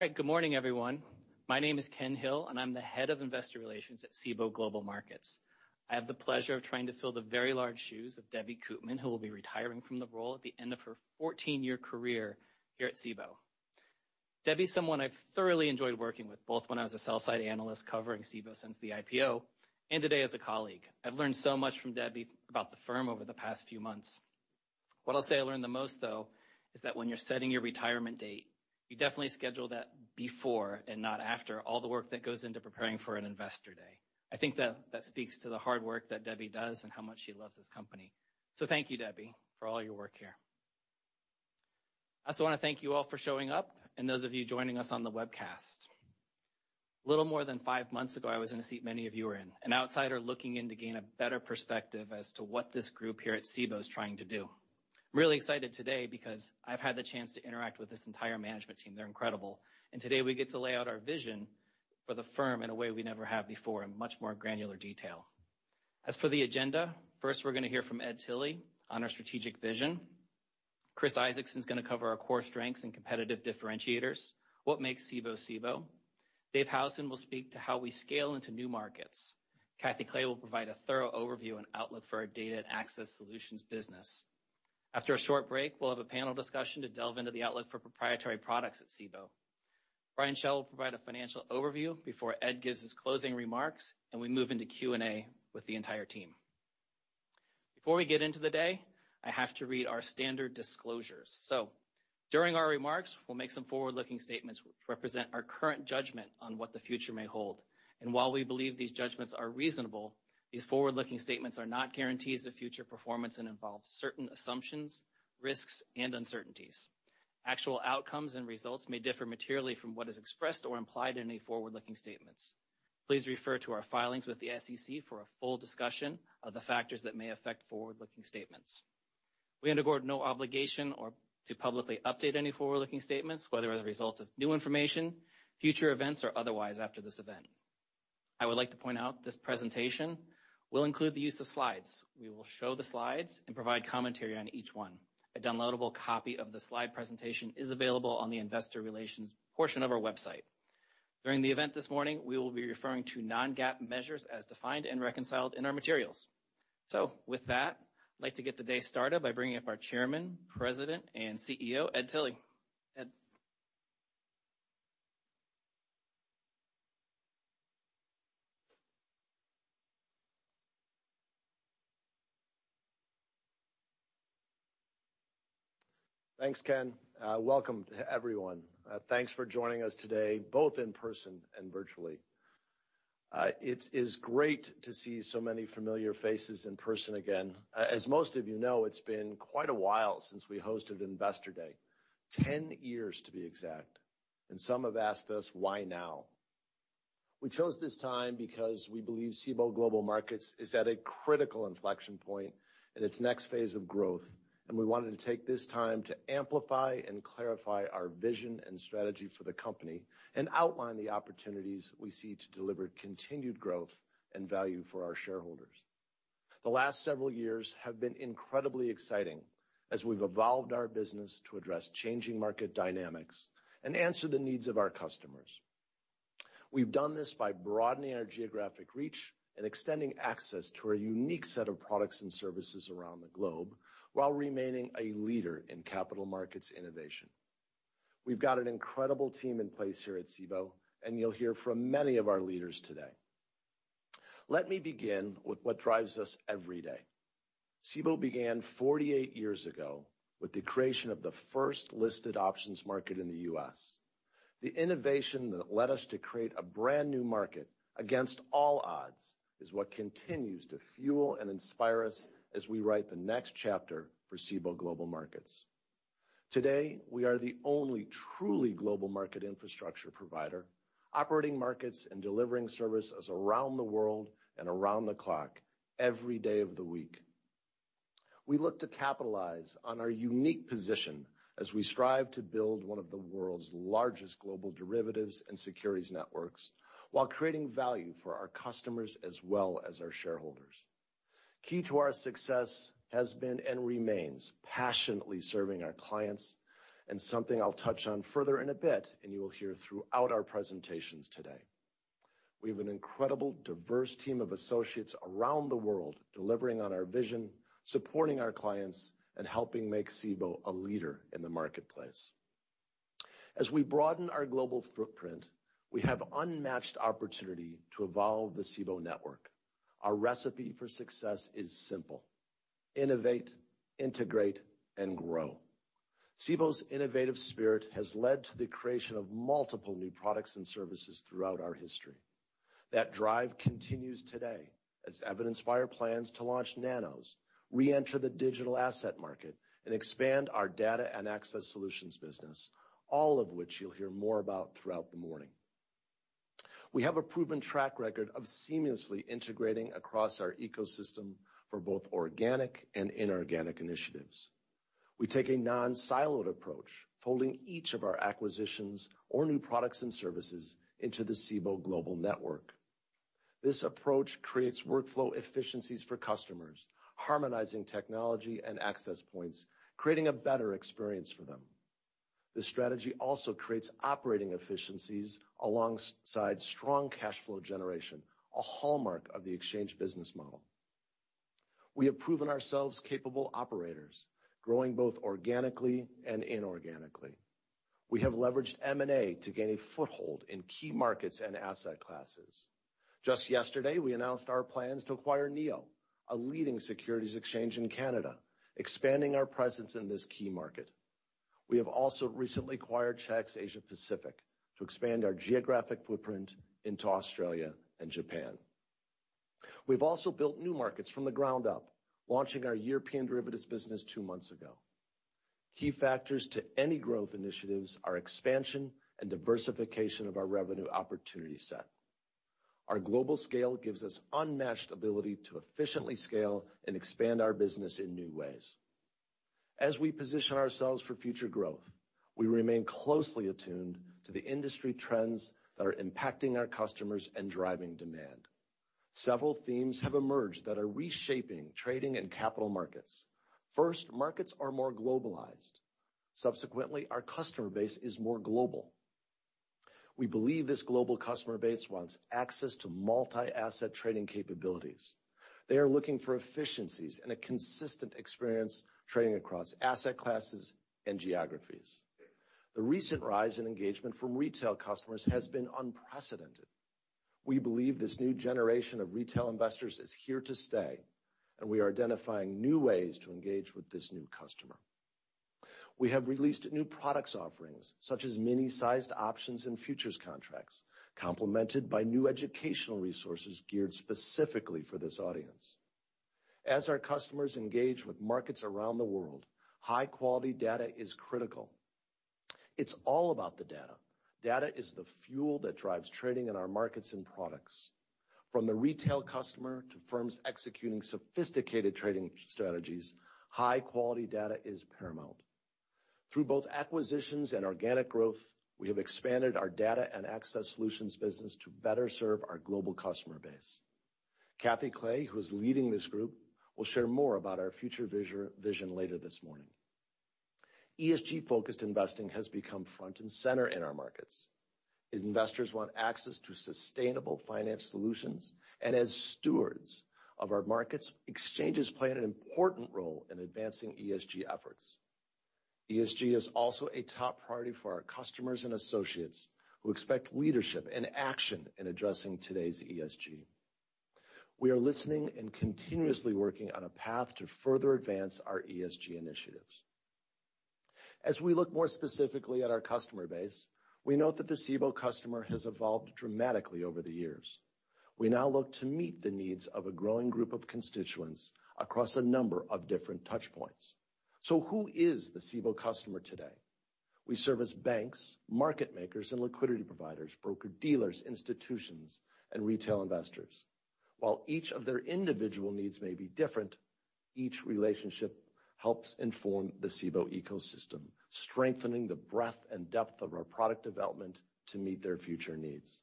Good morning, everyone. My name is Ken Hill, and I'm the Head of Investor Relations at Cboe Global Markets. I have the pleasure of trying to fill the very large shoes of Deborah Koopman, who will be retiring from the role at the end of her 14-year career here at Cboe. Debbie is someone I've thoroughly enjoyed working with, both when I was a sell-side analyst covering Cboe since the IPO, and today as a colleague. I've learned so much from Debbie about the firm over the past few months. What I'll say I learned the most, though, is that when you're setting your retirement date, you definitely schedule that before and not after all the work that goes into preparing for an Investor Day. I think that speaks to the hard work that Debbie does and how much she loves this company. Thank you, Debbie, for all your work here. I also wanna thank you all for showing up and those of you joining us on the webcast. Little more than five months ago, I was in a seat many of you are in, an outsider looking in to gain a better perspective as to what this group here at Cboe is trying to do. Really excited today because I've had the chance to interact with this entire management team. They're incredible. Today, we get to lay out our vision for the firm in a way we never have before, in much more granular detail. As for the agenda, first, we're gonna hear from Ed Tilly on our strategic vision. Chris Isaacson is gonna cover our core strengths and competitive differentiators, what makes Cboe Cboe. David Howson will speak to how we scale into new markets. Catherine Clay will provide a thorough overview and outlook for our Data and Access Solutions business. After a short break, we'll have a panel discussion to delve into the outlook for proprietary products at Cboe. Brian Schell will provide a financial overview before Ed gives his closing remarks, and we move into Q&A with the entire team. Before we get into the day, I have to read our standard disclosures. During our remarks, we'll make some forward-looking statements which represent our current judgment on what the future may hold. While we believe these judgments are reasonable, these forward-looking statements are not guarantees of future performance and involve certain assumptions, risks, and uncertainties. Actual outcomes and results may differ materially from what is expressed or implied in any forward-looking statements. Please refer to our filings with the SEC for a full discussion of the factors that may affect forward-looking statements. We undertake no obligation to publicly update any forward-looking statements, whether as a result of new information, future events, or otherwise after this event. I would like to point out this presentation will include the use of slides. We will show the slides and provide commentary on each one. A downloadable copy of the slide presentation is available on the investor relations portion of our website. During the event this morning, we will be referring to non-GAAP measures as defined and reconciled in our materials. With that, I'd like to get the day started by bringing up our Chairman, President, and CEO, Ed Tilly. Ed. Thanks, Ken. Welcome everyone. Thanks for joining us today, both in person and virtually. It is great to see so many familiar faces in person again. As most of you know, it's been quite a while since we hosted Investor Day, 10-years to be exact. Some have asked us, "Why now?" We chose this time because we believe Cboe Global Markets is at a critical inflection point in its next phase of growth, and we wanted to take this time to amplify and clarify our vision and strategy for the company and outline the opportunities we see to deliver continued growth and value for our shareholders. The last several years have been incredibly exciting as we've evolved our business to address changing market dynamics and answer the needs of our customers. We've done this by broadening our geographic reach and extending access to our unique set of products and services around the globe while remaining a leader in capital markets innovation. We've got an incredible team in place here at Cboe, and you'll hear from many of our leaders today. Let me begin with what drives us every day. Cboe began 48 years ago with the creation of the first listed options market in the U.S. The innovation that led us to create a brand-new market against all odds is what continues to fuel and inspire us as we write the next chapter for Cboe Global Markets. Today, we are the only truly global market infrastructure provider, operating markets and delivering services around the world and around the clock every day of the week. We look to capitalize on our unique position as we strive to build one of the world's largest global derivatives and securities networks while creating value for our customers as well as our shareholders. Key to our success has been and remains passionately serving our clients, and something I'll touch on further in a bit, and you will hear throughout our presentations today. We have an incredible, diverse team of associates around the world delivering on our vision, supporting our clients, and helping make Cboe a leader in the marketplace. As we broaden our global footprint, we have unmatched opportunity to evolve the Cboe network. Our recipe for success is simple: innovate, integrate, and grow. Cboe's innovative spirit has led to the creation of multiple new products and services throughout our history. That drive continues today as evidenced by our plans to launch Nanos, reenter the digital asset market, and expand our Data and Access Solutions business, all of which you'll hear more about throughout the morning. We have a proven track record of seamlessly integrating across our ecosystem for both organic and inorganic initiatives. We take a non-siloed approach, folding each of our acquisitions or new products and services into the Cboe Global Network. This approach creates workflow efficiencies for customers, harmonizing technology and access points, creating a better experience for them. This strategy also creates operating efficiencies alongside strong cashflow generation, a hallmark of the exchange business model. We have proven ourselves capable operators, growing both organically and inorganically. We have leveraged M&A to gain a foothold in key markets and asset classes. Just yesterday, we announced our plans to acquire NEO, a leading securities exchange in Canada, expanding our presence in this key market. We have also recently acquired Chi-X Asia Pacific to expand our geographic footprint into Australia and Japan. We've also built new markets from the ground up, launching our European derivatives business two months ago. Key factors to any growth initiatives are expansion and diversification of our revenue opportunity set. Our global scale gives us unmatched ability to efficiently scale and expand our business in new ways. As we position ourselves for future growth, we remain closely attuned to the industry trends that are impacting our customers and driving demand. Several themes have emerged that are reshaping trading and capital markets. First, markets are more globalized. Subsequently, our customer base is more global. We believe this global customer base wants access to multi-asset trading capabilities. They are looking for efficiencies and a consistent experience trading across asset classes and geographies. The recent rise in engagement from retail customers has been unprecedented. We believe this new generation of retail investors is here to stay, and we are identifying new ways to engage with this new customer. We have released new products offerings, such as mini-sized options and futures contracts, complemented by new educational resources geared specifically for this audience. As our customers engage with markets around the world, high-quality data is critical. It's all about the data. Data is the fuel that drives trading in our markets and products. From the retail customer to firms executing sophisticated trading strategies, high-quality data is paramount. Through both acquisitions and organic growth, we have expanded our Data and Access Solutions business to better serve our global customer base. Cathy Clay, who is leading this group, will share more about our future vision later this morning. ESG-focused investing has become front and center in our markets, as investors want access to sustainable finance solutions. As stewards of our markets, exchanges play an important role in advancing ESG efforts. ESG is also a top priority for our customers and associates, who expect leadership and action in addressing today's ESG. We are listening and continuously working on a path to further advance our ESG initiatives. As we look more specifically at our customer base, we note that the Cboe customer has evolved dramatically over the years. We now look to meet the needs of a growing group of constituents across a number of different touchpoints. Who is the Cboe customer today? We service banks, market makers, and liquidity providers, broker-dealers, institutions, and retail investors. While each of their individual needs may be different, each relationship helps inform the Cboe ecosystem, strengthening the breadth and depth of our product development to meet their future needs.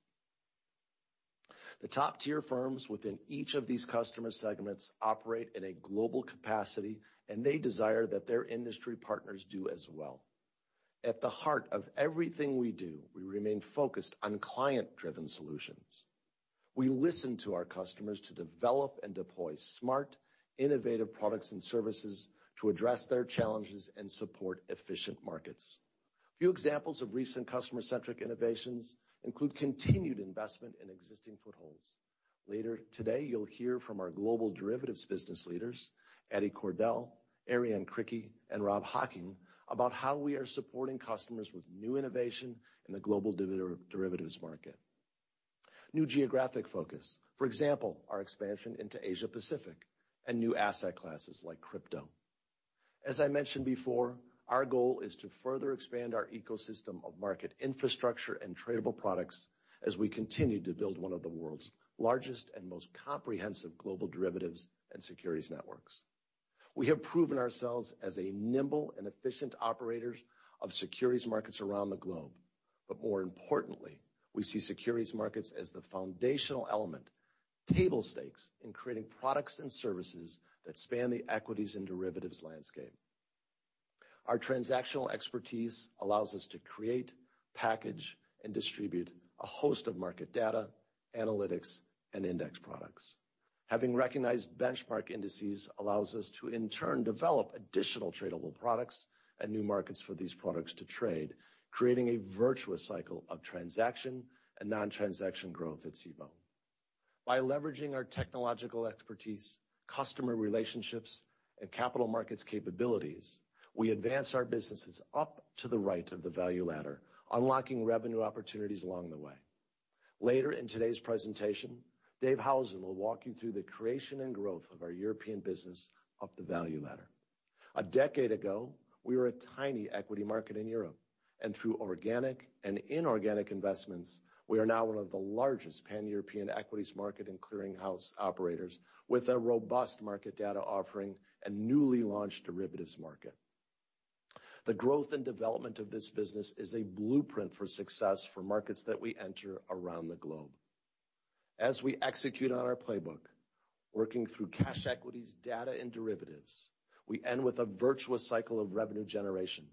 The top-tier firms within each of these customer segments operate in a global capacity, and they desire that their industry partners do as well. At the heart of everything we do, we remain focused on client-driven solutions. We listen to our customers to develop and deploy smart, innovative products and services to address their challenges and support efficient markets. A few examples of recent customer-centric innovations include continued investment in existing footholds. Later today, you'll hear from our global derivatives business leaders, Ade Cordell, Arianne Criqui, and Rob Hocking, about how we are supporting customers with new innovation in the global derivatives market. New geographic focus, for example, our expansion into Asia Pacific and new asset classes like crypto. As I mentioned before, our goal is to further expand our ecosystem of market infrastructure and tradable products as we continue to build one of the world's largest and most comprehensive global derivatives and securities networks. We have proven ourselves as a nimble and efficient operators of securities markets around the globe. More importantly, we see securities markets as the foundational element, table stakes in creating products and services that span the equities and derivatives landscape. Our transactional expertise allows us to create, package, and distribute a host of market data, analytics, and index products. Having recognized benchmark indices allows us to, in turn, develop additional tradable products and new markets for these products to trade, creating a virtuous cycle of transaction and non-transaction growth at Cboe. By leveraging our technological expertise, customer relationships, and capital markets capabilities, we advance our businesses up the value ladder, unlocking revenue opportunities along the way. Later in today's presentation, David Howson will walk you through the creation and growth of our European business up the value ladder. A decade ago, we were a tiny equity market in Europe, and through organic and inorganic investments, we are now one of the largest pan-European equities market and clearinghouse operators with a robust market data offering and newly launched derivatives market. The growth and development of this business is a blueprint for success for markets that we enter around the globe. As we execute on our playbook, working through cash equities, data, and derivatives, we end with a virtuous cycle of revenue generation.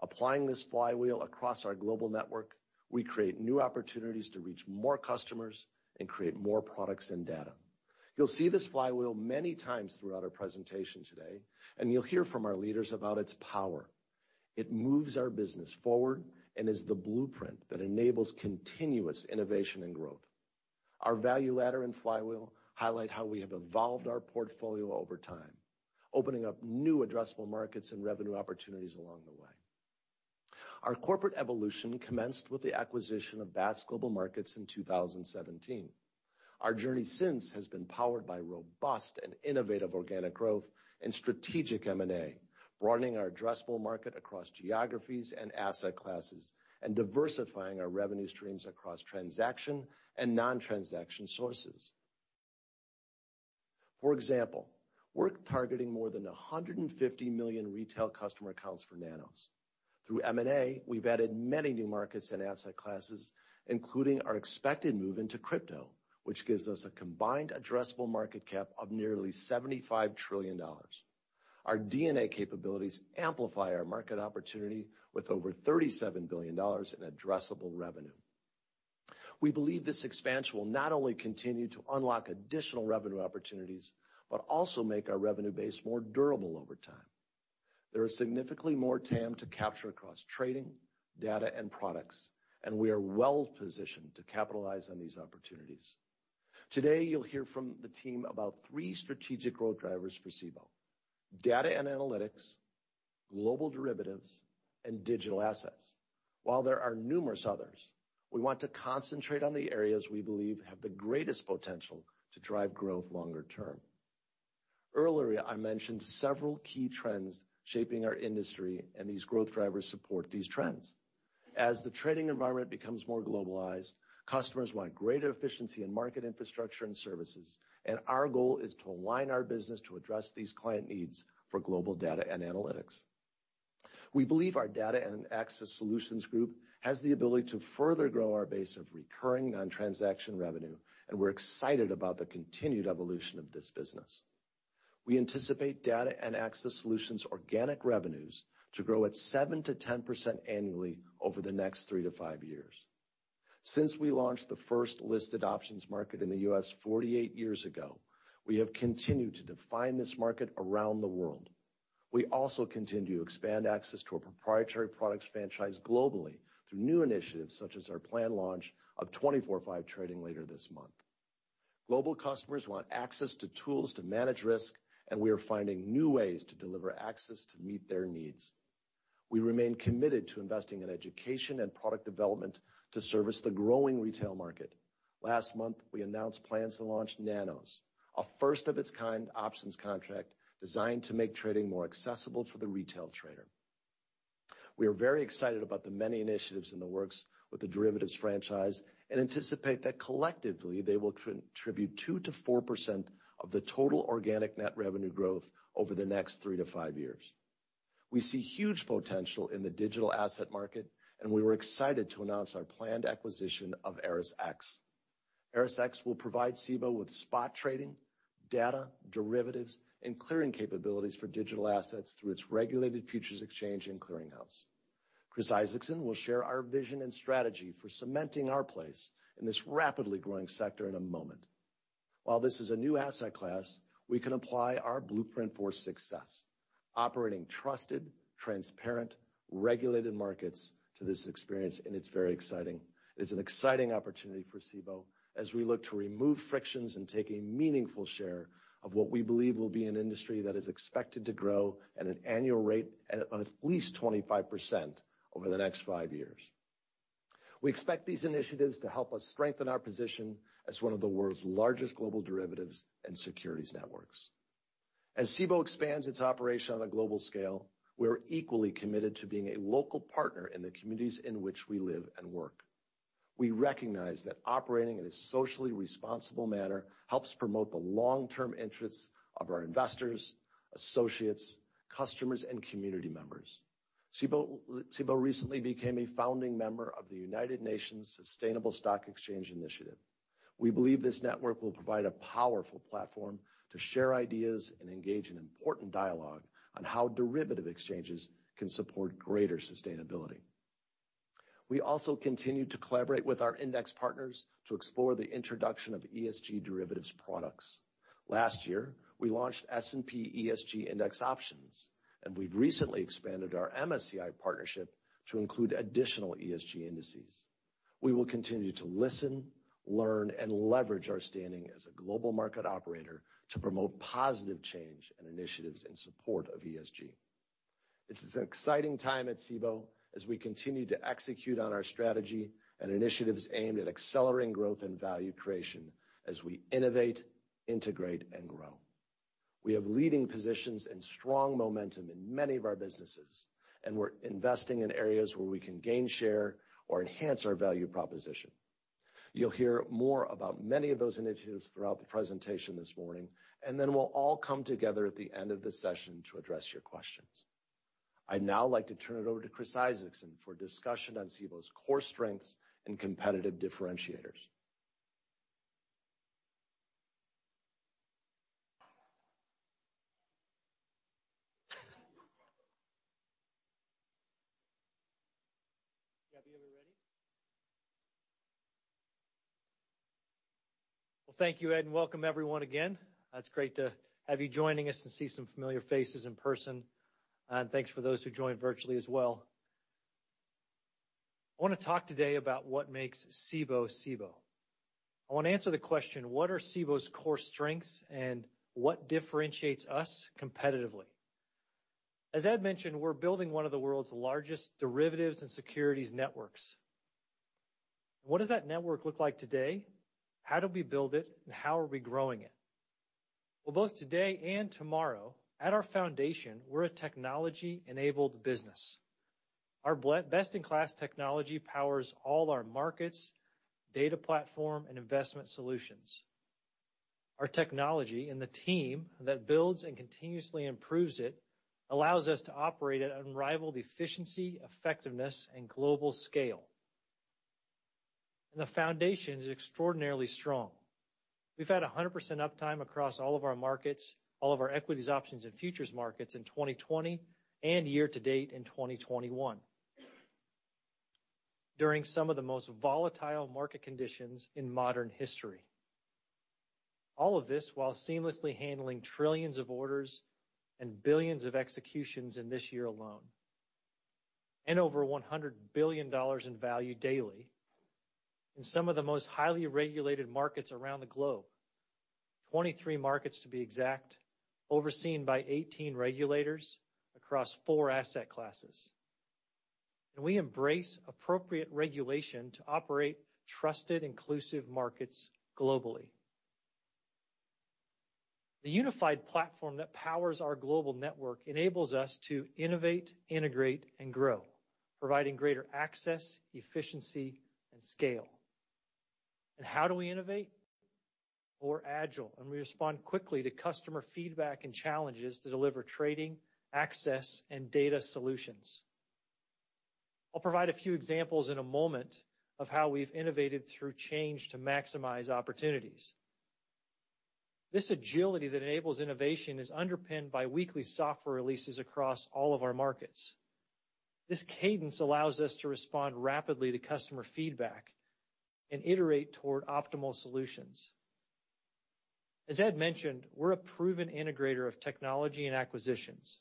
Applying this flywheel across our global network, we create new opportunities to reach more customers and create more products and data. You'll see this flywheel many times throughout our presentation today, and you'll hear from our leaders about its power. It moves our business forward and is the blueprint that enables continuous innovation and growth. Our value ladder and flywheel highlight how we have evolved our portfolio over time, opening up new addressable markets and revenue opportunities along the way. Our corporate evolution commenced with the acquisition of Bats Global Markets in 2017. Our journey since has been powered by robust and innovative organic growth and strategic M&A, broadening our addressable market across geographies and asset classes, and diversifying our revenue streams across transaction and non-transaction sources. For example, we're targeting more than 150 million retail customer accounts for Nanos. Through M&A, we've added many new markets and asset classes, including our expected move into crypto, which gives us a combined addressable market cap of nearly $75 trillion. Our DNA capabilities amplify our market opportunity with over $37 billion in addressable revenue. We believe this expansion will not only continue to unlock additional revenue opportunities, but also make our revenue base more durable over time. There is significantly more TAM to capture across trading, data, and products, and we are well-positioned to capitalize on these opportunities. Today, you'll hear from the team about three strategic growth drivers for Cboe: data and analytics, global derivatives, and digital assets. While there are numerous others, we want to concentrate on the areas we believe have the greatest potential to drive growth longer term. Earlier, I mentioned several key trends shaping our industry, and these growth drivers support these trends. As the trading environment becomes more globalized, customers want greater efficiency in market infrastructure and services, and our goal is to align our business to address these client needs for global data and analytics. We believe our Data and Access Solutions group has the ability to further grow our base of recurring non-transaction revenue, and we're excited about the continued evolution of this business. We anticipate Data and Access Solutions organic revenues to grow at 7%-10% annually over the next three to five years. Since we launched the first listed options market in the U.S. 48-years ago, we have continued to define this market around the world. We also continue to expand access to our proprietary products franchise globally through new initiatives such as our planned launch of 24/5 trading later this month. Global customers want access to tools to manage risk, and we are finding new ways to deliver access to meet their needs. We remain committed to investing in education and product development to service the growing retail market. Last month, we announced plans to launch Nanos, a first-of-its-kind options contract designed to make trading more accessible for the retail trader. We are very excited about the many initiatives in the works with the derivatives franchise and anticipate that collectively, they will contribute 2%-4% of the total organic net revenue growth over the next three to five years. We see huge potential in the digital asset market, and we were excited to announce our planned acquisition of ErisX. ErisX will provide Cboe with spot trading, data, derivatives, and clearing capabilities for digital assets through its regulated futures exchange and clearinghouse. Chris Isaacson will share our vision and strategy for cementing our place in this rapidly growing sector in a moment. While this is a new asset class, we can apply our blueprint for success, operating trusted, transparent, regulated markets to this experience, and it's very exciting. It's an exciting opportunity for Cboe as we look to remove frictions and take a meaningful share of what we believe will be an industry that is expected to grow at an annual rate at least 25% over the next five years. We expect these initiatives to help us strengthen our position as one of the world's largest global derivatives and securities networks. As Cboe expands its operation on a global scale, we're equally committed to being a local partner in the communities in which we live and work. We recognize that operating in a socially responsible manner helps promote the long-term interests of our investors, associates, customers, and community members. Cboe recently became a founding member of the United Nations Sustainable Stock Exchanges initiative. We believe this network will provide a powerful platform to share ideas and engage in important dialogue on how derivative exchanges can support greater sustainability. We also continue to collaborate with our index partners to explore the introduction of ESG derivatives products. Last year, we launched S&P ESG Index Options, and we've recently expanded our MSCI partnership to include additional ESG indices. We will continue to listen, learn, and leverage our standing as a global market operator to promote positive change and initiatives in support of ESG. This is an exciting time at Cboe as we continue to execute on our strategy and initiatives aimed at accelerating growth and value creation as we innovate, integrate, and grow. We have leading positions and strong momentum in many of our businesses, and we're investing in areas where we can gain share or enhance our value proposition. You'll hear more about many of those initiatives throughout the presentation this morning, and then we'll all come together at the end of the session to address your questions. I'd now like to turn it over to Chris Isaacson for a discussion on Cboe's core strengths and competitive differentiators. Gabby, are we ready? Well, thank you, Ed, and welcome everyone again. It's great to have you joining us and see some familiar faces in person, and thanks for those who joined virtually as well. I wanna talk today about what makes Cboe Cboe. I wanna answer the question, what are Cboe's core strengths, and what differentiates us competitively? As Ed mentioned, we're building one of the world's largest derivatives and securities networks. What does that network look like today? How do we build it? How are we growing it? Well, both today and tomorrow, at our foundation, we're a technology-enabled business. Our best-in-class technology powers all our markets, data platform, and investment solutions. Our technology and the team that builds and continuously improves it allows us to operate at unrivaled efficiency, effectiveness, and global scale. The foundation is extraordinarily strong. We've had 100% uptime across all of our markets, all of our equities, options, and futures markets in 2020 and year to date in 2021. During some of the most volatile market conditions in modern history. All of this while seamlessly handling trillions of orders and billions of executions in this year alone. Over $100 billion in value daily in some of the most highly regulated markets around the globe. 23 markets to be exact, overseen by 18 regulators across four asset classes. We embrace appropriate regulation to operate trusted, inclusive markets globally. The unified platform that powers our global network enables us to innovate, integrate, and grow, providing greater access, efficiency, and scale. How do we innovate? We're agile, and we respond quickly to customer feedback and challenges to deliver trading, access, and data solutions. I'll provide a few examples in a moment of how we've innovated through change to maximize opportunities. This agility that enables innovation is underpinned by weekly software releases across all of our markets. This cadence allows us to respond rapidly to customer feedback and iterate toward optimal solutions. As Ed mentioned, we're a proven integrator of technology and acquisitions.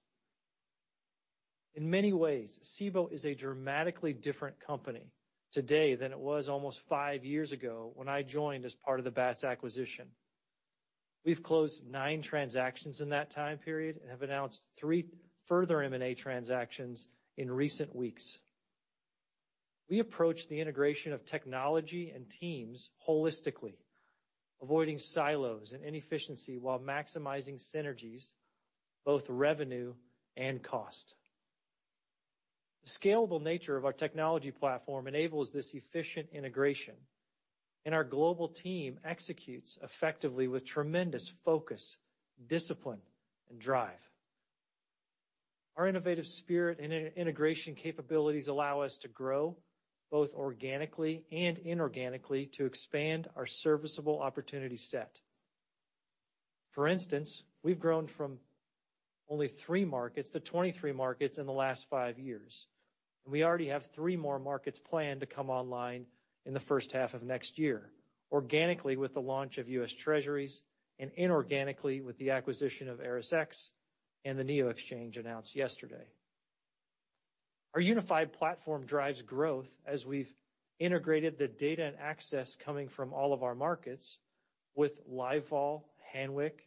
In many ways, Cboe is a dramatically different company today than it was almost five years ago when I joined as part of the Bats acquisition. We've closed nine transactions in that time period and have announced three further M&A transactions in recent weeks. We approach the integration of technology and teams holistically, avoiding silos and inefficiency while maximizing synergies, both revenue and cost. The scalable nature of our technology platform enables this efficient integration, and our global team executes effectively with tremendous focus, discipline, and drive. Our innovative spirit and integration capabilities allow us to grow, both organically and inorganically, to expand our serviceable opportunity set. For instance, we've grown from only three markets to 23 markets in the last five years. We already have three more markets planned to come online in the first half of next year, organically with the launch of U.S. Treasuries and inorganically with the acquisition of ErisX and the NEO Exchange announced yesterday. Our unified platform drives growth as we've integrated the data and access coming from all of our markets with LiveVol, Hanweck,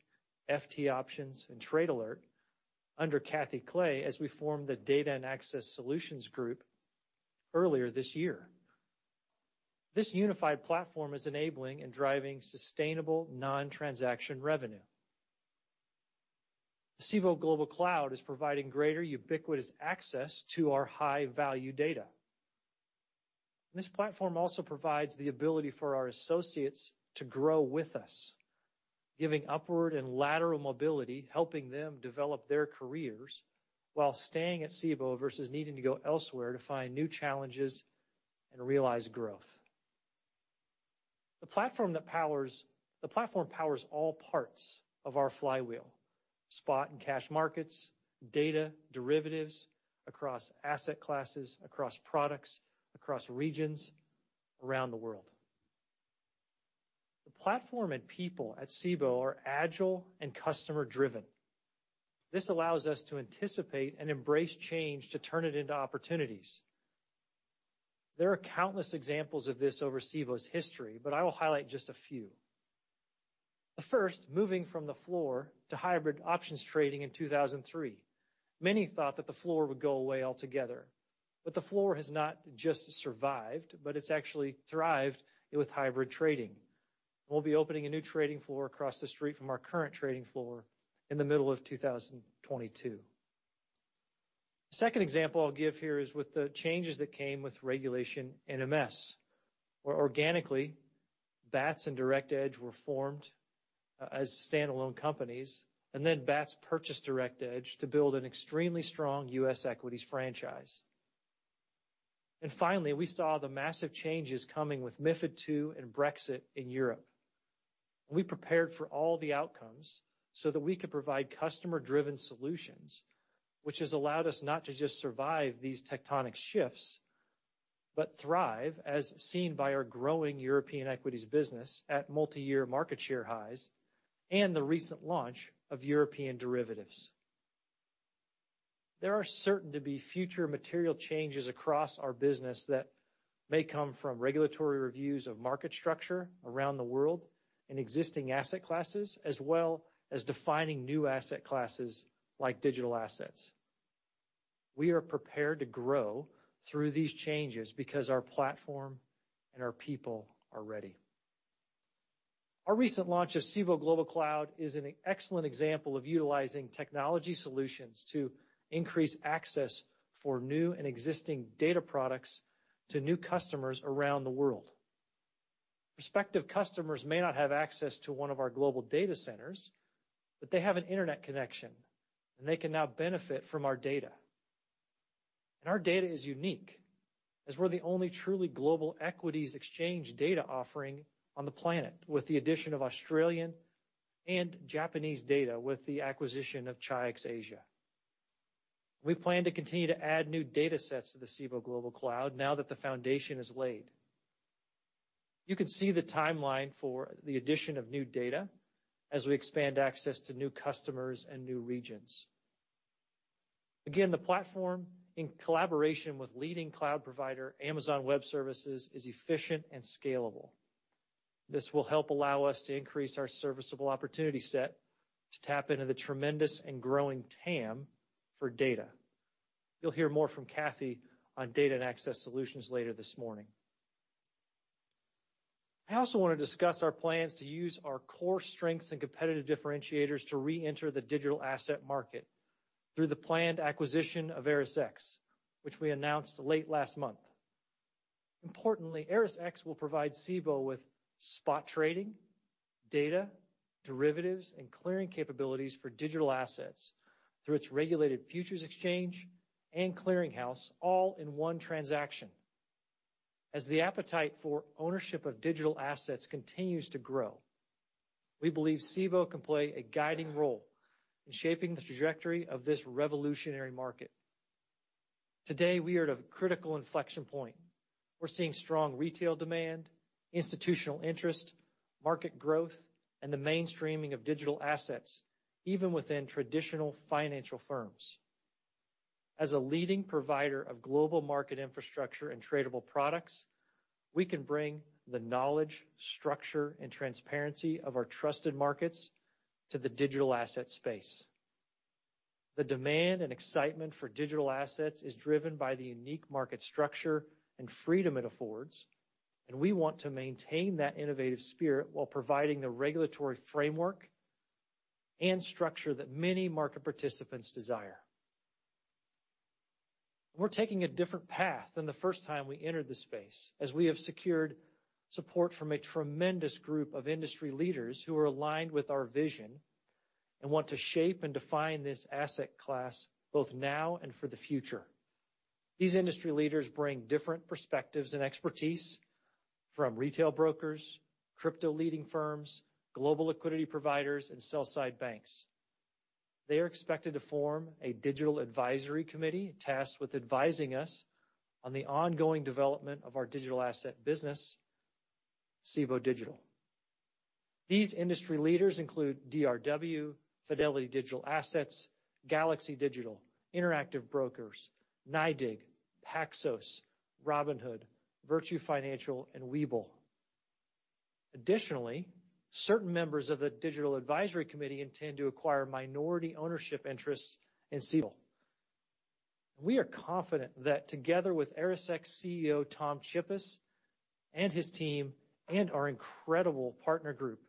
FT Options, and Trade Alert under Cathy Clay as we form the Data and Access Solutions Group earlier this year. This unified platform is enabling and driving sustainable non-transaction revenue. The Cboe Global Cloud is providing greater ubiquitous access to our high-value data. This platform also provides the ability for our associates to grow with us, giving upward and lateral mobility, helping them develop their careers while staying at Cboe versus needing to go elsewhere to find new challenges and realize growth. The platform powers all parts of our flywheel, spot and cash markets, data, derivatives, across asset classes, across products, across regions around the world. The platform and people at Cboe are agile and customer-driven. This allows us to anticipate and embrace change to turn it into opportunities. There are countless examples of this over Cboe's history, but I will highlight just a few. The first, moving from the floor to hybrid options trading in 2003. Many thought that the floor would go away altogether, but the floor has not just survived, but it's actually thrived with hybrid trading. We'll be opening a new trading floor across the street from our current trading floor in the middle of 2022. The second example I'll give here is with the changes that came with Regulation NMS, where organically, Bats and Direct Edge were formed, as standalone companies, and then Bats purchased Direct Edge to build an extremely strong U.S. equities franchise. Finally, we saw the massive changes coming with MiFID II and Brexit in Europe. We prepared for all the outcomes so that we could provide customer-driven solutions, which has allowed us not to just survive these tectonic shifts, but thrive, as seen by our growing European equities business at multi-year market share highs and the recent launch of European derivatives. There are certain to be future material changes across our business that may come from regulatory reviews of market structure around the world and existing asset classes, as well as defining new asset classes like digital assets. We are prepared to grow through these changes because our platform and our people are ready. Our recent launch of Cboe Global Cloud is an excellent example of utilizing technology solutions to increase access for new and existing data products to new customers around the world. Prospective customers may not have access to one of our global data centers, but they have an internet connection, and they can now benefit from our data. Our data is unique, as we're the only truly global equities exchange data offering on the planet, with the addition of Australian and Japanese data with the acquisition of Chi-X Asia Pacific. We plan to continue to add new datasets to the Cboe Global Cloud now that the foundation is laid. You can see the timeline for the addition of new data as we expand access to new customers and new regions. Again, the platform, in collaboration with leading cloud provider, Amazon Web Services, is efficient and scalable. This will help allow us to increase our serviceable opportunity set to tap into the tremendous and growing TAM for data. You'll hear more from Cathy on Data and Access Solutions later this morning. I also want to discuss our plans to use our core strengths and competitive differentiators to reenter the digital asset market through the planned acquisition of ErisX, which we announced late last month. Importantly, ErisX will provide Cboe with spot trading, data, derivatives, and clearing capabilities for digital assets through its regulated futures exchange and clearinghouse all in one transaction. As the appetite for ownership of digital assets continues to grow, we believe Cboe can play a guiding role in shaping the trajectory of this revolutionary market. Today, we are at a critical inflection point. We're seeing strong retail demand, institutional interest, market growth, and the mainstreaming of digital assets, even within traditional financial firms. As a leading provider of global market infrastructure and tradable products, we can bring the knowledge, structure, and transparency of our trusted markets to the digital asset space. The demand and excitement for digital assets is driven by the unique market structure and freedom it affords, and we want to maintain that innovative spirit while providing the regulatory framework and structure that many market participants desire. We're taking a different path than the first time we entered the space, as we have secured support from a tremendous group of industry leaders who are aligned with our vision and want to shape and define this asset class, both now and for the future. These industry leaders bring different perspectives and expertise from retail brokers, crypto leading firms, global liquidity providers, and sell side banks. They are expected to form a digital advisory committee tasked with advising us on the ongoing development of our digital asset business, Cboe Digital. These industry leaders include DRW, Fidelity Digital Assets, Galaxy Digital, Interactive Brokers, NYDIG, Paxos, Robinhood, Virtu Financial, and Webull. Additionally, certain members of the digital advisory committee intend to acquire minority ownership interests in Cboe. We are confident that together with ErisX CEO, Tom Chippas, and his team and our incredible partner group,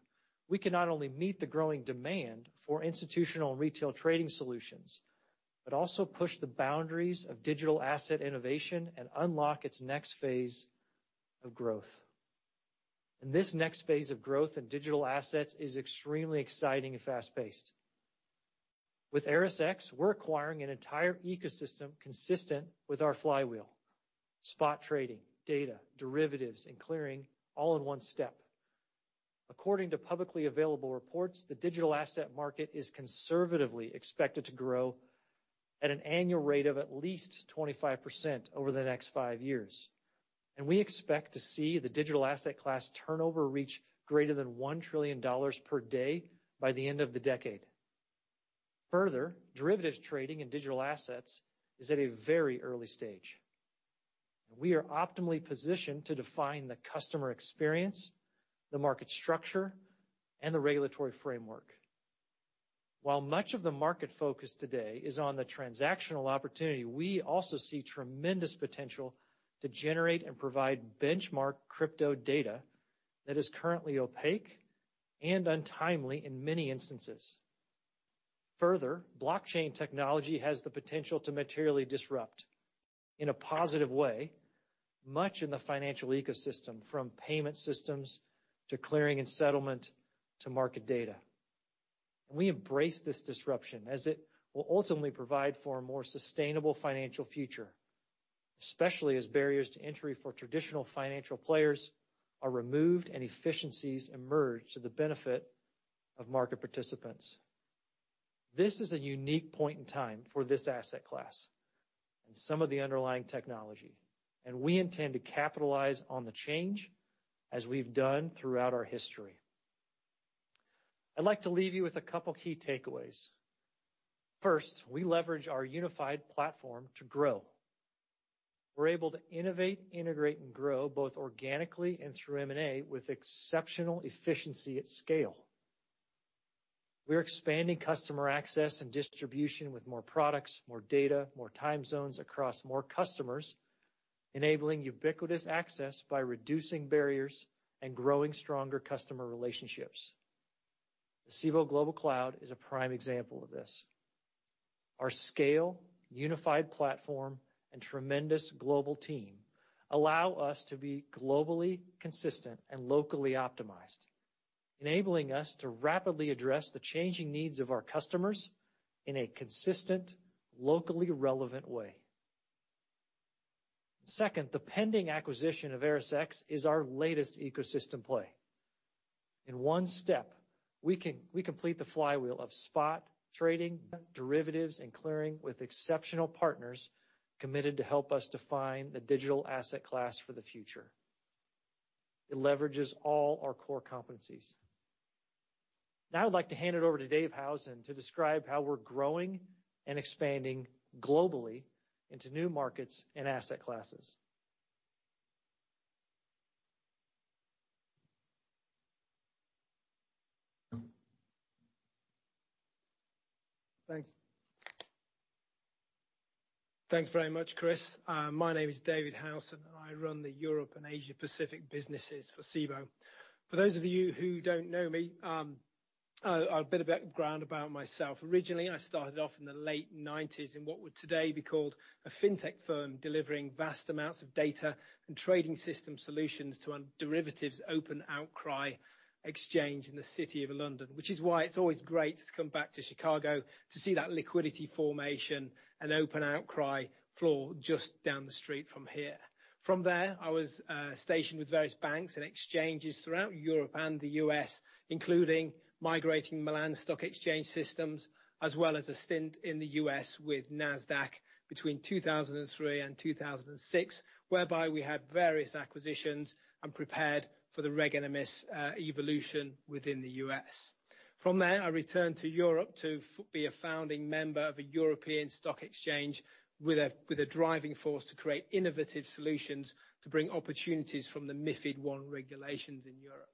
we can not only meet the growing demand for institutional retail trading solutions, but also push the boundaries of digital asset innovation and unlock its next phase of growth. This next phase of growth in digital assets is extremely exciting and fast-paced. With ErisX, we're acquiring an entire ecosystem consistent with our flywheel. Spot trading, data, derivatives, and clearing all in one step. According to publicly available reports, the digital asset market is conservatively expected to grow at an annual rate of at least 25% over the next 5 years. We expect to see the digital asset class turnover reach greater than $1 trillion per day by the end of the decade. Further, derivatives trading in digital assets is at a very early stage. We are optimally positioned to define the customer experience, the market structure, and the regulatory framework. While much of the market focus today is on the transactional opportunity, we also see tremendous potential to generate and provide benchmark crypto data that is currently opaque and untimely in many instances. Further, blockchain technology has the potential to materially disrupt, in a positive way, much in the financial ecosystem, from payment systems to clearing and settlement, to market data. We embrace this disruption as it will ultimately provide for a more sustainable financial future, especially as barriers to entry for traditional financial players are removed and efficiencies emerge to the benefit of market participants. This is a unique point in time for this asset class and some of the underlying technology, and we intend to capitalize on the change as we've done throughout our history. I'd like to leave you with a couple key takeaways. First, we leverage our unified platform to grow. We're able to innovate, integrate, and grow, both organically and through M&A with exceptional efficiency at scale. We're expanding customer access and distribution with more products, more data, more time zones across more customers, enabling ubiquitous access by reducing barriers and growing stronger customer relationships. Cboe Global Cloud is a prime example of this. Our scale, unified platform, and tremendous global team allow us to be globally consistent and locally optimized, enabling us to rapidly address the changing needs of our customers in a consistent, locally relevant way. Second, the pending acquisition of ErisX is our latest ecosystem play. In one step, we complete the flywheel of spot trading, derivatives, and clearing with exceptional partners committed to help us define the digital asset class for the future. It leverages all our core competencies. Now I'd like to hand it over to David Howson to describe how we're growing and expanding globally into new markets and asset classes. Thanks. Thanks very much, Chris. My name is David Howson, and I run the Europe and Asia Pacific businesses for Cboe. For those of you who don't know me, a bit of background about myself. Originally, I started off in the late nineties in what would today be called a fintech firm, delivering vast amounts of data and trading system solutions to a derivatives open outcry exchange in the City of London. Which is why it's always great to come back to Chicago to see that liquidity formation and open outcry floor just down the street from here. From there, I was stationed with various banks and exchanges throughout Europe and the U.S., including migrating Milan Stock Exchange systems, as well as a stint in the U.S. with Nasdaq between 2003 and 2006, whereby we had various acquisitions and prepared for the Reg NMS evolution within the U.S. From there, I returned to Europe to be a founding member of a European stock exchange with a driving force to create innovative solutions to bring opportunities from the MiFID I regulations in Europe.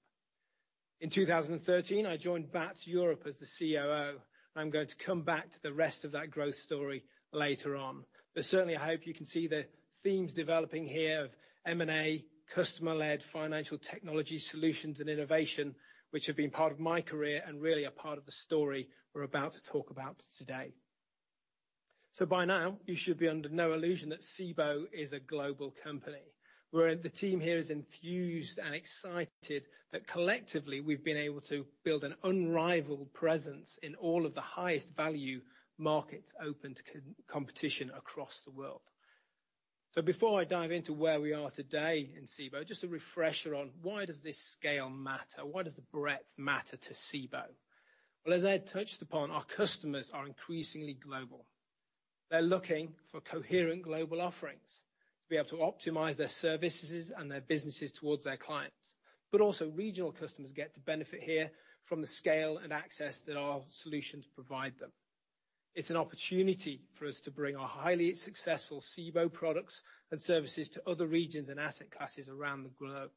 In 2013, I joined Bats Europe as the COO, and I'm going to come back to the rest of that growth story later on. Certainly, I hope you can see the themes developing here of M&A, customer-led financial technology solutions and innovation, which have been part of my career, and really a part of the story we're about to talk about today. By now, you should be under no illusion that Cboe is a global company. The team here is infused and excited that collectively we've been able to build an unrivaled presence in all of the highest value markets open to competition across the world. Before I dive into where we are today in Cboe, just a refresher on why does this scale matter? Why does the breadth matter to Cboe? Well, as I touched upon, our customers are increasingly global. They're looking for coherent global offerings to be able to optimize their services and their businesses towards their clients. Also regional customers get to benefit here from the scale and access that our solutions provide them. It's an opportunity for us to bring our highly successful Cboe products and services to other regions and asset classes around the globe.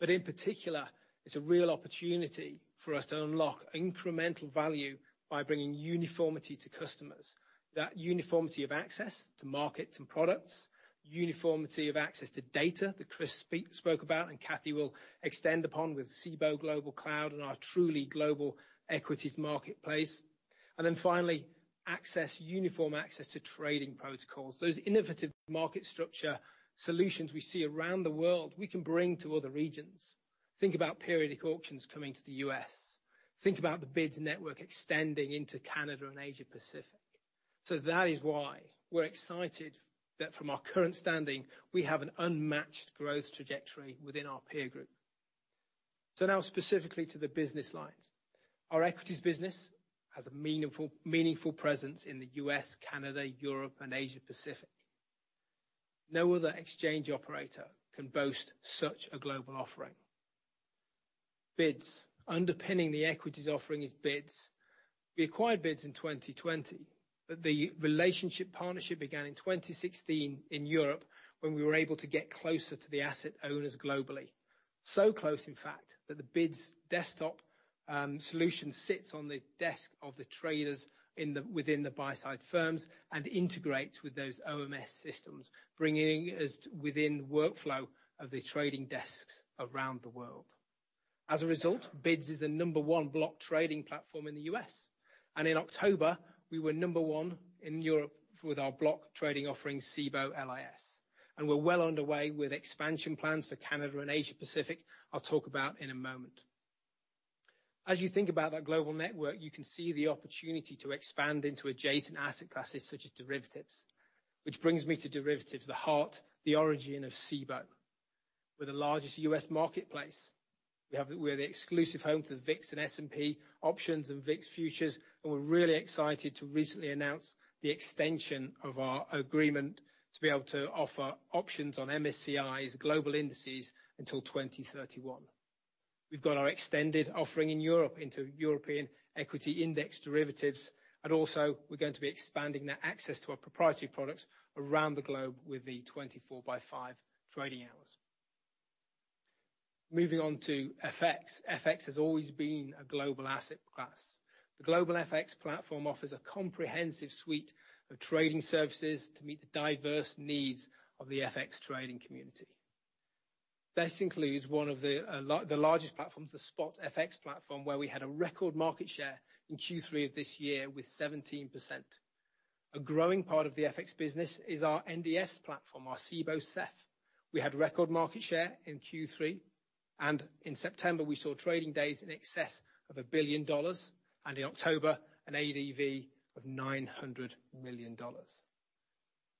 In particular, it's a real opportunity for us to unlock incremental value by bringing uniformity to customers. That uniformity of access to markets and products, uniformity of access to data that Chris spoke about, and Cathy will extend upon with Cboe Global Cloud and our truly global equities marketplace. Then finally, uniform access to trading protocols. Those innovative market structure solutions we see around the world, we can bring to other regions. Think about Periodic Auctions coming to the U.S. Think about the BIDS network extending into Canada and Asia Pacific. That is why we're excited that from our current standing, we have an unmatched growth trajectory within our peer group. Now specifically to the business lines. Our equities business has a meaningful presence in the U.S., Canada, Europe, and Asia Pacific. No other exchange operator can boast such a global offering. BIDS. Underpinning the equities offering is BIDS. We acquired BIDS in 2020, but the relationship partnership began in 2016 in Europe, when we were able to get closer to the asset owners globally. Close, in fact, that the BIDS desktop solution sits on the desk of the traders within the buy side firms and integrates with those OMS systems, bringing us within workflow of the trading desks around the world. As a result, BIDS is the number one block trading platform in the U.S., and in October, we were number one in Europe with our block trading offering Cboe LIS. We're well underway with expansion plans to Canada and Asia-Pacific, I'll talk about in a moment. As you think about that global network, you can see the opportunity to expand into adjacent asset classes such as derivatives. Which brings me to derivatives, the heart, the origin of Cboe. We're the largest U.S. marketplace. We're the exclusive home to the VIX and S&P options and VIX futures, and we're really excited to recently announce the extension of our agreement to be able to offer options on MSCI's global indices until 2031. We've got our extended offering in Europe into European equity index derivatives, and also we're going to be expanding their access to our proprietary products around the globe with the 24/5 trading hours. Moving on to FX. FX has always been a global asset class. The global FX platform offers a comprehensive suite of trading services to meet the diverse needs of the FX trading community. This includes one of the largest platforms, the Spot FX platform, where we had a record market share in Q3 of this year with 17%. A growing part of the FX business is our NDF platform, our Cboe SEF. We had record market share in Q3, and in September, we saw trading days in excess of $1 billion, and in October, an ADV of $900 million.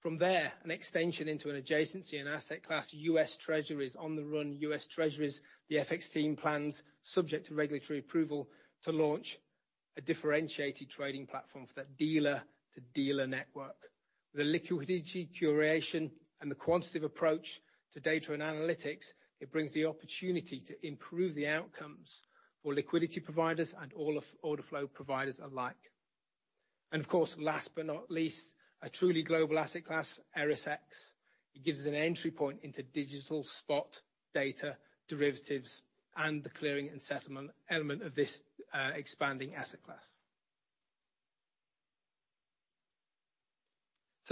From there, an extension into an adjacency and asset class on-the-run U.S. Treasuries, U.S. Treasuries. The FX team plans, subject to regulatory approval, to launch a differentiated trading platform for that dealer-to-dealer network. The liquidity curation and the quantitative approach to data and analytics, it brings the opportunity to improve the outcomes for liquidity providers and all of order flow providers alike. Of course, last but not least, a truly global asset class, ErisX. It gives an entry point into digital spot data derivatives and the clearing and settlement element of this, expanding asset class.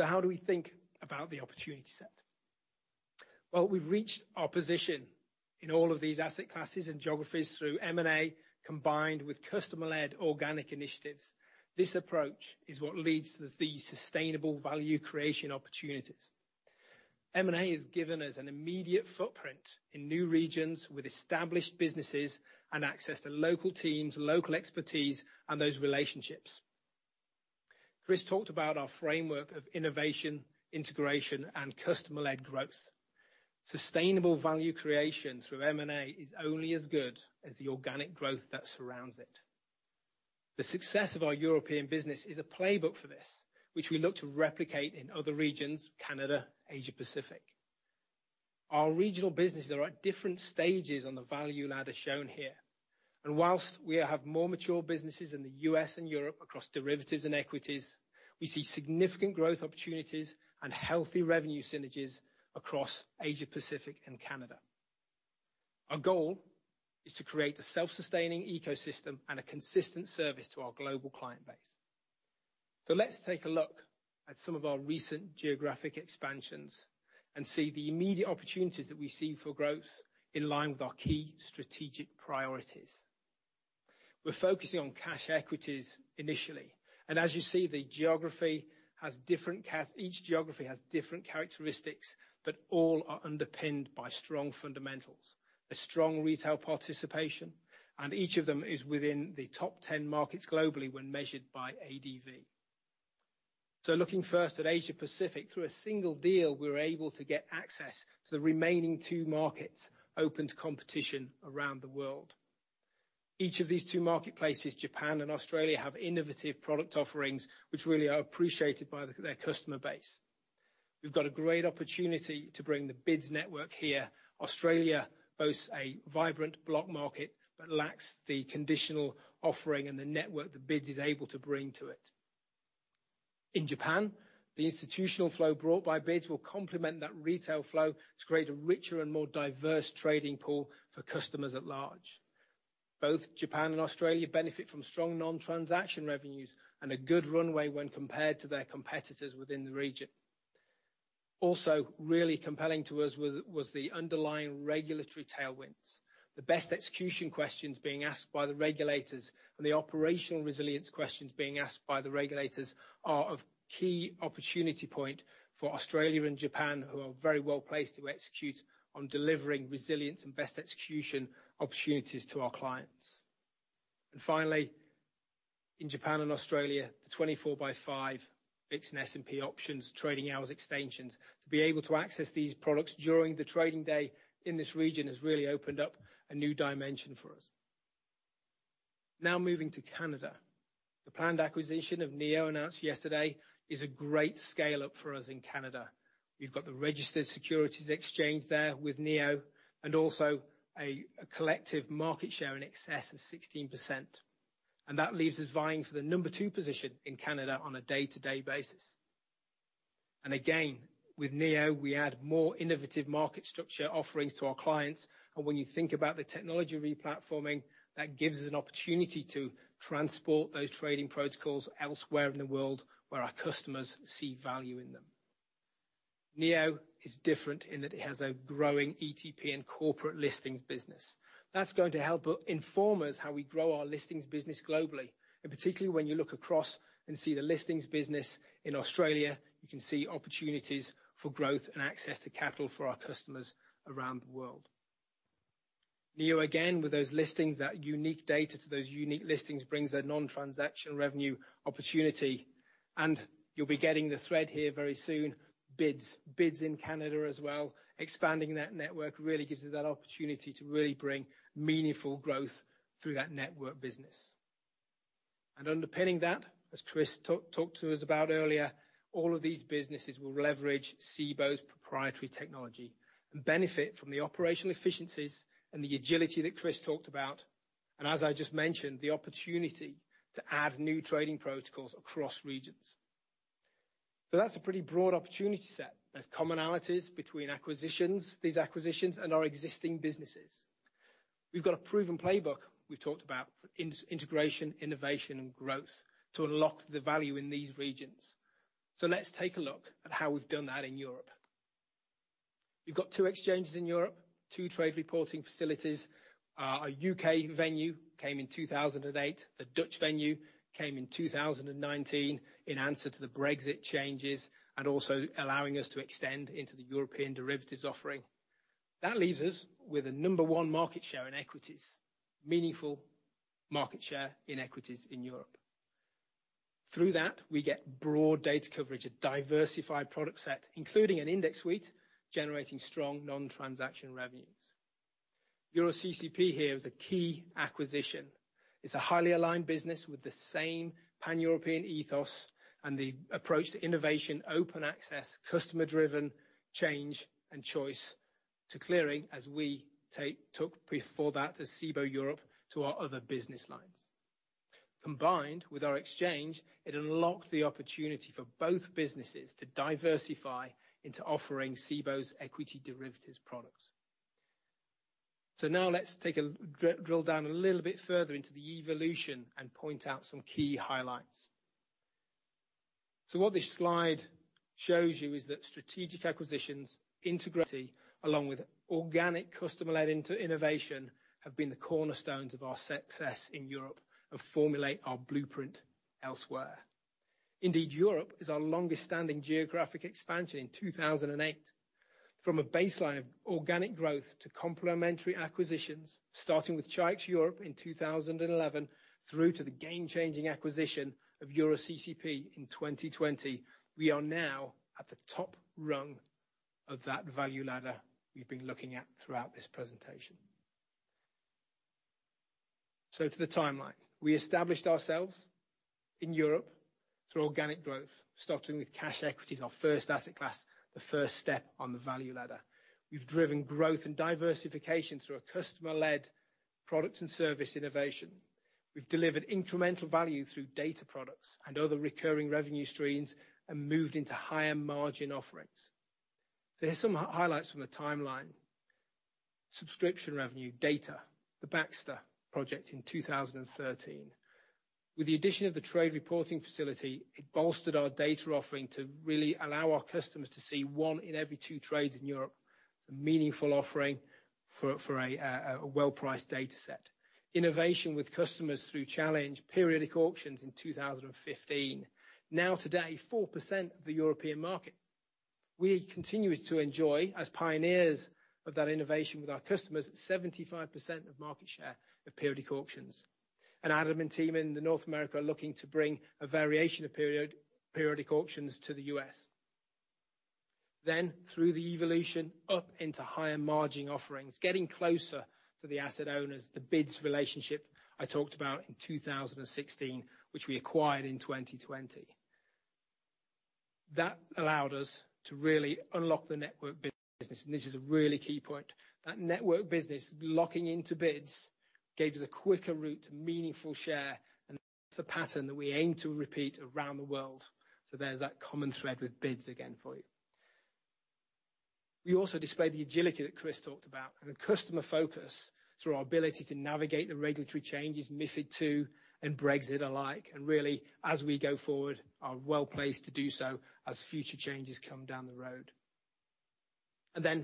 How do we think about the opportunity set? Well, we've reached our position in all of these asset classes and geographies through M&A, combined with customer-led organic initiatives. This approach is what leads to the sustainable value creation opportunities. M&A has given us an immediate footprint in new regions with established businesses and access to local teams, local expertise, and those relationships. Chris talked about our framework of innovation, integration, and customer-led growth. Sustainable value creation through M&A is only as good as the organic growth that surrounds it. The success of our European business is a playbook for this, which we look to replicate in other regions, Canada, Asia-Pacific. Our regional businesses are at different stages on the value ladder shown here. While we have more mature businesses in the U.S. and Europe across derivatives and equities, we see significant growth opportunities and healthy revenue synergies across Asia-Pacific and Canada. Our goal is to create a self-sustaining ecosystem and a consistent service to our global client base. Let's take a look at some of our recent geographic expansions and see the immediate opportunities that we see for growth in line with our key strategic priorities. We're focusing on cash equities initially, and as you see, each geography has different characteristics, but all are underpinned by strong fundamentals, a strong retail participation, and each of them is within the top 10 markets globally when measured by ADV. Looking first at Asia-Pacific, through a single deal, we're able to get access to the remaining two markets open to competition around the world. Each of these two marketplaces, Japan and Australia, have innovative product offerings which really are appreciated by their customer base. We've got a great opportunity to bring the BIDS network here. Australia boasts a vibrant block market, but lacks the conditional offering and the network that BIDS is able to bring to it. In Japan, the institutional flow brought by BIDS will complement that retail flow to create a richer and more diverse trading pool for customers at large. Both Japan and Australia benefit from strong non-transaction revenues and a good runway when compared to their competitors within the region. Also, really compelling to us was the underlying regulatory tailwinds, the best execution questions being asked by the regulators, and the operational resilience questions being asked by the regulators are of key opportunity point for Australia and Japan, who are very well placed to execute on delivering resilience and best execution opportunities to our clients. Finally, in Japan and Australia, the 24/5 VIX and S&P options trading hours extensions to be able to access these products during the trading day in this region has really opened up a new dimension for us. Now moving to Canada. The planned acquisition of NEO announced yesterday is a great scale-up for us in Canada. We've got the registered securities exchange there with NEO, and also a collective market share in excess of 16%. That leaves us vying for the number two position in Canada on a day-to-day basis. Again, with NEO, we add more innovative market structure offerings to our clients. When you think about the technology re-platforming, that gives an opportunity to transport those trading protocols elsewhere in the world where our customers see value in them. NEO is different in that it has a growing ETP and corporate listings business. That's going to help inform us how we grow our listings business globally, and particularly when you look across and see the listings business in Australia, you can see opportunities for growth and access to capital for our customers around the world. NEO, again, with those listings, that unique data to those unique listings brings a non-transaction revenue opportunity, and you'll be getting the thread here very soon, BIDS. BIDS in Canada as well. Expanding that network really gives you that opportunity to really bring meaningful growth through that network business. Underpinning that, as Chris talked to us about earlier, all of these businesses will leverage Cboe's proprietary technology and benefit from the operational efficiencies and the agility that Chris talked about. As I just mentioned, the opportunity to add new trading protocols across regions. That's a pretty broad opportunity set. There's commonalities between acquisitions, these acquisitions, and our existing businesses. We've got a proven playbook we've talked about for integration, innovation, and growth to unlock the value in these regions. Let's take a look at how we've done that in Europe. We've got two exchanges in Europe, two trade reporting facilities. Our U.K. venue came in 2008. The Dutch venue came in 2019 in answer to the Brexit changes, and also allowing us to extend into the European derivatives offering. That leaves us with the number one market share in equities. Meaningful market share in equities in Europe. Through that, we get broad data coverage, a diversified product set, including an index suite, generating strong non-transaction revenues. EuroCCP here is a key acquisition. It's a highly aligned business with the same pan-European ethos and the approach to innovation, open access, customer-driven change and choice to clearing as we take, took before that as Cboe Europe to our other business lines. Combined with our exchange, it unlocked the opportunity for both businesses to diversify into offering Cboe's equity derivatives products. Now let's drill down a little bit further into the evolution and point out some key highlights. What this slide shows you is that strategic acquisitions in tandem with organic customer-led innovation have been the cornerstones of our success in Europe and formulate our blueprint elsewhere. Indeed, Europe is our longest standing geographic expansion in 2008. From a baseline of organic growth to complementary acquisitions, starting with Chi-X Europe in 2011 through to the game-changing acquisition of EuroCCP in 2020, we are now at the top rung of that value ladder we've been looking at throughout this presentation. To the timeline. We established ourselves in Europe through organic growth, starting with cash equities, our first asset class, the first step on the value ladder. We've driven growth and diversification through a customer-led product and service innovation. We've delivered incremental value through data products and other recurring revenue streams, and moved into higher margin offerings. Here's some highlights from the timeline. Subscription revenue data, the BXTR project in 2013. With the addition of the trade reporting facility, it bolstered our data offering to really allow our customers to see one in every two trades in Europe, a meaningful offering for a well-priced data set. Innovation with customers through Chi-X, Periodic Auctions in 2015. Now today, 4% of the European market. We continue to enjoy, as pioneers of that innovation with our customers, 75% of market share of Periodic Auctions. Adam and team in North America are looking to bring a variation of Periodic Auctions to the U.S. Through the evolution up into higher margin offerings, getting closer to the asset owners, the BIDS relationship I talked about in 2016, which we acquired in 2020. That allowed us to really unlock the network business, and this is a really key point. That network business locking into BIDS gave us a quicker route to meaningful share, and it's a pattern that we aim to repeat around the world. There's that common thread with BIDS again for you. We also displayed the agility that Chris talked about and a customer focus through our ability to navigate the regulatory changes, MiFID II and Brexit alike. Really, as we go forward, we are well-placed to do so as future changes come down the road.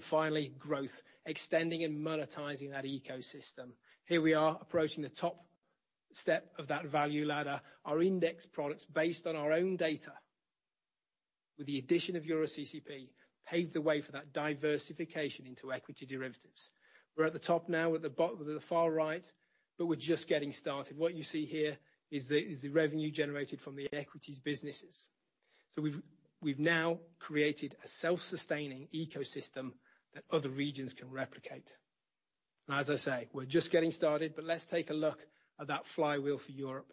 Finally, growth. Extending and monetizing that ecosystem. Here we are approaching the top step of that value ladder. Our index products based on our own data with the addition of EuroCCP paved the way for that diversification into equity derivatives. We're at the top now at the far right, but we're just getting started. What you see here is the revenue generated from the equities businesses. We've now created a self-sustaining ecosystem that other regions can replicate. As I say, we're just getting started, but let's take a look at that flywheel for Europe.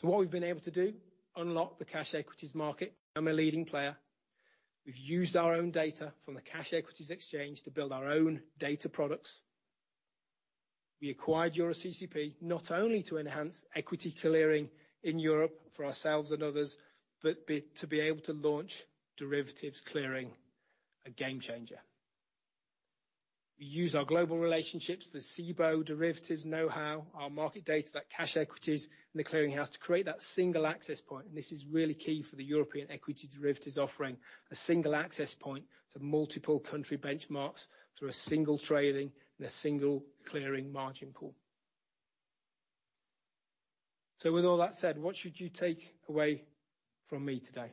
What we've been able to do, unlock the cash equities market. Become a leading player. We've used our own data from the cash equities exchange to build our own data products. We acquired EuroCCP not only to enhance equity clearing in Europe for ourselves and others, but to be able to launch derivatives clearing, a game changer. We use our global relationships with Cboe derivatives know-how, our market data, that cash equities in the clearinghouse to create that single access point. This is really key for the European equity derivatives offering, a single access point to multiple country benchmarks through a single trading and a single clearing margin pool. With all that said, what should you take away from me today?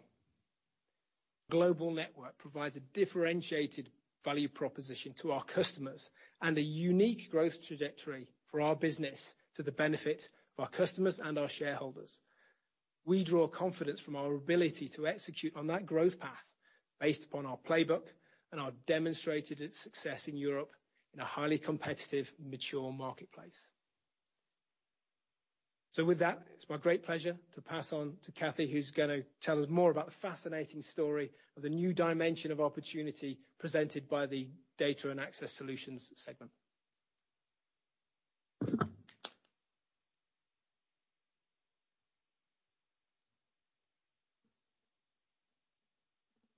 Global network provides a differentiated value proposition to our customers and a unique growth trajectory for our business to the benefit of our customers and our shareholders. We draw confidence from our ability to execute on that growth path based upon our playbook and our demonstrated success in Europe in a highly competitive, mature marketplace. With that, it's my great pleasure to pass on to Cathy, who's gonna tell us more about the fascinating story of the new dimension of opportunity presented by the Data and Access Solutions segment.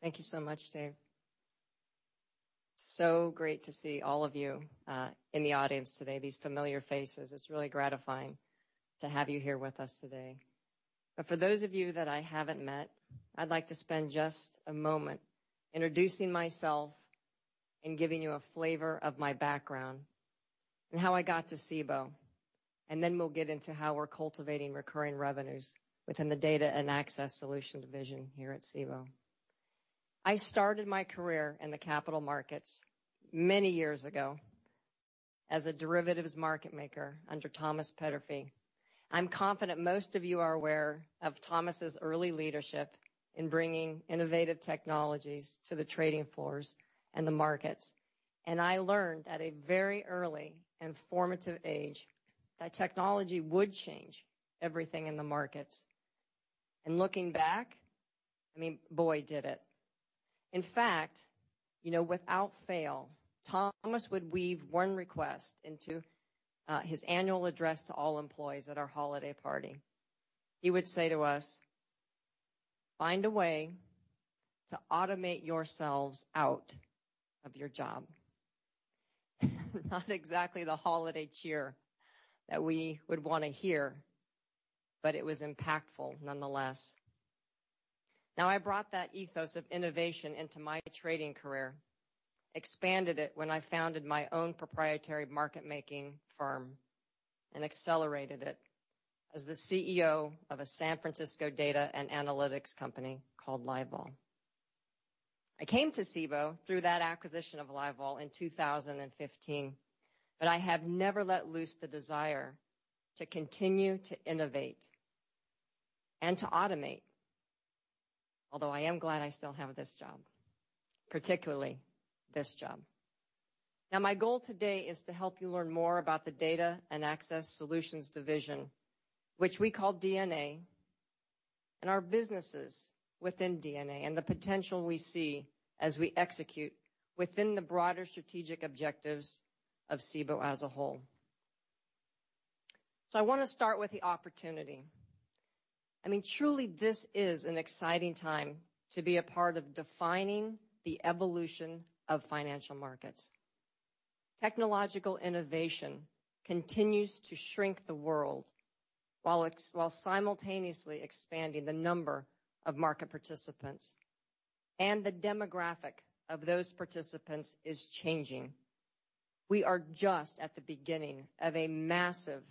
Thank you so much, Dave. So great to see all of you in the audience today, these familiar faces. It's really gratifying to have you here with us today. But for those of you that I haven't met, I'd like to spend just a moment introducing myself and giving you a flavor of my background and how I got to Cboe. We'll get into how we're cultivating recurring revenues within the Data and Access Solutions division here at Cboe. I started my career in the capital markets many years ago as a derivatives market maker under Thomas Peterffy. I'm confident most of you are aware of Thomas's early leadership in bringing innovative technologies to the trading floors and the markets. I learned at a very early and formative age that technology would change everything in the markets. Looking back, I mean, boy, did it. In fact, you know, without fail, Thomas would weave one request into his annual address to all employees at our holiday party. He would say to us, "Find a way to automate yourselves out of your job." Not exactly the holiday cheer that we would wanna hear, but it was impactful nonetheless. Now, I brought that ethos of innovation into my trading career, expanded it when I founded my own proprietary market-making firm, and accelerated it as the CEO of a San Francisco data and analytics company called LiveVol. I came to Cboe through that acquisition of LiveVol in 2015, but I have never let loose the desire to continue to innovate and to automate, although I am glad I still have this job, particularly this job. Now, my goal today is to help you learn more about the data and access solutions division, which we call DNA, and our businesses within DNA, and the potential we see as we execute within the broader strategic objectives of Cboe as a whole. I wanna start with the opportunity. I mean, truly this is an exciting time to be a part of defining the evolution of financial markets. Technological innovation continues to shrink the world while simultaneously expanding the number of market participants, and the demographic of those participants is changing. We are just at the beginning of a massive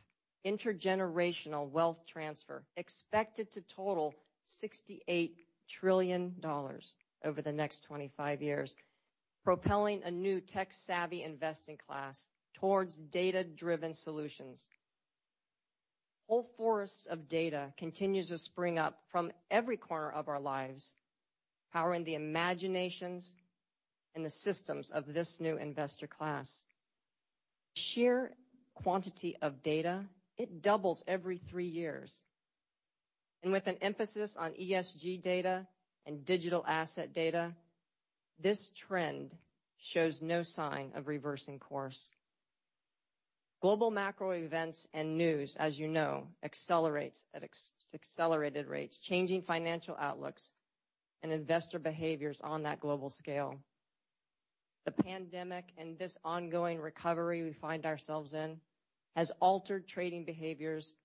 intergenerational wealth transfer, expected to total $68 trillion over the next 25-years, propelling a new tech-savvy investing class towards data-driven solutions. Whole forests of data continues to spring up from every corner of our lives, powering the imaginations and the systems of this new investor class. Sheer quantity of data, it doubles every three years. With an emphasis on ESG data and digital asset data, this trend shows no sign of reversing course. Global macro events and news, as you know, accelerates at accelerated rates, changing financial outlooks and investor behaviors on that global scale. The pandemic and this ongoing recovery we find ourselves in has altered trading behaviors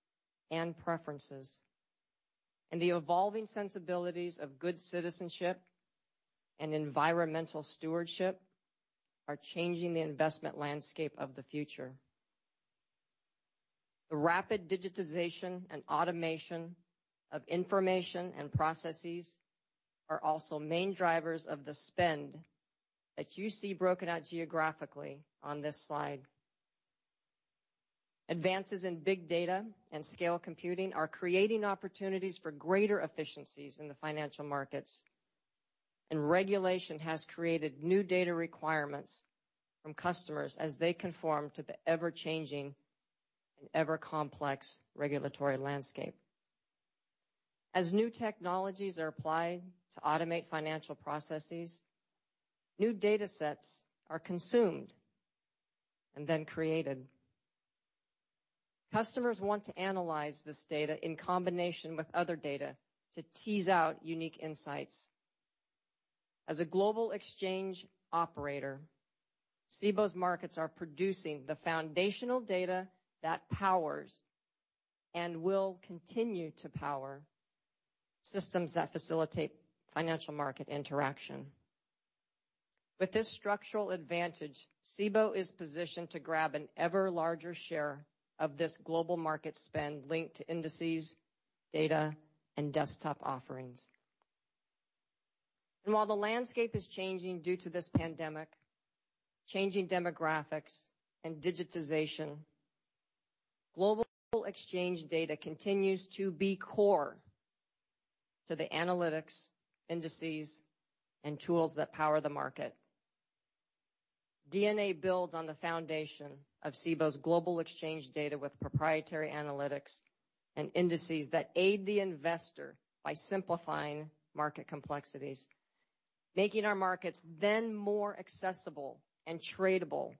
and preferences. The evolving sensibilities of good citizenship and environmental stewardship are changing the investment landscape of the future. The rapid digitization and automation of information and processes are also main drivers of the spend that you see broken out geographically on this slide. Advances in big data and scale computing are creating opportunities for greater efficiencies in the financial markets. Regulation has created new data requirements from customers as they conform to the ever-changing and ever complex regulatory landscape. As new technologies are applied to automate financial processes, new data sets are consumed and then created. Customers want to analyze this data in combination with other data to tease out unique insights. As a global exchange operator, Cboe's markets are producing the foundational data that powers and will continue to power systems that facilitate financial market interaction. With this structural advantage, Cboe is positioned to grab an ever larger share of this global market spend linked to indices, data, and desktop offerings. While the landscape is changing due to this pandemic, changing demographics and digitization, global exchange data continues to be core to the analytics, indices, and tools that power the market. DNA builds on the foundation of Cboe's global exchange data with proprietary analytics and indices that aid the investor by simplifying market complexities, making our markets then more accessible and tradable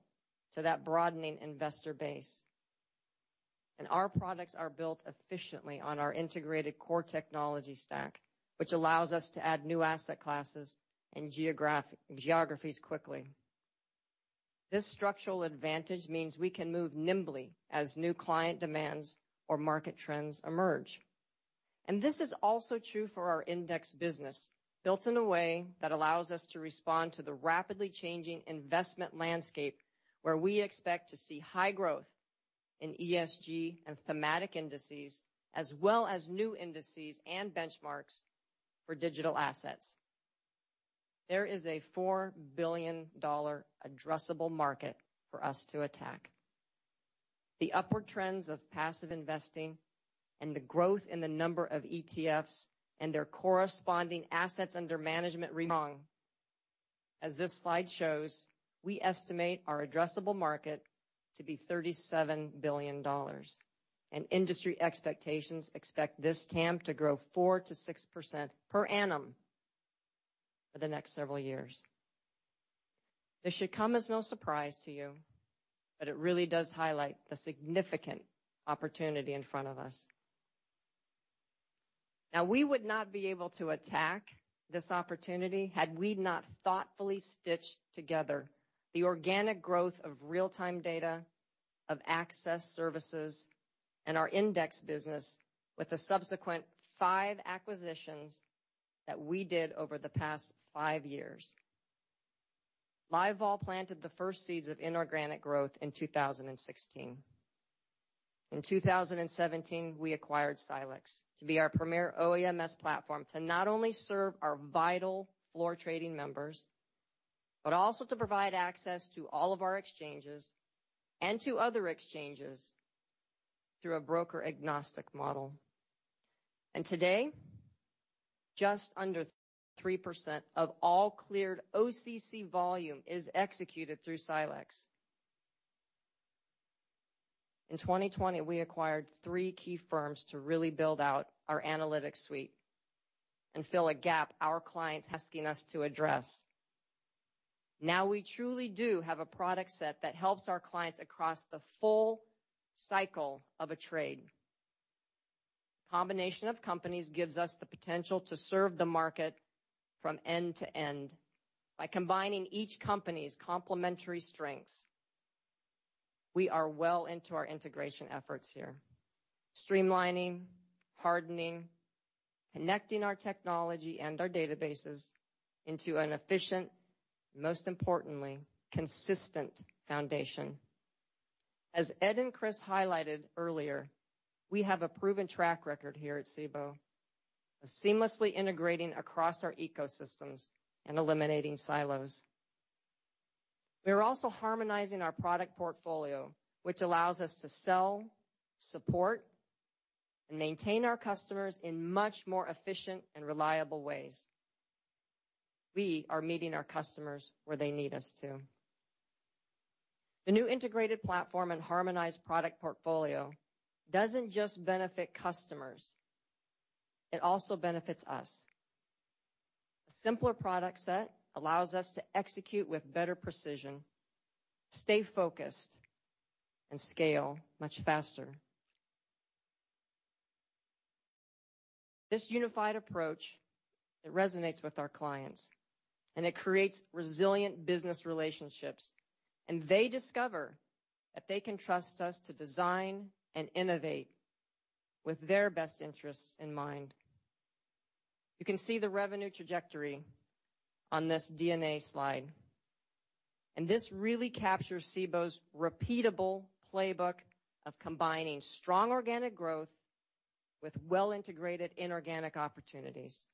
to that broadening investor base. Our products are built efficiently on our integrated core technology stack, which allows us to add new asset classes and geographies quickly. This structural advantage means we can move nimbly as new client demands or market trends emerge. This is also true for our index business, built in a way that allows us to respond to the rapidly changing investment landscape, where we expect to see high growth in ESG and thematic indices, as well as new indices and benchmarks for digital assets. There is a $4 billion addressable market for us to attack. The upward trends of passive investing and the growth in the number of ETFs and their corresponding assets under management remain strong. As this slide shows, we estimate our addressable market to be $37 billion, and industry expectations expect this TAM to grow 4%-6% per annum for the next several years. This should come as no surprise to you, but it really does highlight the significant opportunity in front of us. Now, we would not be able to attack this opportunity had we not thoughtfully stitched together the organic growth of real-time data, of access services, and our index business with the subsequent five acquisitions that we did over the past five years. LiveVol planted the first seeds of inorganic growth in 2016. In 2017, we acquired Silexx to be our premier OEMS platform to not only serve our vital floor trading members, but also to provide access to all of our exchanges and to other exchanges through a broker agnostic model. Today, just under 3% of all cleared OCC volume is executed through Silexx. In 2020, we acquired three key firms to really build out our analytics suite and fill a gap our clients asking us to address. Now we truly do have a product set that helps our clients across the full cycle of a trade. The combination of companies gives us the potential to serve the market from end to end by combining each company's complementary strengths. We are well into our integration efforts here, streamlining, hardening, connecting our technology and our databases into an efficient, most importantly, consistent foundation. As Ed and Chris highlighted earlier, we have a proven track record here at Cboe of seamlessly integrating across our ecosystems and eliminating silos. We are also harmonizing our product portfolio, which allows us to sell, support, and maintain our customers in much more efficient and reliable ways. We are meeting our customers where they need us to. The new integrated platform and harmonized product portfolio doesn't just benefit customers, it also benefits us. A simpler product set allows us to execute with better precision, stay focused, and scale much faster. This unified approach, it resonates with our clients and it creates resilient business relationships, and they discover that they can trust us to design and innovate with their best interests in mind. You can see the revenue trajectory on this DNA slide, and this really captures Cboe's repeatable playbook of combining strong organic growth with well integrated inorganic opportunities.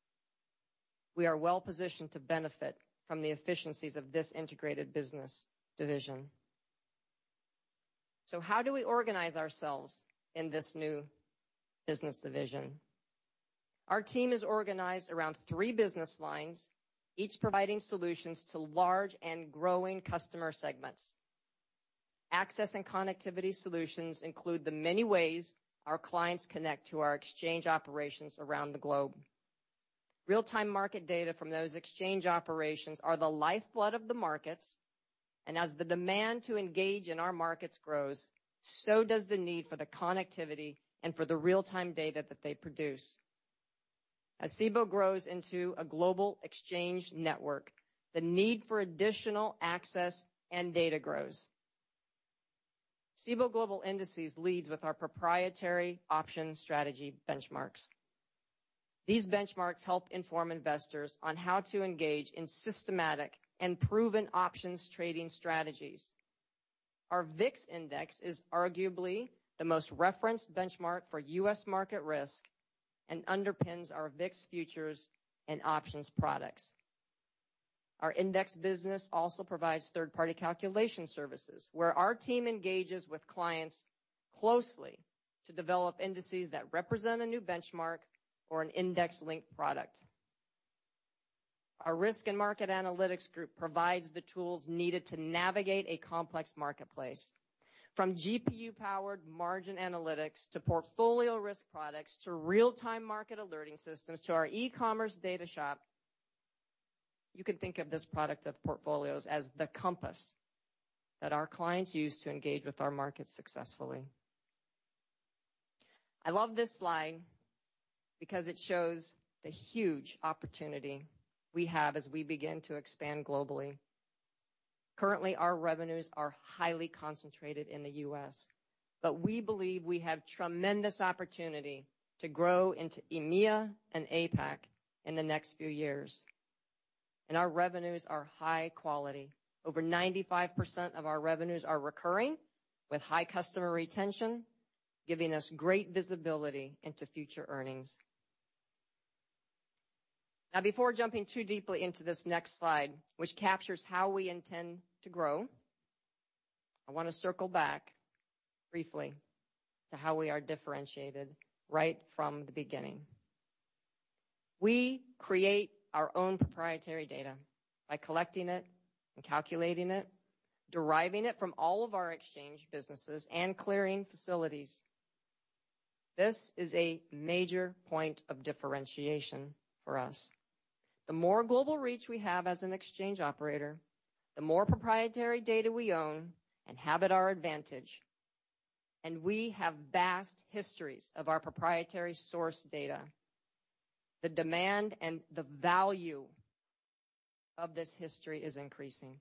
We are well-positioned to benefit from the efficiencies of this integrated business division. How do we organize ourselves in this new business division? Our team is organized around three business lines, each providing solutions to large and growing customer segments. Access and connectivity solutions include the many ways our clients connect to our exchange operations around the globe. Real-time market data from those exchange operations are the lifeblood of the markets, and as the demand to engage in our markets grows, so does the need for the connectivity and for the real-time data that they produce. As Cboe grows into a global exchange network, the need for additional access and data grows. Cboe Global Indices leads with our proprietary options strategy benchmarks. These benchmarks help inform investors on how to engage in systematic and proven options trading strategies. Our VIX index is arguably the most referenced benchmark for U.S. market risk and underpins our VIX futures and options products. Our index business also provides third-party calculation services, where our team engages with clients closely to develop indices that represent a new benchmark or an index-linked product. Our risk and market analytics group provides the tools needed to navigate a complex marketplace. From GPU-powered margin analytics to portfolio risk products to real-time market alerting systems to our e-commerce data shop, you can think of this portfolio of products as the compass that our clients use to engage with our markets successfully. I love this slide because it shows the huge opportunity we have as we begin to expand globally. Currently, our revenues are highly concentrated in the U.S., but we believe we have tremendous opportunity to grow into EMEA and APAC in the next few years. Our revenues are high quality. Over 95% of our revenues are recurring, with high customer retention, giving us great visibility into future earnings. Now before jumping too deeply into this next slide, which captures how we intend to grow, I wanna circle back briefly to how we are differentiated right from the beginning. We create our own proprietary data by collecting it and calculating it, deriving it from all of our exchange businesses and clearing facilities. This is a major point of differentiation for us. The more global reach we have as an exchange operator, the more proprietary data we own and have at our advantage, and we have vast histories of our proprietary source data. The demand and the value of this history is increasing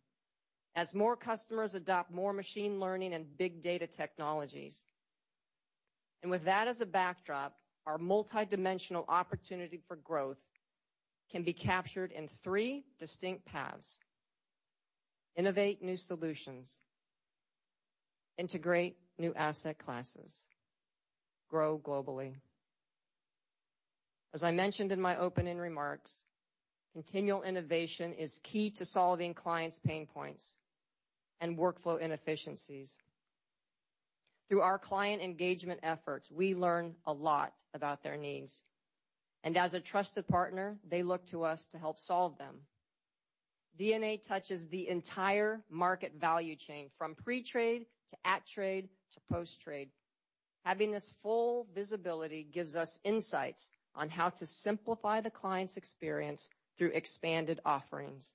as more customers adopt more machine learning and big data technologies. With that as a backdrop, our multidimensional opportunity for growth can be captured in three distinct paths. Innovate new solutions. Integrate new asset classes. Grow globally. As I mentioned in my opening remarks, continual innovation is key to solving clients' pain points and workflow inefficiencies. Through our client engagement efforts, we learn a lot about their needs, and as a trusted partner, they look to us to help solve them. DNA touches the entire market value chain from pre-trade to at-trade to post-trade. Having this full visibility gives us insights on how to simplify the client's experience through expanded offerings.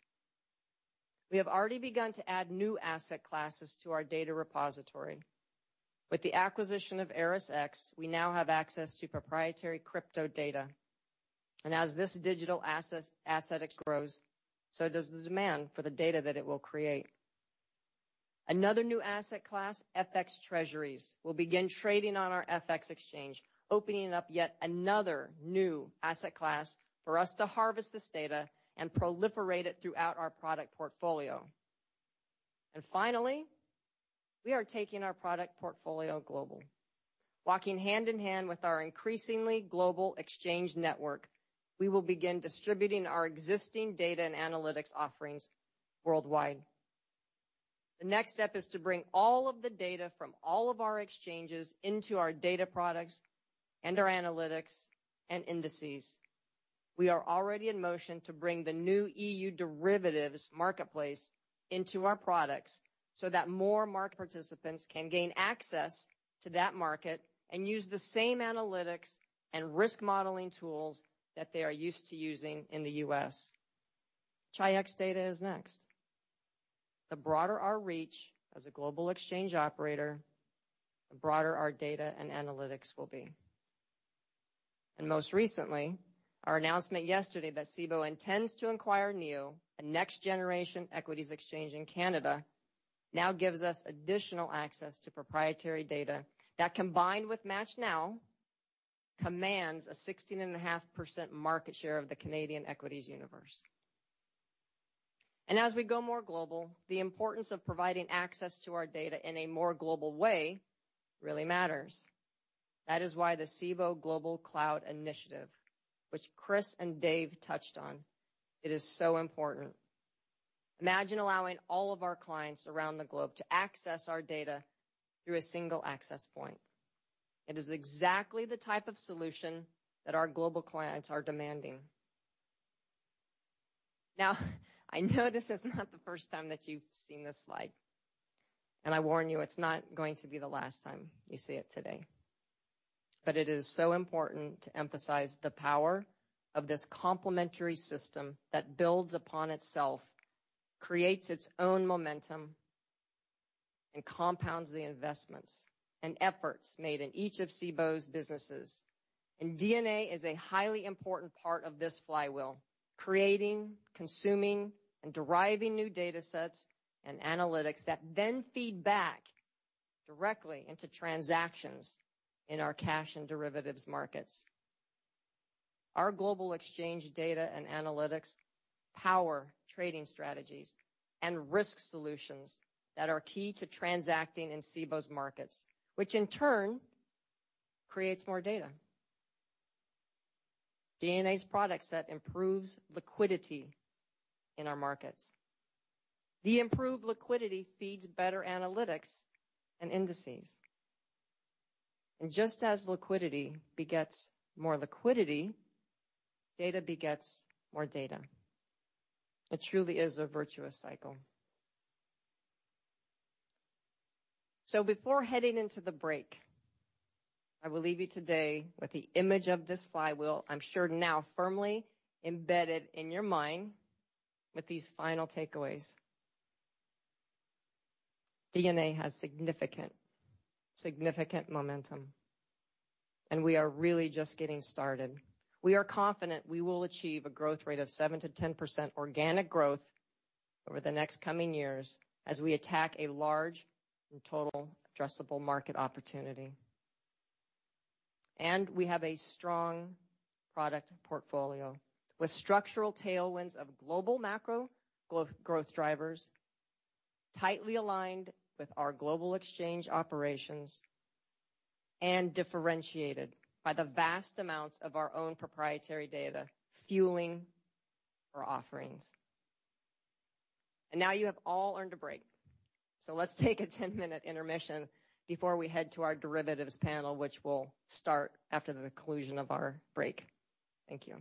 We have already begun to add new asset classes to our data repository. With the acquisition of ErisX, we now have access to proprietary crypto data. As this digital asset grows, so does the demand for the data that it will create. Another new asset class, FX Treasuries, will begin trading on our FX Exchange, opening up yet another new asset class for us to harvest this data and proliferate it throughout our product portfolio. Finally, we are taking our product portfolio global. Walking hand in hand with our increasingly global exchange network, we will begin distributing our existing data and analytics offerings worldwide. The next step is to bring all of the data from all of our exchanges into our data products and our analytics and indices. We are already in motion to bring the new EU derivatives marketplace into our products so that more market participants can gain access to that market and use the same analytics and risk modeling tools that they are used to using in the U.S. Chi-X data is next. The broader our reach as a global exchange operator, the broader our data and analytics will be. Most recently, our announcement yesterday that Cboe intends to acquire NEO, a next-generation equities exchange in Canada, now gives us additional access to proprietary data that combined with MATCHNow, commands a 16.5% market share of the Canadian equities universe. As we go more global, the importance of providing access to our data in a more global way really matters. That is why the Cboe Global Cloud Initiative, which Chris and Dave touched on. It is so important. Imagine allowing all of our clients around the globe to access our data through a single access point. It is exactly the type of solution that our global clients are demanding. Now, I know this is not the first time that you've seen this slide, and I warn you, it's not going to be the last time you see it today. It is so important to emphasize the power of this complementary system that builds upon itself, creates its own momentum, and compounds the investments and efforts made in each of Cboe's businesses. DNA is a highly important part of this flywheel, creating, consuming, and deriving new data sets and analytics that then feed back directly into transactions in our cash and derivatives markets. Our global exchange data and analytics power trading strategies and risk solutions that are key to transacting in Cboe's markets, which in turn creates more data. DNA's product set improves liquidity in our markets. The improved liquidity feeds better analytics and indices. Just as liquidity begets more liquidity, data begets more data. It truly is a virtuous cycle. Before heading into the break, I will leave you today with the image of this flywheel, I'm sure now firmly embedded in your mind with these final takeaways. DNA has significant momentum, and we are really just getting started. We are confident we will achieve a growth rate of 7%-10% organic growth over the next coming years as we attack a large and total addressable market opportunity. We have a strong product portfolio with structural tailwinds of global macro growth drivers, tightly aligned with our global exchange operations, and differentiated by the vast amounts of our own proprietary data fueling our offerings. Now you have all earned a break. Let's take a 10-minute intermission before we head to our derivatives panel, which will start after the conclusion of our break. Thank you.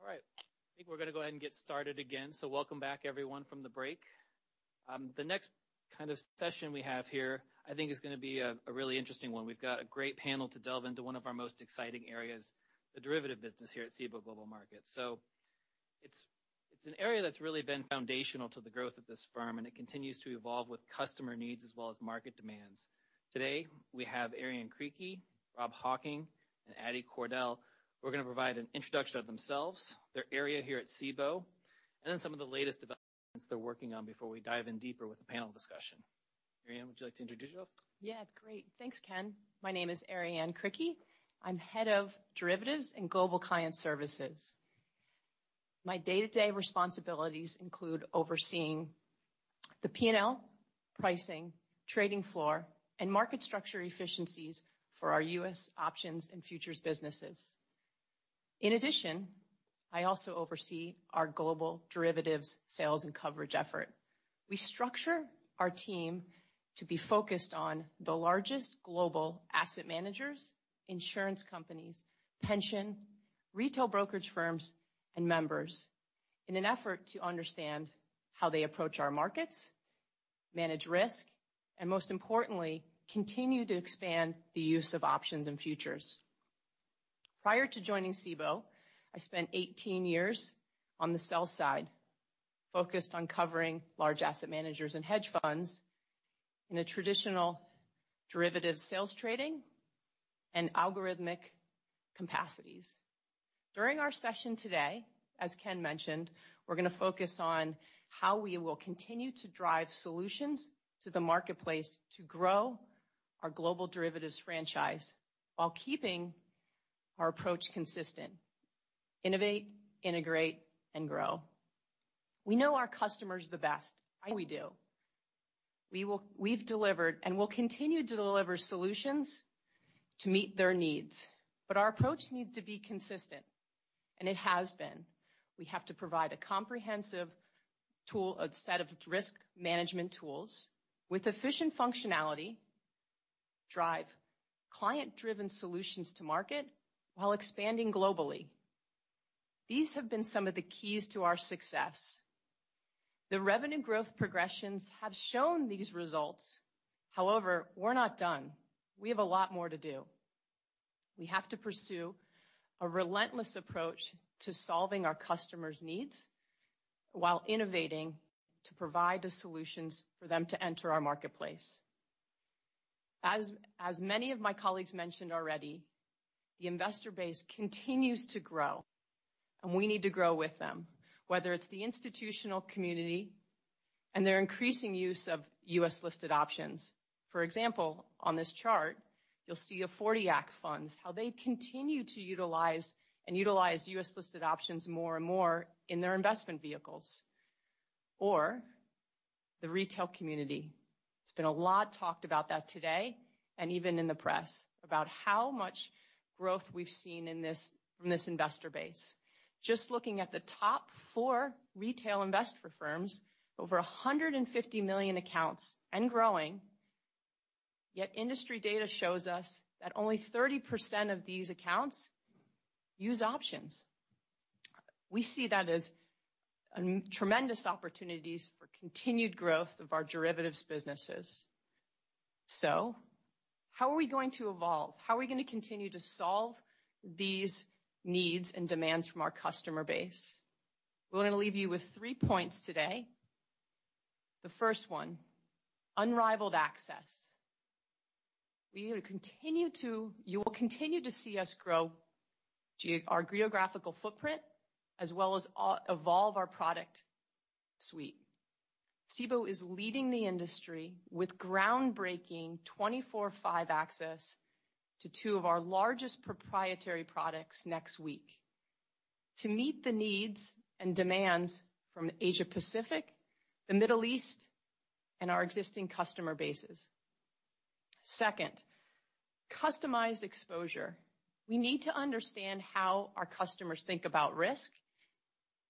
All right. I think we're gonna go ahead and get started again. Welcome back everyone from the break. The next kind of session we have here, I think is gonna be a really interesting one. We've got a great panel to delve into one of our most exciting areas, the derivative business here at Cboe Global Markets. It's an area that's really been foundational to the growth of this firm, and it continues to evolve with customer needs as well as market demands. Today, we have Arianne Criqui, Rob Hocking, and Ade Cordell, who are gonna provide an introduction of themselves, their area here at Cboe, and then some of the latest developments they're working on before we dive in deeper with the panel discussion. Arianne, would you like to introduce yourself? Yeah. Great. Thanks, Ken. My name is Arianne Criqui. I'm Head of Derivatives and Global Client Services. My day-to-day responsibilities include overseeing the P&L, pricing, trading floor, and market structure efficiencies for our U.S. options and futures businesses. In addition, I also oversee our global derivatives, sales, and coverage effort. We structure our team to be focused on the largest global asset managers, insurance companies, pension, retail brokerage firms, and members in an effort to understand how they approach our markets, manage risk, and most importantly, continue to expand the use of options and futures. Prior to joining Cboe, I spent 18 years on the sell-side, focused on covering large asset managers and hedge funds in a traditional derivative sales trading and algorithmic capacities. During our session today, as Ken mentioned, we're gonna focus on how we will continue to drive solutions to the marketplace to grow our global derivatives franchise while keeping our approach consistent, innovate, integrate, and grow. We know our customers the best. We do. We've delivered and will continue to deliver solutions to meet their needs, but our approach needs to be consistent, and it has been. We have to provide a comprehensive tool, a set of risk management tools with efficient functionality, drive client-driven solutions to market while expanding globally. These have been some of the keys to our success. The revenue growth progressions have shown these results. However, we're not done. We have a lot more to do. We have to pursue a relentless approach to solving our customers' needs while innovating to provide the solutions for them to enter our marketplace. As many of my colleagues mentioned already, the investor base continues to grow, and we need to grow with them, whether it's the institutional community and their increasing use of U.S.-listed options. For example, on this chart, you'll see '40 Act funds, how they continue to utilize U.S.-listed options more and more in their investment vehicles. Or the retail community. There's been a lot talked about that today, and even in the press, about how much growth we've seen from this investor base. Just looking at the top four retail investor firms, over 150 million accounts and growing. Industry data shows us that only 30% of these accounts use options. We see that as tremendous opportunities for continued growth of our derivatives businesses. How are we going to evolve? How are we gonna continue to solve these needs and demands from our customer base? We're gonna leave you with three points today. The first one, unrivaled access. We are gonna continue to. You will continue to see us grow our geographical footprint as well as evolve our product suite. Cboe is leading the industry with groundbreaking 24/5 access to two of our largest proprietary products next week to meet the needs and demands from Asia-Pacific, the Middle East, and our existing customer bases. Second, customized exposure. We need to understand how our customers think about risk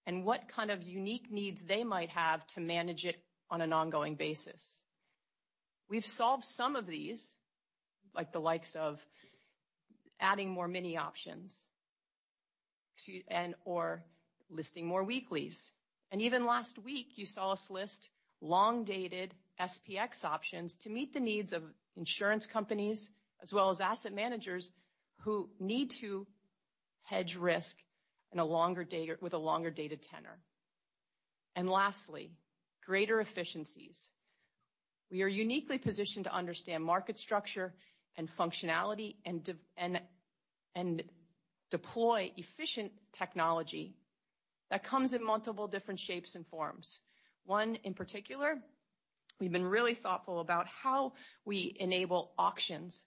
and what kind of unique needs they might have to manage it on an ongoing basis. We've solved some of these, like the likes of adding more mini options and/or listing more weeklies. Even last week, you saw us list long-dated SPX options to meet the needs of insurance companies as well as asset managers who need to hedge risk in a longer date or with a longer dated tenor. Lastly, greater efficiencies. We are uniquely positioned to understand market structure and functionality and deploy efficient technology that comes in multiple different shapes and forms. One in particular, we've been really thoughtful about how we enable auctions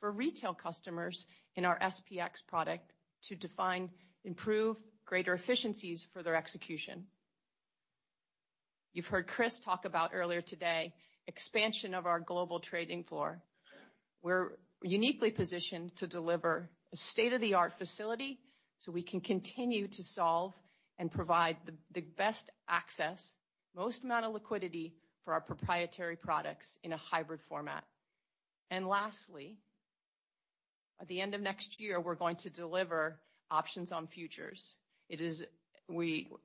for retail customers in our SPX product to deliver improved greater efficiencies for their execution. You've heard Chris talk about earlier today, expansion of our global trading floor. We're uniquely positioned to deliver a state-of-the-art facility so we can continue to solve and provide the best access, most amount of liquidity for our proprietary products in a hybrid format. Lastly, at the end of next year, we're going to deliver options on futures. It is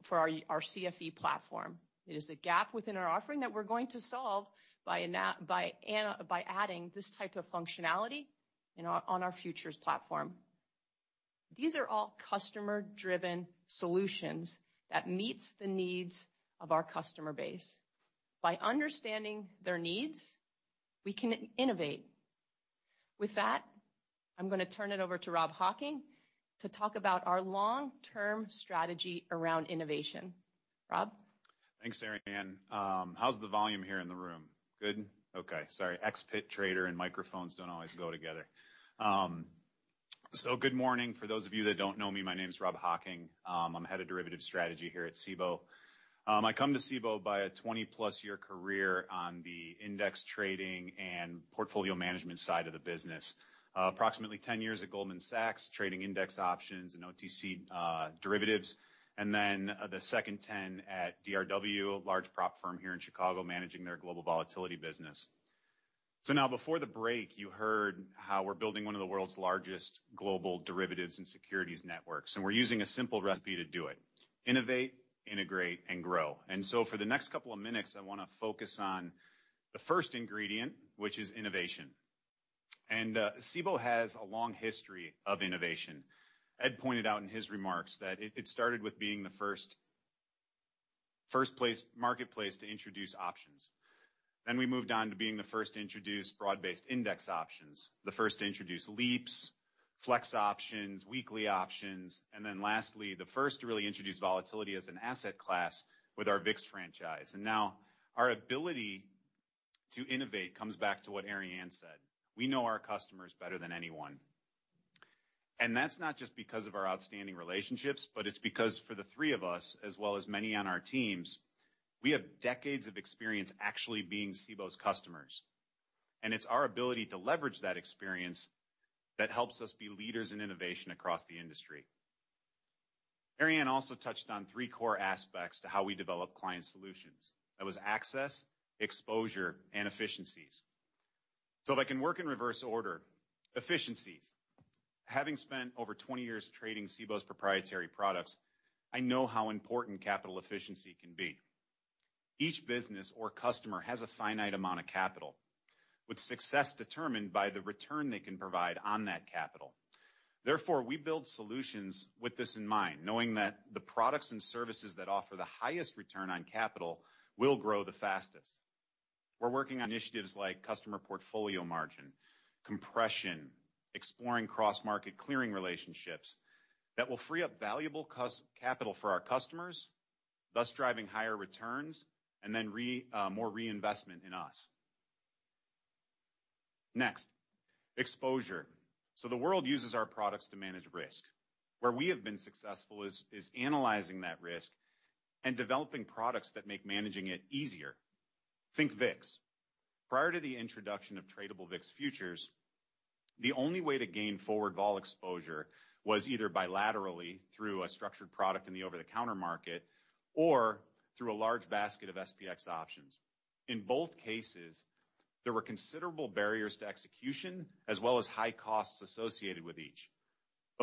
for our CFE platform. It is a gap within our offering that we're going to solve by adding this type of functionality on our futures platform. These are all customer-driven solutions that meets the needs of our customer base. By understanding their needs, we can innovate. With that, I'm gonna turn it over to Rob Hocking to talk about our long-term strategy around innovation. Rob? Thanks, Arianne. How's the volume here in the room? Good? Okay. Sorry, ex-pit trader and microphones don't always go together. Good morning. For those of you that don't know me, my name's Rob Hocking. I'm Head of Derivatives Strategy here at Cboe. I come to Cboe by a 20+ year career on the index trading and portfolio management side of the business. Approximately 10-years at Goldman Sachs, trading index options and OTC derivatives. The second 10 at DRW, a large prop firm here in Chicago, managing their global volatility business. Now before the break, you heard how we're building one of the world's largest global derivatives and securities networks, and we're using a simple recipe to do it, innovate, integrate, and grow. For the next couple of minutes, I wanna focus on the first ingredient, which is innovation. Cboe has a long history of innovation. Ed pointed out in his remarks that it started with being the first marketplace to introduce options. We moved on to being the first to introduce broad-based index options, the first to introduce LEAPS, FLEX options, weekly options, and then lastly, the first to really introduce volatility as an asset class with our VIX franchise. Our ability to innovate comes back to what Arianne said. We know our customers better than anyone. That's not just because of our outstanding relationships, but it's because for the three of us, as well as many on our teams, we have decades of experience actually being Cboe's customers. It's our ability to leverage that experience that helps us be leaders in innovation across the industry. Arianne also touched on three core aspects to how we develop client solutions. That was access, exposure, and efficiencies. If I can work in reverse order, efficiencies. Having spent over 20-years trading Cboe's proprietary products, I know how important capital efficiency can be. Each business or customer has a finite amount of capital, with success determined by the return they can provide on that capital. Therefore, we build solutions with this in mind, knowing that the products and services that offer the highest return on capital will grow the fastest. We're working on initiatives like customer portfolio margin, compression, exploring cross-market clearing relationships that will free up valuable capital for our customers, thus driving higher returns, and then more reinvestment in us. Next, exposure. The world uses our products to manage risk. Where we have been successful is analyzing that risk and developing products that make managing it easier. Think VIX. Prior to the introduction of tradable VIX futures, the only way to gain forward vol exposure was either bilaterally through a structured product in the over-the-counter market or through a large basket of SPX options. In both cases, there were considerable barriers to execution as well as high costs associated with each.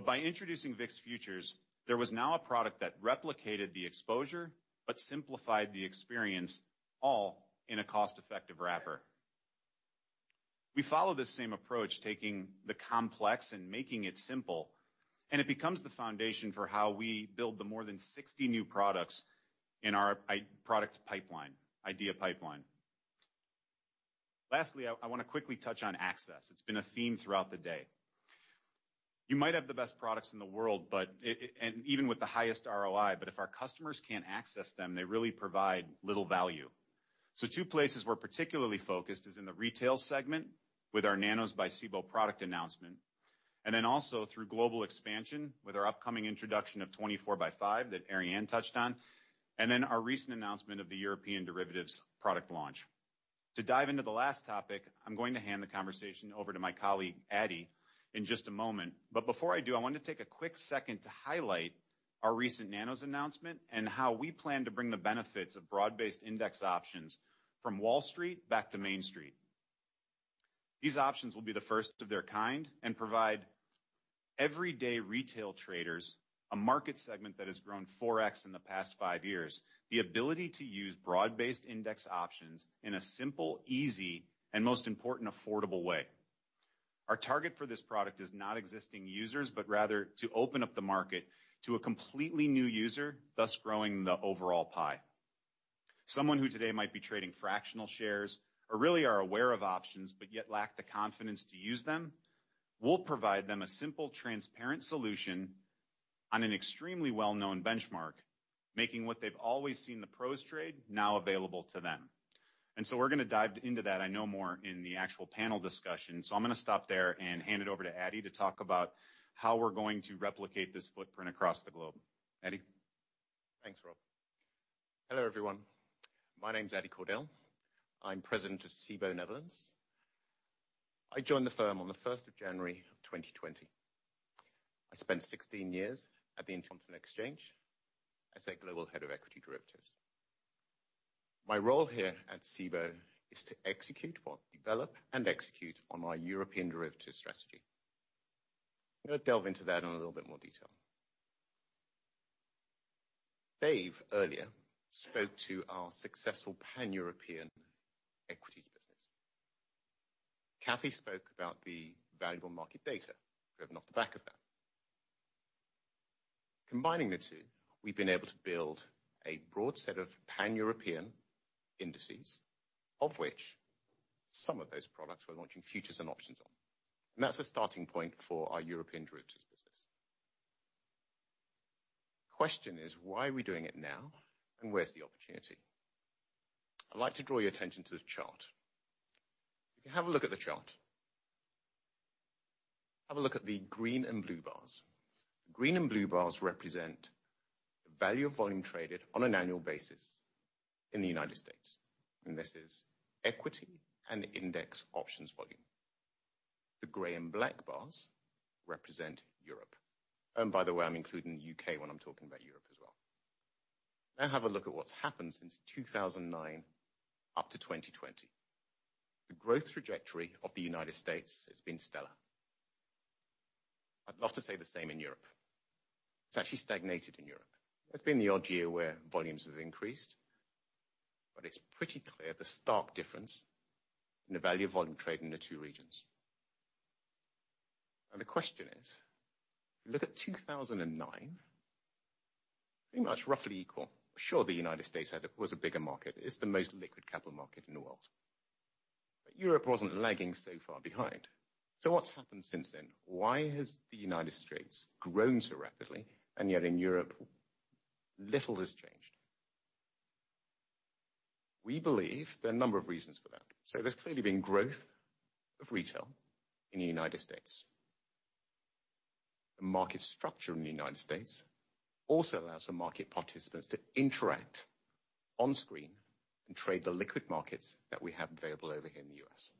By introducing VIX futures, there was now a product that replicated the exposure but simplified the experience all in a cost-effective wrapper. We follow the same approach, taking the complex and making it simple, and it becomes the foundation for how we build the more than 60 new products in our idea pipeline. Lastly, I wanna quickly touch on access. It's been a theme throughout the day. You might have the best products in the world, but even with the highest ROI, but if our customers can't access them, they really provide little value. Two places we're particularly focused is in the retail segment with our Nanos by Cboe product announcement, and then also through global expansion with our upcoming introduction of 24/5 that Arianne touched on, and then our recent announcement of the European derivatives product launch. To dive into the last topic, I'm going to hand the conversation over to my colleague, Ade, in just a moment. Before I do, I wanna take a quick second to highlight our recent Nanos announcement and how we plan to bring the benefits of broad-based index options from Wall Street back to Main Street. These options will be the first of their kind and provide everyday retail traders, a market segment that has grown four times in the past five years, the ability to use broad-based index options in a simple, easy, and most important, affordable way. Our target for this product is not existing users, but rather to open up the market to a completely new user, thus growing the overall pie. Someone who today might be trading fractional shares or really are aware of options but yet lack the confidence to use them, we'll provide them a simple, transparent solution on an extremely well-known benchmark, making what they've always seen the pros trade now available to them. We're gonna dive into that, I know, more in the actual panel discussion, so I'm gonna stop there and hand it over to Ade to talk about how we're going to replicate this footprint across the globe. Ade? Thanks, Rob. Hello, everyone. My name's Ade Cordell. I'm President of Cboe Netherlands. I joined the firm on the first of January of 2020. I spent 16-years at the Intercontinental Exchange as their Global Head of Equity Derivatives. My role here at Cboe is to develop and execute on our European derivatives strategy. I'm gonna delve into that in a little bit more detail. David earlier spoke to our successful pan-European equities business. Cathy spoke about the valuable market data driven off the back of that. Combining the two, we've been able to build a broad set of pan-European indices, of which some of those products we're launching futures and options on. That's a starting point for our European derivatives business. Question is, why are we doing it now, and where's the opportunity? I'd like to draw your attention to the chart. If you have a look at the chart, have a look at the green and blue bars. Green and blue bars represent the value of volume traded on an annual basis in the United States, and this is equity and index options volume. The gray and black bars represent Europe. By the way, I'm including U.K. when I'm talking about Europe as well. Now have a look at what's happened since 2009 up to 2020. The growth trajectory of the United States has been stellar. I'd love to say the same in Europe. It's actually stagnated in Europe. There's been the odd year where volumes have increased, but it's pretty clear the stark difference in the value of volume trade in the two regions. The question is, look at 2009, pretty much roughly equal. Sure, the United States was a bigger market. It's the most liquid capital market in the world. Europe wasn't lagging so far behind. What's happened since then? Why has the United States grown so rapidly and yet in Europe, little has changed? We believe there are a number of reasons for that. There's clearly been growth of retail in the United States. The market structure in the United States also allows for market participants to interact on screen and trade the liquid markets that we have available over here in the U.S.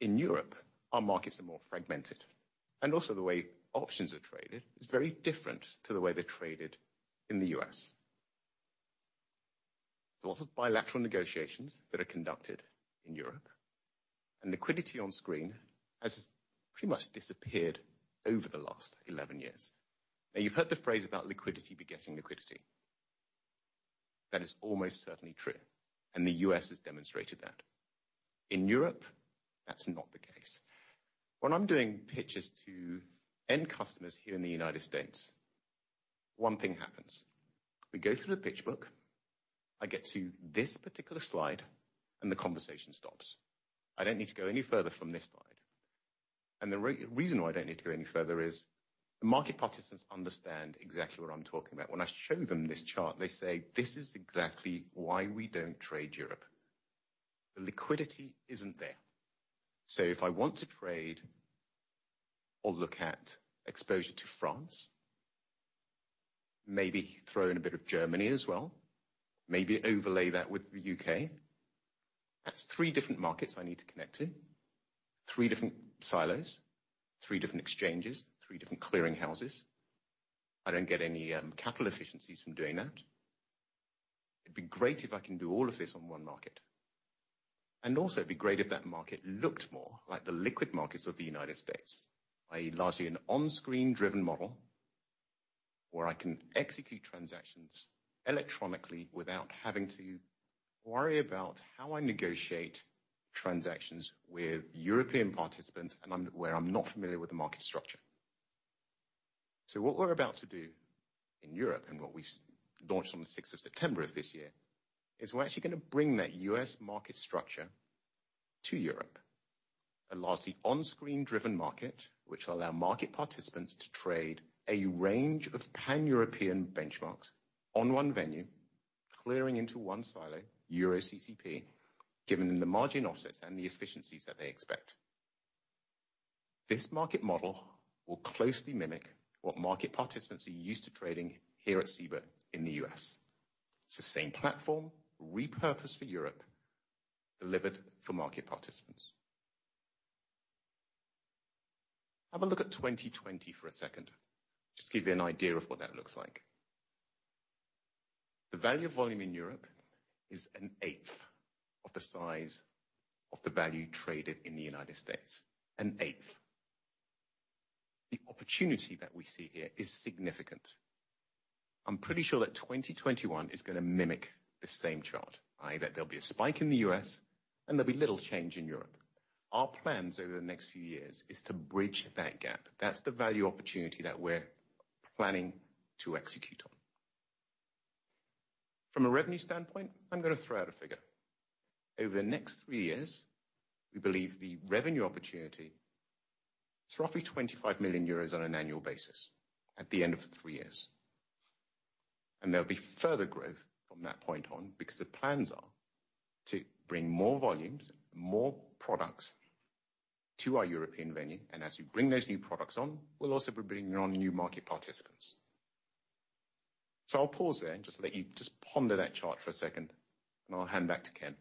In Europe, our markets are more fragmented, and also the way options are traded is very different to the way they're traded in the U.S. There are lots of bilateral negotiations that are conducted in Europe, and liquidity on screen has pretty much disappeared over the last 11 years. Now you've heard the phrase about liquidity begetting liquidity. That is almost certainly true, and the U.S. has demonstrated that. In Europe, that's not the case. When I'm doing pitches to end customers here in the United States, one thing happens. We go through the pitch book, I get to this particular slide, and the conversation stops. I don't need to go any further from this slide, and the reason why I don't need to go any further is the market participants understand exactly what I'm talking about. When I show them this chart, they say, "This is exactly why we don't trade Europe." The liquidity isn't there. If I want to trade or look at exposure to France. Maybe throw in a bit of Germany as well, maybe overlay that with the U.K. That's three different markets I need to connect to, three different silos, three different exchanges, three different clearing houses. I don't get any capital efficiencies from doing that. It'd be great if I can do all of this on one market. It'd be great if that market looked more like the liquid markets of the United States, i.e., largely an onscreen driven model, where I can execute transactions electronically without having to worry about how I negotiate transactions with European participants and where I'm not familiar with the market structure. What we're about to do in Europe, and what we've launched on the sixth of September of this year, is we're actually gonna bring that U.S. market structure to Europe. A largely onscreen driven market, which will allow market participants to trade a range of Pan-European benchmarks on one venue, clearing into one silo, EuroCCP, giving them the margin offsets and the efficiencies that they expect. This market model will closely mimic what market participants are used to trading here at Cboe in the U.S. It's the same platform, repurposed for Europe, delivered for market participants. Have a look at 2020 for a second, just to give you an idea of what that looks like. The value volume in Europe is an eighth of the size of the value traded in the United States. An eighth. The opportunity that we see here is significant. I'm pretty sure that 2021 is gonna mimic the same chart, i.e., that there'll be a spike in the U.S. and there'll be little change in Europe. Our plans over the next few years is to bridge that gap. That's the value opportunity that we're planning to execute on. From a revenue standpoint, I'm gonna throw out a figure. Over the next three years, we believe the revenue opportunity is roughly 25 million euros on an annual basis at the end of the three years. There'll be further growth from that point on because the plans are to bring more volumes, more products to our European venue, and as we bring those new products on, we'll also be bringing on new market participants. I'll pause there and just let you just ponder that chart for a second, and I'll hand back to Ken.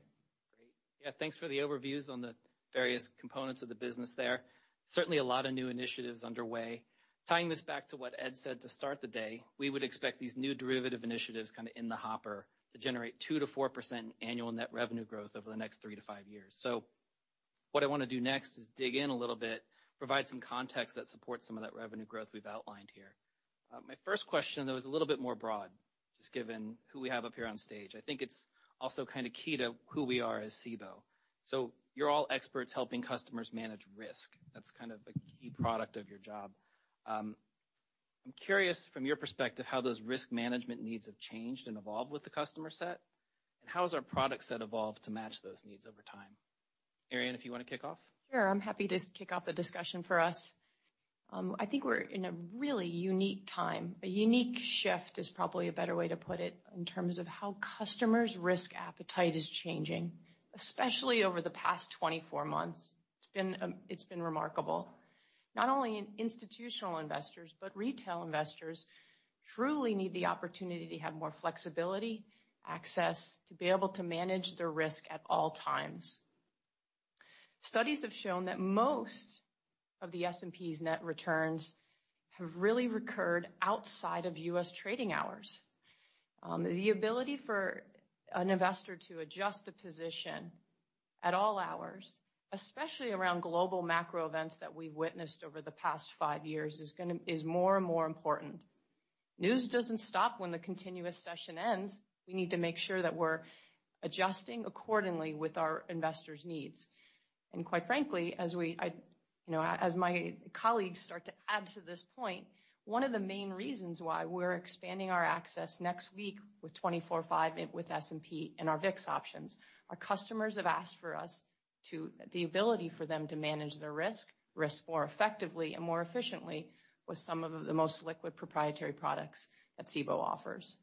Great. Yeah, thanks for the overviews on the various components of the business there. Certainly a lot of new initiatives underway. Tying this back to what Ed said to start the day, we would expect these new derivative initiatives kind of in the hopper to generate 2%-4% annual net revenue growth over the next three to five years. What I wanna do next is dig in a little bit, provide some context that supports some of that revenue growth we've outlined here. My first question, though, is a little bit more broad, just given who we have up here on stage. I think it's also kind of key to who we are as Cboe. You're all experts helping customers manage risk. That's kind of the key product of your job. I'm curious from your perspective, how those risk management needs have changed and evolved with the customer set, and how has our product set evolved to match those needs over time? Arianne, if you wanna kick off? Sure. I'm happy to kick off the discussion for us. I think we're in a really unique time. A unique shift is probably a better way to put it in terms of how customers' risk appetite is changing, especially over the past 24-months. It's been remarkable. Not only in institutional investors, but retail investors truly need the opportunity to have more flexibility, access, to be able to manage their risk at all times. Studies have shown that most of the S&P's net returns have really recurred outside of U.S. trading hours. The ability for an investor to adjust a position at all hours, especially around global macro events that we've witnessed over the past five years, is more and more important. News doesn't stop when the continuous session ends. We need to make sure that we're adjusting accordingly with our investors' needs. Quite frankly, you know, as my colleagues start to add to this point, one of the main reasons why we're expanding our access next week with 24/5 with S&P and our VIX options, our customers have asked for the ability for them to manage their risk more effectively and more efficiently with some of the most liquid proprietary products that Cboe offers.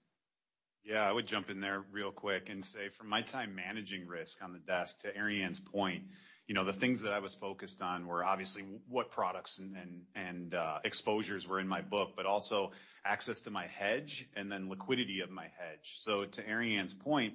Yeah. I would jump in there real quick and say, from my time managing risk on the desk, to Arianne's point, you know, the things that I was focused on were obviously what products and exposures were in my book, but also access to my hedge and then liquidity of my hedge. To Arianne's point,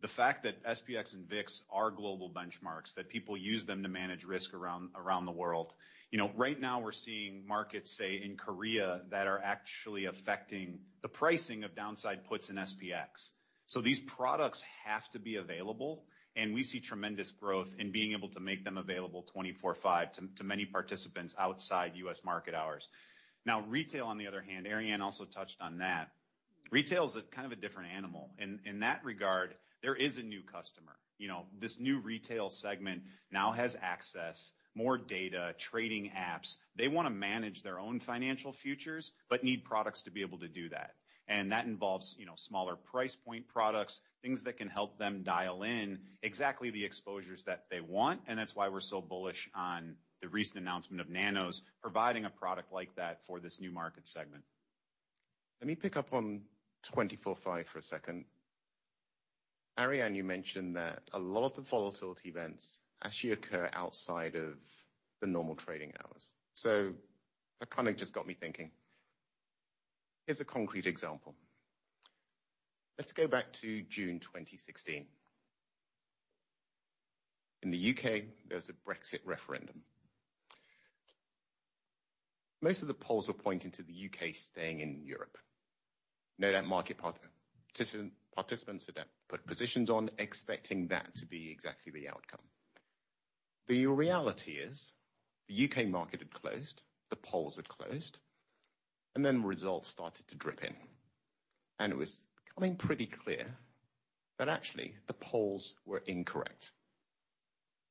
the fact that SPX and VIX are global benchmarks, that people use them to manage risk around the world. You know, right now we're seeing markets, say, in Korea, that are actually affecting the pricing of downside puts in SPX. These products have to be available, and we see tremendous growth in being able to make them available 24/5 to many participants outside U.S. market hours. Now, retail on the other hand, Arianne also touched on that. Retail's a kind of a different animal. In that regard, there is a new customer. You know, this new retail segment now has access, more data, trading apps. They wanna manage their own financial futures but need products to be able to do that. That involves, you know, smaller price point products, things that can help them dial in exactly the exposures that they want, and that's why we're so bullish on the recent announcement of Nanos providing a product like that for this new market segment. Let me pick up on 24/5 for a second. Arianne, you mentioned that a lot of the volatility events actually occur outside of the normal trading hours. That kind of just got me thinking. Here's a concrete example. Let's go back to June 2016. In the U.K., there's a Brexit referendum. Most of the polls were pointing to the U.K. staying in Europe. Now that market participants had put positions on expecting that to be exactly the outcome. The reality is the U.K. market had closed, the polls had closed, and then results started to drip in. It was becoming pretty clear that actually the polls were incorrect.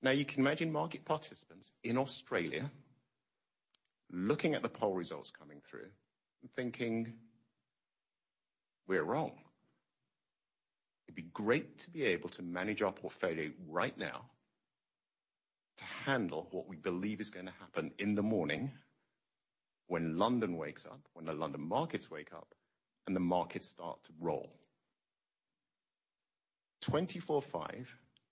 Now you can imagine market participants in Australia looking at the poll results coming through and thinking, "We're wrong." It'd be great to be able to manage our portfolio right now to handle what we believe is gonna happen in the morning when London wakes up, when the London markets wake up, and the markets start to roll. 24/5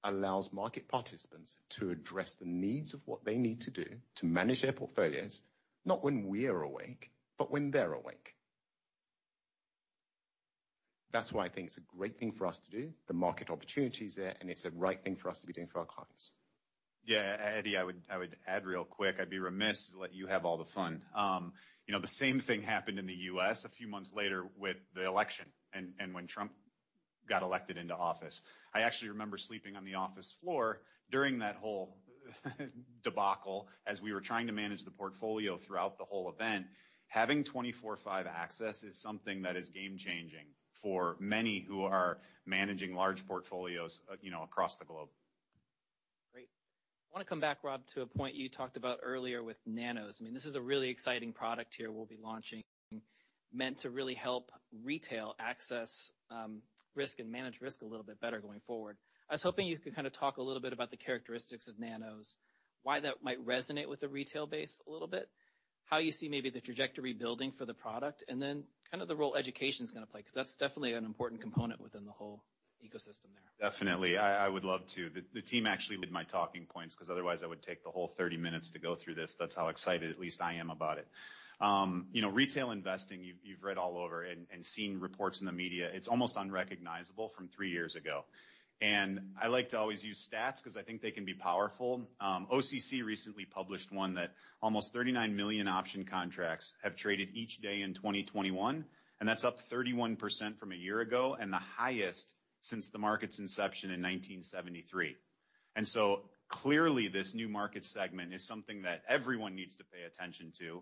allows market participants to address the needs of what they need to do to manage their portfolios, not when we're awake, but when they're awake. That's why I think it's a great thing for us to do. The market opportunity is there, and it's the right thing for us to be doing for our clients. Yeah, Ade, I would add real quick. I'd be remiss to let you have all the fun. You know, the same thing happened in the U.S. a few months later with the election and when Trump got elected into office. I actually remember sleeping on the office floor during that whole debacle as we were trying to manage the portfolio throughout the whole event. Having 24/5 access is something that is game changing for many who are managing large portfolios, you know, across the globe. Great. I wanna come back, Rob, to a point you talked about earlier with Nanos. I mean, this is a really exciting product here we'll be launching, meant to really help retail access, risk and manage risk a little bit better going forward. I was hoping you could kind of talk a little bit about the characteristics of Nanos, why that might resonate with the retail base a little bit, how you see maybe the trajectory building for the product, and then kind of the role education's gonna play, 'cause that's definitely an important component within the whole ecosystem there. Definitely. I would love to. The team actually did my talking points 'cause otherwise I would take the whole 30-minutes to go through this. That's how excited at least I am about it. You know, retail investing, you've read all over and seen reports in the media. It's almost unrecognizable from three years ago. I like to always use stats 'cause I think they can be powerful. OCC recently published one that almost 39 million option contracts have traded each day in 2021, and that's up 31% from a year ago and the highest since the market's inception in 1973. Clearly this new market segment is something that everyone needs to pay attention to.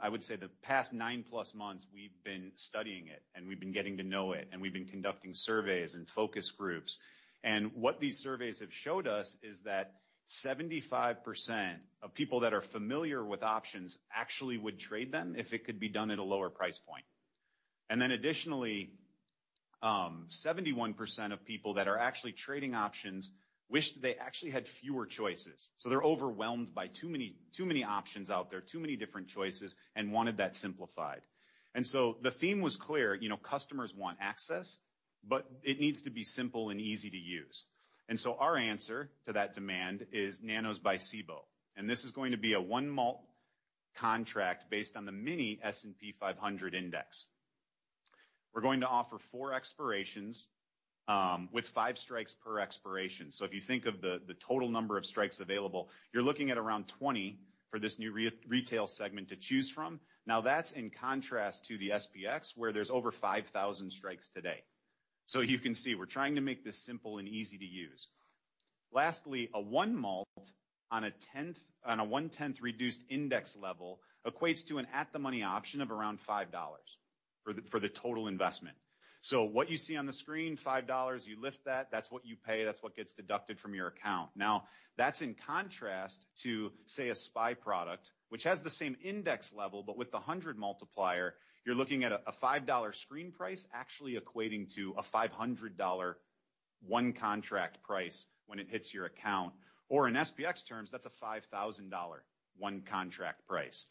I would say the past nine plus months, we've been studying it, and we've been getting to know it, and we've been conducting surveys and focus groups. What these surveys have showed us is that 75% of people that are familiar with options actually would trade them if it could be done at a lower price point. 71% of people that are actually trading options wished they actually had fewer choices. They're overwhelmed by too many options out there, too many different choices and wanted that simplified. The theme was clear. You know, customers want access, but it needs to be simple and easy to use. Our answer to that demand is Nanos by Cboe, and this is going to be a one mult contract based on the Mini-SPX Index. We're going to offer four expirations with five strikes per expiration. If you think of the total number of strikes available, you're looking at around 20 for this new retail segment to choose from. Now, that's in contrast to the SPX, where there's over 5,000 strikes today. You can see, we're trying to make this simple and easy to use. Lastly, a 1 mult on a one-tenth reduced index level equates to an at-the-money option of around $5 for the total investment. What you see on the screen, $5, you lift that's what you pay, that's what gets deducted from your account. Now, that's in contrast to, say, a SPY product, which has the same index level, but with the 100 multiplier, you're looking at a $5 screen price actually equating to a $500 one contract price when it hits your account. Or in SPX terms, that's a $5,000 one contract price.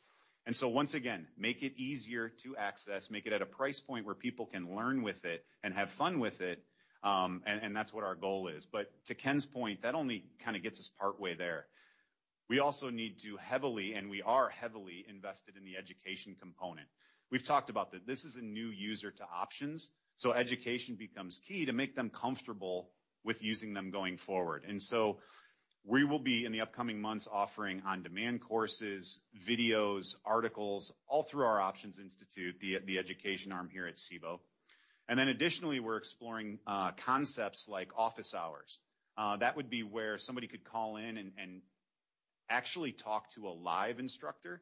Once again, make it easier to access, make it at a price point where people can learn with it and have fun with it, and that's what our goal is. To Ken's point, that only kind of gets us partway there. We also need to and we are heavily invested in the education component. We've talked about that this is a new user to options, so education becomes key to make them comfortable with using them going forward. We will be, in the upcoming months, offering on-demand courses, videos, articles, all through our Options Institute, the education arm here at Cboe. Additionally, we're exploring concepts like office hours. That would be where somebody could call in and actually talk to a live instructor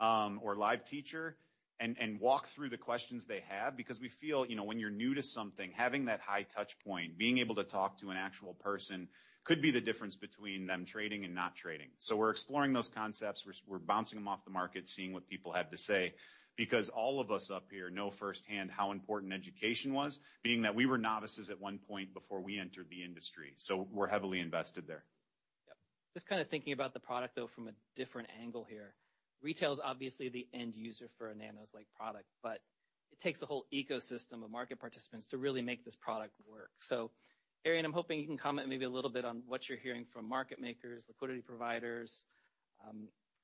or live teacher and walk through the questions they have because we feel, you know, when you're new to something, having that high touch point, being able to talk to an actual person could be the difference between them trading and not trading. We're exploring those concepts. We're bouncing them off the market, seeing what people have to say because all of us up here know firsthand how important education was, being that we were novices at one point before we entered the industry. We're heavily invested there. Just kind of thinking about the product, though, from a different angle here. Retail is obviously the end user for a Nanos-like product, but it takes the whole ecosystem of market participants to really make this product work. Arianne, I'm hoping you can comment maybe a little bit on what you're hearing from market makers, liquidity providers,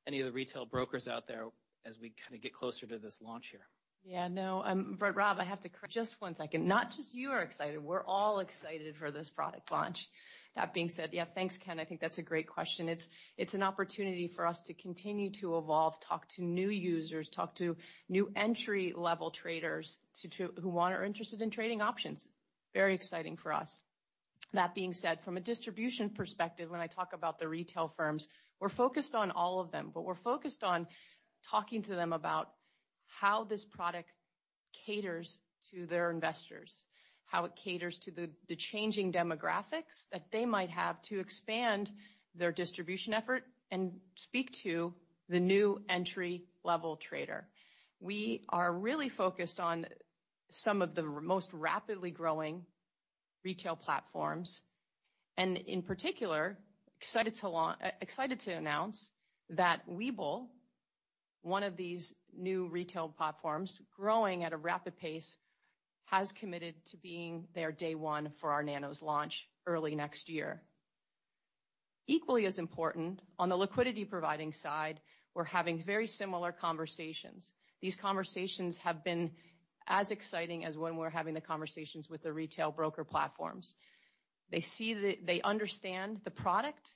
any of the retail brokers out there as we kind of get closer to this launch here. Yeah, no. Rob, I have to correct just one second. Not just you are excited, we're all excited for this product launch. That being said, yeah, thanks, Ken. I think that's a great question. It's an opportunity for us to continue to evolve, talk to new users, talk to new entry-level traders who want or are interested in trading options. Very exciting for us. That being said, from a distribution perspective, when I talk about the retail firms, we're focused on all of them, but we're focused on talking to them about how this product caters to their investors, how it caters to the changing demographics that they might have to expand their distribution effort and speak to the new entry-level trader. We are really focused on some of the most rapidly growing retail platforms, and in particular, excited to announce that Webull, one of these new retail platforms growing at a rapid pace, has committed to being there day one for our Nanos launch early next year. Equally as important, on the liquidity providing side, we're having very similar conversations. These conversations have been as exciting as when we're having the conversations with the retail broker platforms. They understand the product.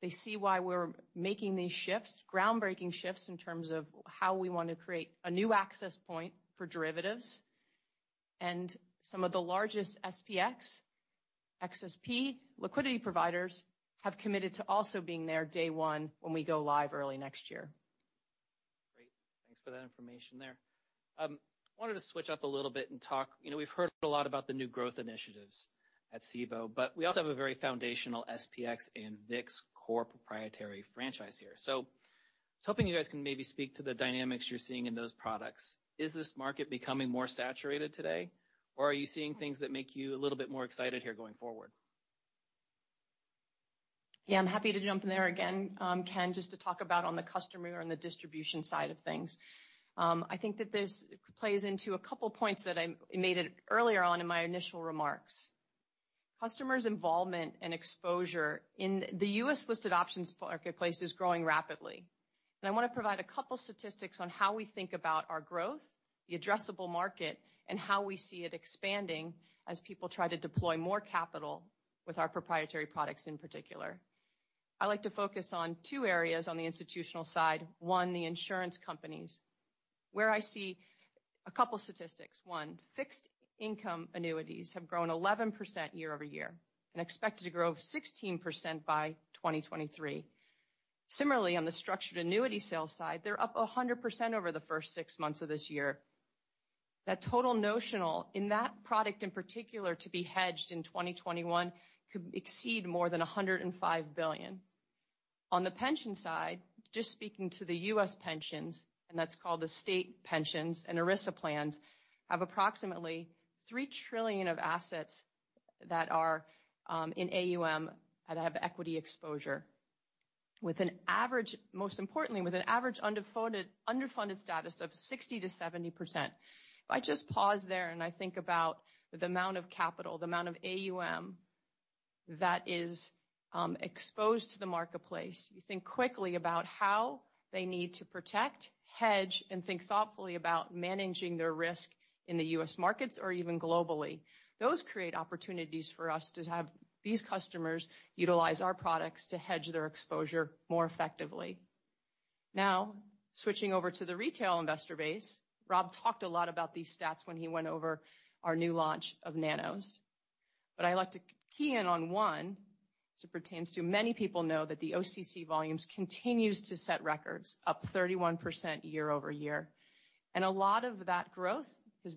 They see why we're making these shifts, groundbreaking shifts in terms of how we want to create a new access point for derivatives. Some of the largest SPX, XSP liquidity providers have committed to also being there day one when we go live early next year. Great. Thanks for that information there. I wanted to switch up a little bit and talk, you know, we've heard a lot about the new growth initiatives at Cboe, but we also have a very foundational SPX and VIX core proprietary franchise here. I was hoping you guys can maybe speak to the dynamics you're seeing in those products. Is this market becoming more saturated today, or are you seeing things that make you a little bit more excited here going forward? Yeah, I'm happy to jump in there again, Ken, just to talk about on the customer and the distribution side of things. I think that this plays into a couple points that I made earlier on in my initial remarks. Customers' involvement and exposure in the U.S.-listed options marketplace is growing rapidly. I wanna provide a couple statistics on how we think about our growth, the addressable market, and how we see it expanding as people try to deploy more capital with our proprietary products in particular. I'd like to focus on two areas on the institutional side. One, the insurance companies, where I see a couple statistics. One, fixed income annuities have grown 11% year-over-year and are expected to grow 16% by 2023. Similarly, on the structured annuity sales side, they're up 100% over the first six months of this year. That total notional in that product, in particular, to be hedged in 2021 could exceed more than $105 billion. On the pension side, just speaking to the U.S. pensions, and that's called the state pensions and ERISA plans, have approximately $3 trillion of assets that are in AUM that have equity exposure, with an average, most importantly, underfunded status of 60%-70%. If I just pause there, and I think about the amount of capital, the amount of AUM that is exposed to the marketplace, you think quickly about how they need to protect, hedge, and think thoughtfully about managing their risk in the U.S. markets or even globally. Those create opportunities for us to have these customers utilize our products to hedge their exposure more effectively. Now, switching over to the retail investor base, Rob talked a lot about these stats when he went over our new launch of Nanos. I like to key in on one as it pertains to. Many people know that the OCC volumes continues to set records up 31% year-over-year. A lot of that growth has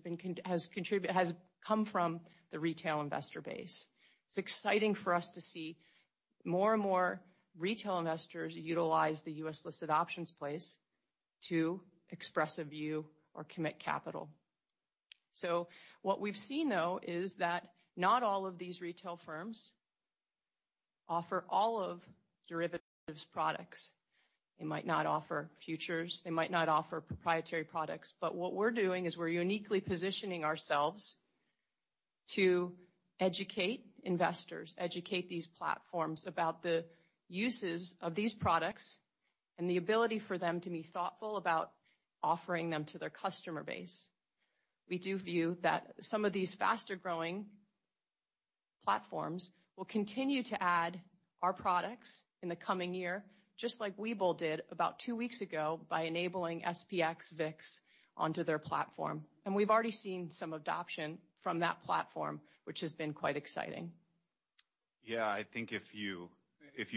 come from the retail investor base. It's exciting for us to see more and more retail investors utilize the U.S.-listed options place to express a view or commit capital. What we've seen, though, is that not all of these retail firms offer all of derivatives products. They might not offer futures, they might not offer proprietary products. What we're doing is we're uniquely positioning ourselves to educate investors, educate these platforms about the uses of these products and the ability for them to be thoughtful about offering them to their customer base. We do view that some of these faster-growing platforms will continue to add our products in the coming year, just like Webull did about two weeks ago by enabling SPX VIX onto their platform. We've already seen some adoption from that platform, which has been quite exciting. Yeah, I think if you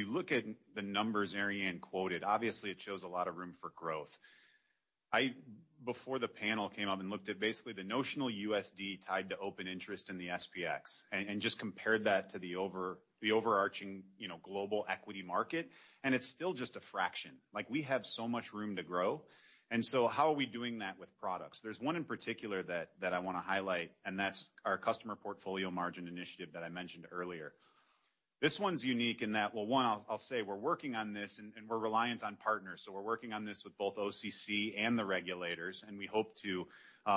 look at the numbers Arianne quoted, obviously it shows a lot of room for growth. Before the panel came up, I looked at basically the notional USD tied to open interest in the SPX and just compared that to the overarching, you know, global equity market, and it's still just a fraction. Like, we have so much room to grow. How are we doing that with products? There's one in particular that I wanna highlight, and that's our Customer Portfolio Margin initiative that I mentioned earlier. This one's unique in that, well, one, I'll say we're working on this and we're reliant on partners. We're working on this with both OCC and the regulators, and we hope to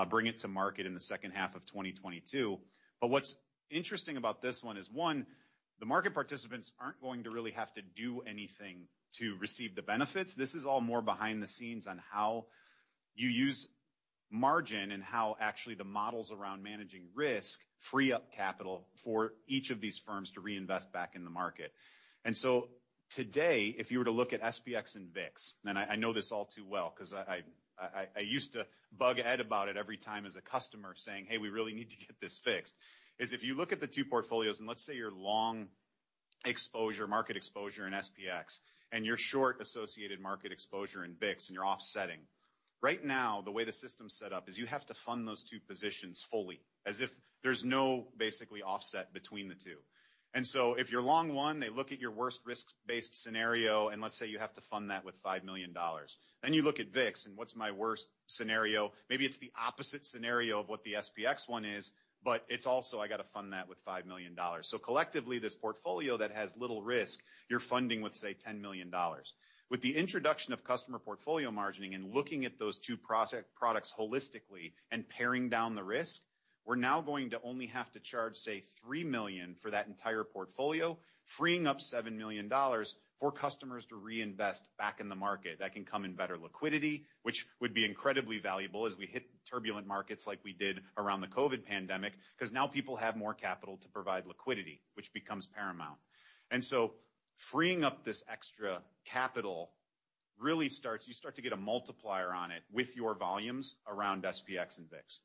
bring it to market in the second half of 2022. What's interesting about this one is, one, the market participants aren't going to really have to do anything to receive the benefits. This is all more behind the scenes on how you use margin and how actually the models around managing risk free up capital for each of these firms to reinvest back in the market. Today, if you were to look at SPX and VIX, and I know this all too well 'cause I used to bug Ed about it every time as a customer saying, "Hey, we really need to get this fixed." If you look at the two portfolios, and let's say you're long exposure, market exposure in SPX, and you're short associated market exposure in VIX and you're offsetting. Right now, the way the system's set up is you have to fund those two positions fully as if there's no basically offset between the two. If you're long one, they look at your worst risk-based scenario, and let's say you have to fund that with $5 million. You look at VIX and what's my worst scenario? Maybe it's the opposite scenario of what the SPX one is, but it's also, I gotta fund that with $5 million. Collectively, this portfolio that has little risk, you're funding with, say, $10 million. With the introduction of customer portfolio margining and looking at those two products holistically and paring down the risk, we're now going to only have to charge, say, $3 million for that entire portfolio, freeing up $7 million for customers to reinvest back in the market. That can come in better liquidity, which would be incredibly valuable as we hit turbulent markets like we did around the COVID pandemic, 'cause now people have more capital to provide liquidity, which becomes paramount. Freeing up this extra capital. You start to get a multiplier on it with your volumes around SPX and VIX.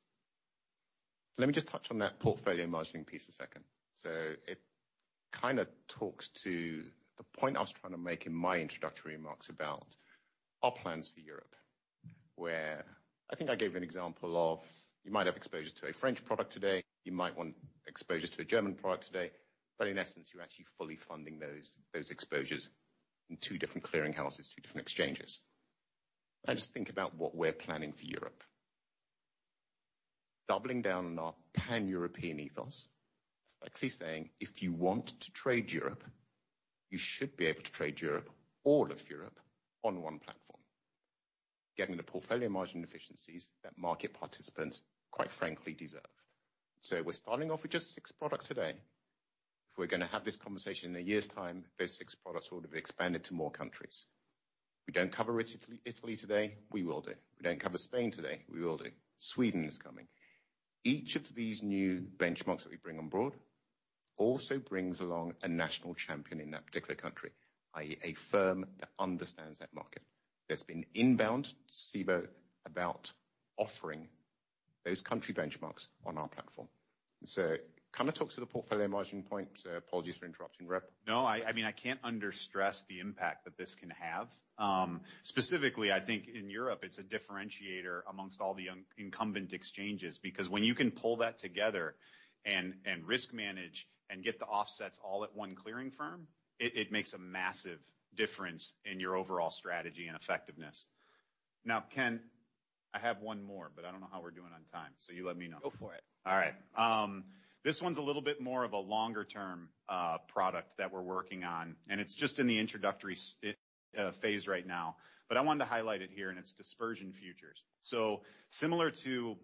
Let me just touch on that portfolio margining piece a second. It kinda talks to the point I was trying to make in my introductory remarks about our plans for Europe, where I think I gave an example of you might have exposure to a French product today, you might want exposure to a German product today, but in essence, you're actually fully funding those exposures in two different clearing houses, two different exchanges. I just think about what we're planning for Europe, doubling down on our Pan-European ethos. Effectively saying, if you want to trade Europe, you should be able to trade Europe, all of Europe, on one platform, getting the portfolio margin efficiencies that market participants quite frankly deserve. We're starting off with just six products today. If we're gonna have this conversation in a year's time, those six products will have expanded to more countries. We don't cover Italy today, we will do. We don't cover Spain today, we will do. Sweden is coming. Each of these new benchmarks that we bring on board also brings along a national champion in that particular country, i.e. a firm that understands that market. There's been inbound to Cboe about offering those country benchmarks on our platform. Kind of talks to the portfolio margining point. Apologies for interrupting, Rob. No, I mean, I can't overstress the impact that this can have. Specifically, I think in Europe, it's a differentiator among all the incumbent exchanges, because when you can pull that together and risk manage and get the offsets all at one clearing firm, it makes a massive difference in your overall strategy and effectiveness. Now, Ken, I have one more, but I don't know how we're doing on time, so you let me know. Go for it. All right. This one's a little bit more of a longer-term product that we're working on, and it's just in the introductory phase right now. I wanted to highlight it here, and it's dispersion futures. Similar to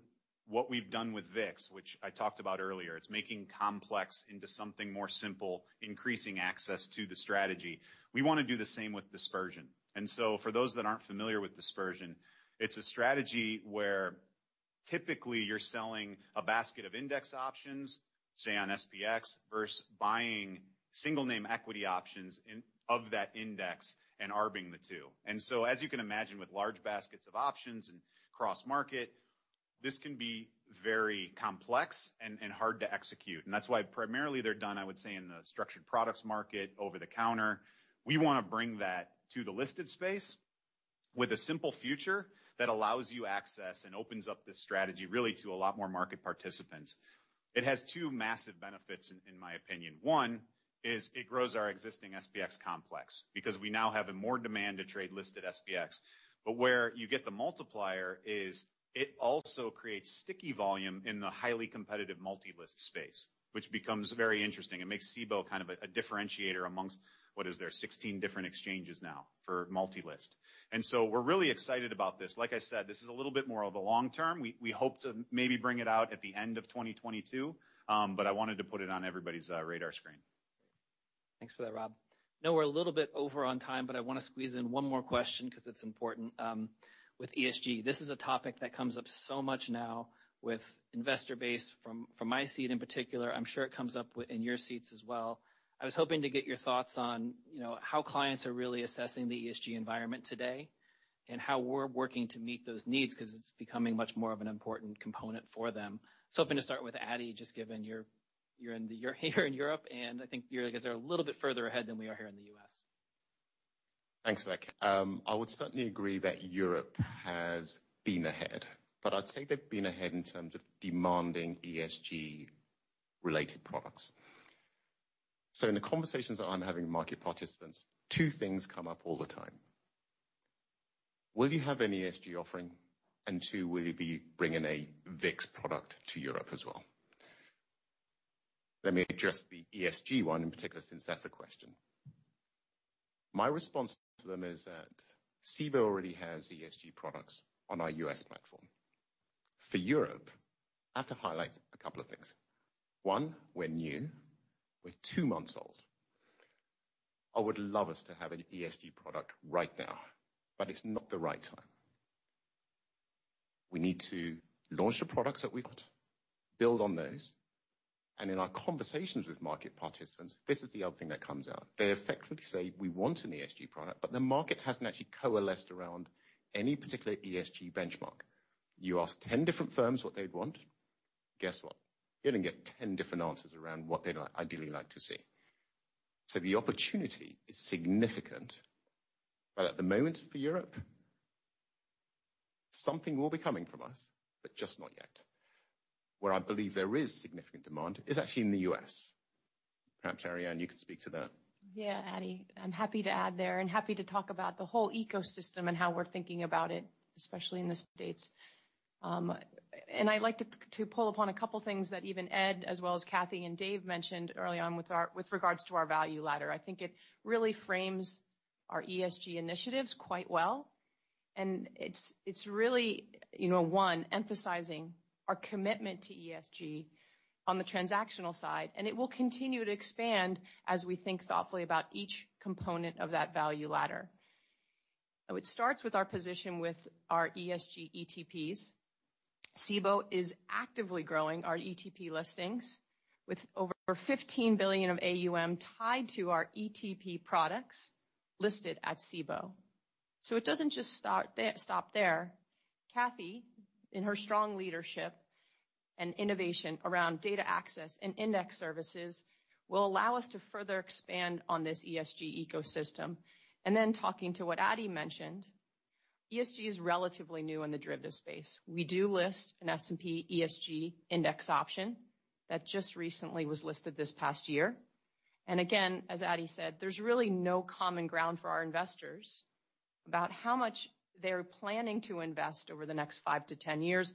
what we've done with VIX, which I talked about earlier, it's making complex into something more simple, increasing access to the strategy. We wanna do the same with dispersion. For those that aren't familiar with dispersion, it's a strategy where typically you're selling a basket of index options, say on SPX, versus buying single name equity options in, of that index and arbing the two. As you can imagine, with large baskets of options and cross-market, this can be very complex and hard to execute. That's why primarily they're done, I would say, in the structured products market over the counter. We wanna bring that to the listed space with a simple future that allows you access and opens up this strategy really to a lot more market participants. It has two massive benefits in my opinion. One is it grows our existing SPX complex because we now have more demand to trade listed SPX. Where you get the multiplier is it also creates sticky volume in the highly competitive multi-list space, which becomes very interesting. It makes Cboe kind of a differentiator amongst what is there 16 different exchanges now for multi-list. We're really excited about this. Like I said, this is a little bit more of a long term. We hope to maybe bring it out at the end of 2022. I wanted to put it on everybody's radar screen. Thanks for that, Rob. Now we're a little bit over on time, but I wanna squeeze in one more question 'cause it's important with ESG. This is a topic that comes up so much now with investor base from my seat in particular. I'm sure it comes up within your seats as well. I was hoping to get your thoughts on, you know, how clients are really assessing the ESG environment today and how we're working to meet those needs, 'cause it's becoming much more of an important component for them. Hoping to start with Ade, just given you're here in Europe, and I think you're, I guess, a little bit further ahead than we are here in the U.S. Thanks, Ken. I would certainly agree that Europe has been ahead, but I'd say they've been ahead in terms of demanding ESG-related products. In the conversations that I'm having with market participants, two things come up all the time. Will you have an ESG offering? And two, will you be bringing a VIX product to Europe as well? Let me address the ESG one in particular, since that's a question. My response to them is that Cboe already has ESG products on our U.S. platform. For Europe, I have to highlight a couple of things. One, we're new, we're two months old. I would love us to have an ESG product right now, but it's not the right time. We need to launch the products that we've got, build on those, and in our conversations with market participants, this is the other thing that comes out. They effectively say, "We want an ESG product," but the market hasn't actually coalesced around any particular ESG benchmark. You ask 10 different firms what they'd want, guess what? You're gonna get 10 different answers around what they'd ideally like to see. The opportunity is significant. But at the moment for Europe, something will be coming from us, but just not yet. Where I believe there is significant demand is actually in the U.S. Perhaps, Arianne, you can speak to that. Yeah, Ade, I'm happy to add there and happy to talk about the whole ecosystem and how we're thinking about it, especially in the States. I'd like to touch upon a couple things that even Ed, as well as Catherine and David mentioned early on with regards to our value ladder. I think it really frames our ESG initiatives quite well. It's really, you know, one, emphasizing our commitment to ESG on the transactional side, and it will continue to expand as we think thoughtfully about each component of that value ladder. It starts with our position with our ESG ETPs. Cboe is actively growing our ETP listings with over $15 billion of AUM tied to our ETP products listed at Cboe. It doesn't just start there and stop there. Cathy, in her strong leadership and innovation around data access and index services, will allow us to further expand on this ESG ecosystem. Talking to what Ade mentioned, ESG is relatively new in the derivatives space. We do list an S&P ESG index option that just recently was listed this past year. Again, as Ade said, there's really no common ground for our investors about how much they're planning to invest over the next five to 10-years.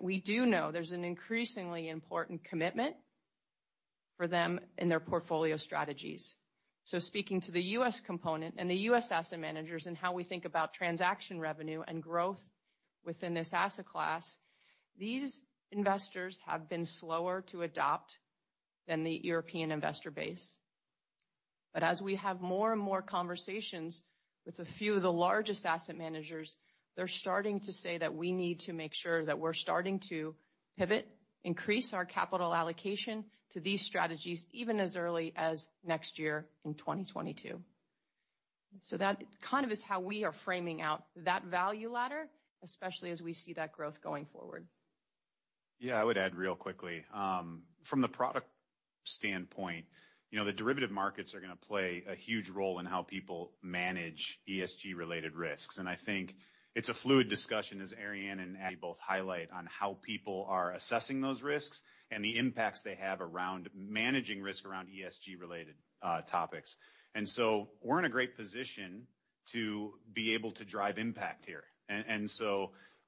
We do know there's an increasingly important commitment for them in their portfolio strategies. Speaking to the U.S. component and the U.S. asset managers and how we think about transaction revenue and growth within this asset class, these investors have been slower to adopt than the European investor base. as we have more and more conversations with a few of the largest asset managers, they're starting to say that we need to make sure that we're starting to pivot, increase our capital allocation to these strategies even as early as next year in 2022. that kind of is how we are framing out that value ladder, especially as we see that growth going forward. Yeah, I would add real quickly. From the product standpoint, you know, the derivative markets are gonna play a huge role in how people manage ESG-related risks. I think it's a fluid discussion, as Arianne and Ade both highlight, on how people are assessing those risks and the impacts they have around managing risk around ESG-related topics. We're in a great position to be able to drive impact here.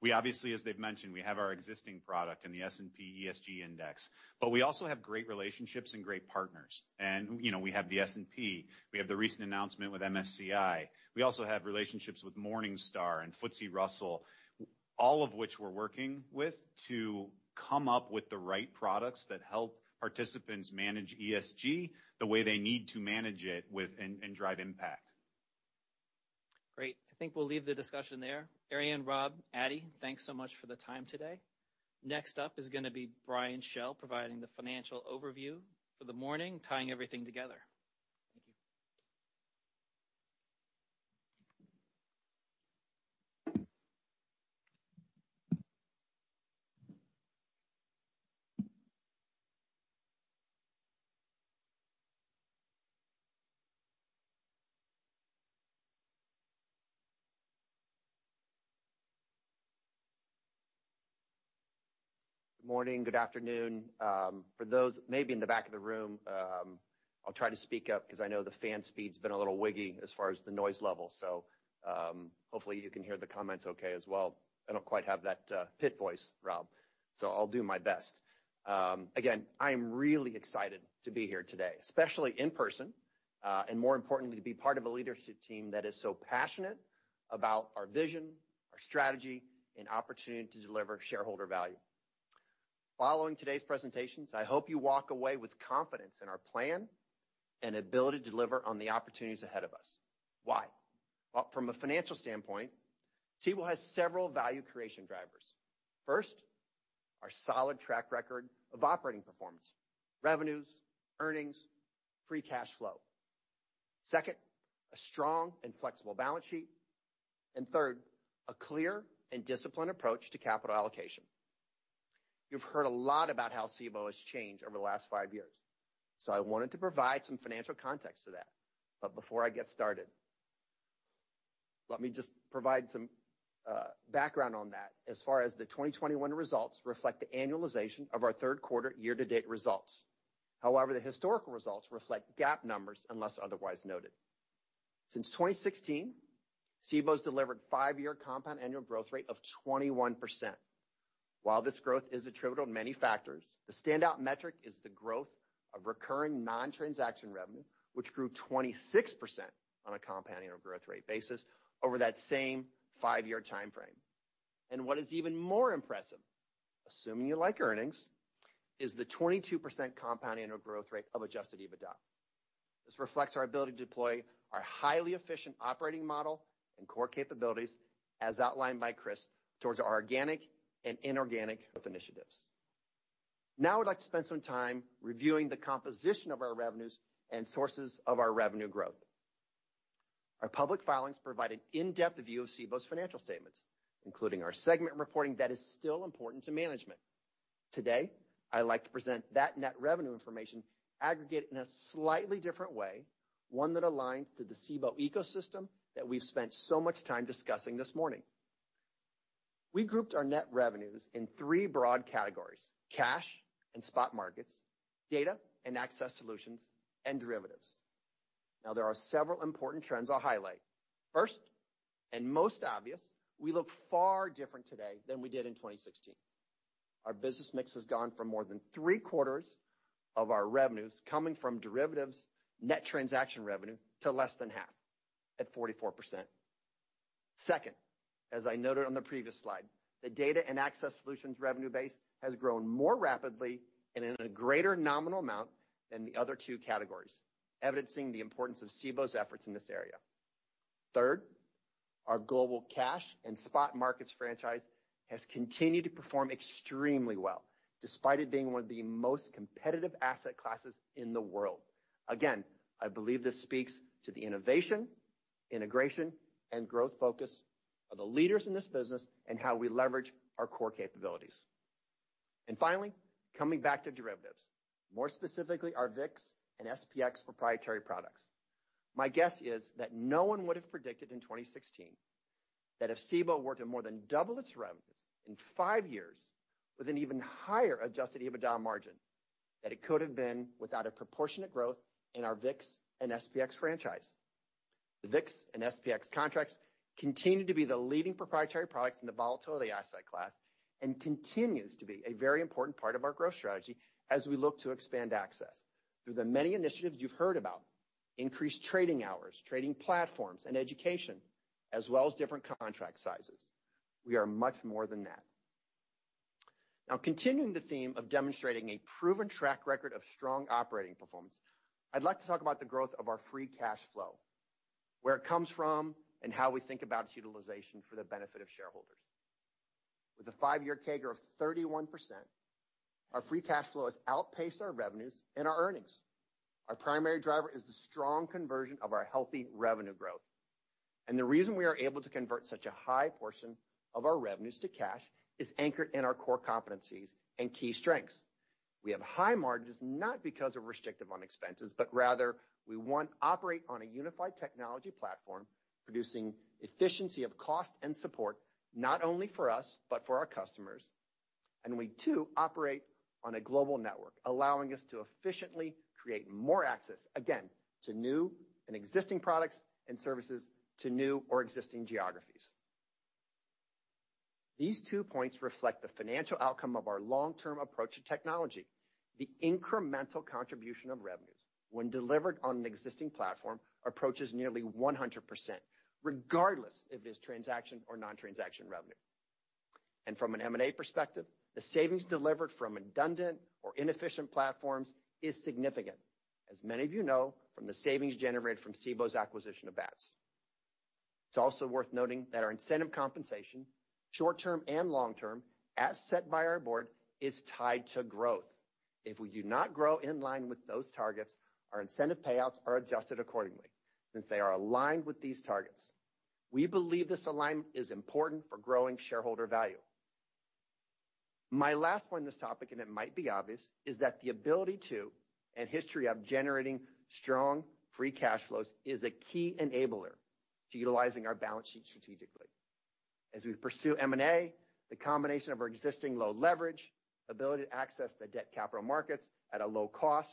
We obviously, as they've mentioned, we have our existing product in the S&P ESG Index, but we also have great relationships and great partners. You know, we have the S&P, we have the recent announcement with MSCI. We also have relationships with Morningstar and FTSE Russell, all of which we're working with to come up with the right products that help participants manage ESG the way they need to manage it with and drive impact. Great. I think we'll leave the discussion there. Arianne, Rob, Ade, thanks so much for the time today. Next up is gonna be Brian Schell providing the financial overview for the morning, tying everything together. Thank you. Good morning, good afternoon. For those maybe in the back of the room, I'll try to speak up 'cause I know the fan speed's been a little wiggy as far as the noise level, so, hopefully you can hear the comments okay as well. I don't quite have that pit voice, Rob, so I'll do my best. Again, I am really excited to be here today, especially in person, and more importantly, to be part of a leadership team that is so passionate about our vision, our strategy, and opportunity to deliver shareholder value. Following today's presentations, I hope you walk away with confidence in our plan and ability to deliver on the opportunities ahead of us. Why? Well, from a financial standpoint, Cboe has several value creation drivers. First, our solid track record of operating performance, revenues, earnings, free cash flow. Second, a strong and flexible balance sheet. Third, a clear and disciplined approach to capital allocation. You've heard a lot about how Cboe has changed over the last five years, so I wanted to provide some financial context to that. Before I get started, let me just provide some background on that as far as the 2021 results reflect the annualization of our third quarter year-to-date results. However, the historical results reflect GAAP numbers unless otherwise noted. Since 2016, Cboe's delivered 5-year compound annual growth rate of 21%. While this growth is attributed to many factors, the standout metric is the growth of recurring non-transaction revenue, which grew 26% on a compound annual growth rate basis over that same five year timeframe. What is even more impressive, assuming you like earnings, is the 22% compound annual growth rate of adjusted EBITDA. This reflects our ability to deploy our highly efficient operating model and core capabilities as outlined by Chris towards our organic and inorganic growth initiatives. Now I'd like to spend some time reviewing the composition of our revenues and sources of our revenue growth. Our public filings provide an in-depth view of Cboe's financial statements, including our segment reporting that is still important to management. Today, I like to present that net revenue information aggregate in a slightly different way, one that aligns to the Cboe ecosystem that we've spent so much time discussing this morning. We grouped our net revenues in three broad categories: cash and spot markets, Data and Access Solutions, and derivatives. Now there are several important trends I'll highlight. First, and most obvious, we look far different today than we did in 2016. Our business mix has gone from more than three-quarters of our revenues coming from derivatives net transaction revenue to less than half, at 44%. Second, as I noted on the previous slide, the Data and Access Solutions revenue base has grown more rapidly and in a greater nominal amount than the other two categories, evidencing the importance of Cboe's efforts in this area. Third, our global cash and spot markets franchise has continued to perform extremely well despite it being one of the most competitive asset classes in the world. Again, I believe this speaks to the innovation, integration, and growth focus of the leaders in this business and how we leverage our core capabilities. Finally, coming back to derivatives, more specifically our VIX and SPX proprietary products. My guess is that no one would have predicted in 2016 that if Cboe were to more than double its revenues in five years with an even higher adjusted EBITDA margin, that it could have been without a proportionate growth in our VIX and SPX franchise. The VIX and SPX contracts continue to be the leading proprietary products in the volatility asset class and continues to be a very important part of our growth strategy as we look to expand access. Through the many initiatives you've heard about, increased trading hours, trading platforms, and education, as well as different contract sizes, we are much more than that. Now, continuing the theme of demonstrating a proven track record of strong operating performance, I'd like to talk about the growth of our free cash flow, where it comes from, and how we think about its utilization for the benefit of shareholders. With a five-year CAGR of 31%, our free cash flow has outpaced our revenues and our earnings. Our primary driver is the strong conversion of our healthy revenue growth. The reason we are able to convert such a high portion of our revenues to cash is anchored in our core competencies and key strengths. We have high margins, not because we're restrictive on expenses, but rather we, one, operate on a unified technology platform, producing efficiency of cost and support, not only for us, but for our customers. We, two, operate on a global network, allowing us to efficiently create more access, again, to new and existing products and services to new or existing geographies. These two points reflect the financial outcome of our long-term approach to technology. The incremental contribution of revenues when delivered on an existing platform approaches nearly 100%, regardless if it is transaction or non-transaction revenue. From an M&A perspective, the savings delivered from redundant or inefficient platforms is significant, as many of you know from the savings generated from Cboe's acquisition of Bats. It's also worth noting that our incentive compensation, short-term and long-term, as set by our board, is tied to growth. If we do not grow in line with those targets, our incentive payouts are adjusted accordingly since they are aligned with these targets. We believe this alignment is important for growing shareholder value. My last point on this topic, and it might be obvious, is that the ability to and history of generating strong free cash flows is a key enabler to utilizing our balance sheet strategically. As we pursue M&A, the combination of our existing low leverage, ability to access the debt capital markets at a low cost,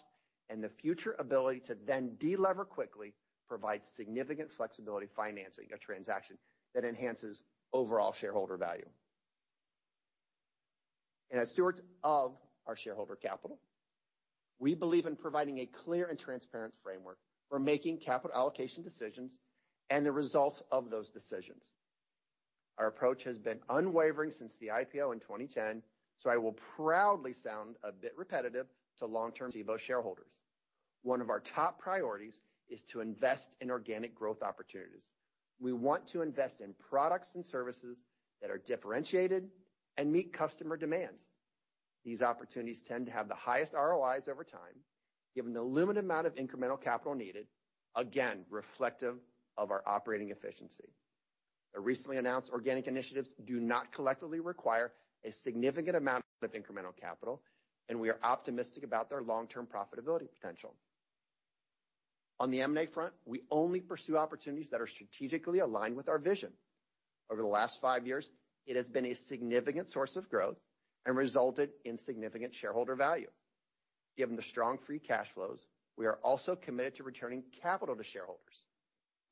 and the future ability to then de-lever quickly provides significant flexibility financing a transaction that enhances overall shareholder value. As stewards of our shareholder capital, we believe in providing a clear and transparent framework for making capital allocation decisions and the results of those decisions. Our approach has been unwavering since the IPO in 2010, so I will proudly sound a bit repetitive to long-term Cboe shareholders. One of our top priorities is to invest in organic growth opportunities. We want to invest in products and services that are differentiated and meet customer demands. These opportunities tend to have the highest ROIs over time, given the limited amount of incremental capital needed, again, reflective of our operating efficiency. The recently announced organic initiatives do not collectively require a significant amount of incremental capital, and we are optimistic about their long-term profitability potential. On the M&A front, we only pursue opportunities that are strategically aligned with our vision. Over the last five years, it has been a significant source of growth and resulted in significant shareholder value. Given the strong free cash flows, we are also committed to returning capital to shareholders.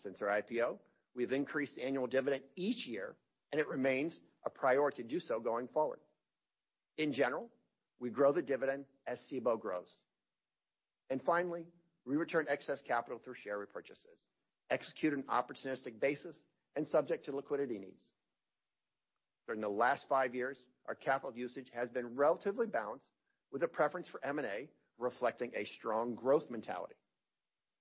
Since our IPO, we've increased annual dividend each year, and it remains a priority to do so going forward. In general, we grow the dividend as Cboe grows. Finally, we return excess capital through share repurchases, on an opportunistic basis and subject to liquidity needs. During the last five years, our capital usage has been relatively balanced, with a preference for M&A reflecting a strong growth mentality.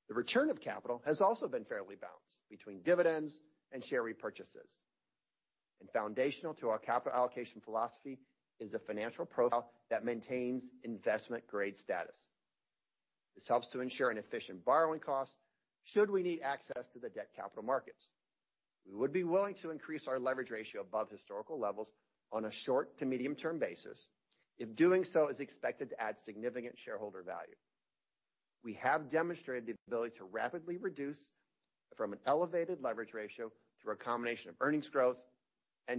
The return of capital has also been fairly balanced between dividends and share repurchases. Foundational to our capital allocation philosophy is a financial profile that maintains investment-grade status. This helps to ensure an efficient borrowing cost should we need access to the debt capital markets. We would be willing to increase our leverage ratio above historical levels on a short to medium-term basis if doing so is expected to add significant shareholder value. We have demonstrated the ability to rapidly reduce from an elevated leverage ratio through a combination of earnings growth. The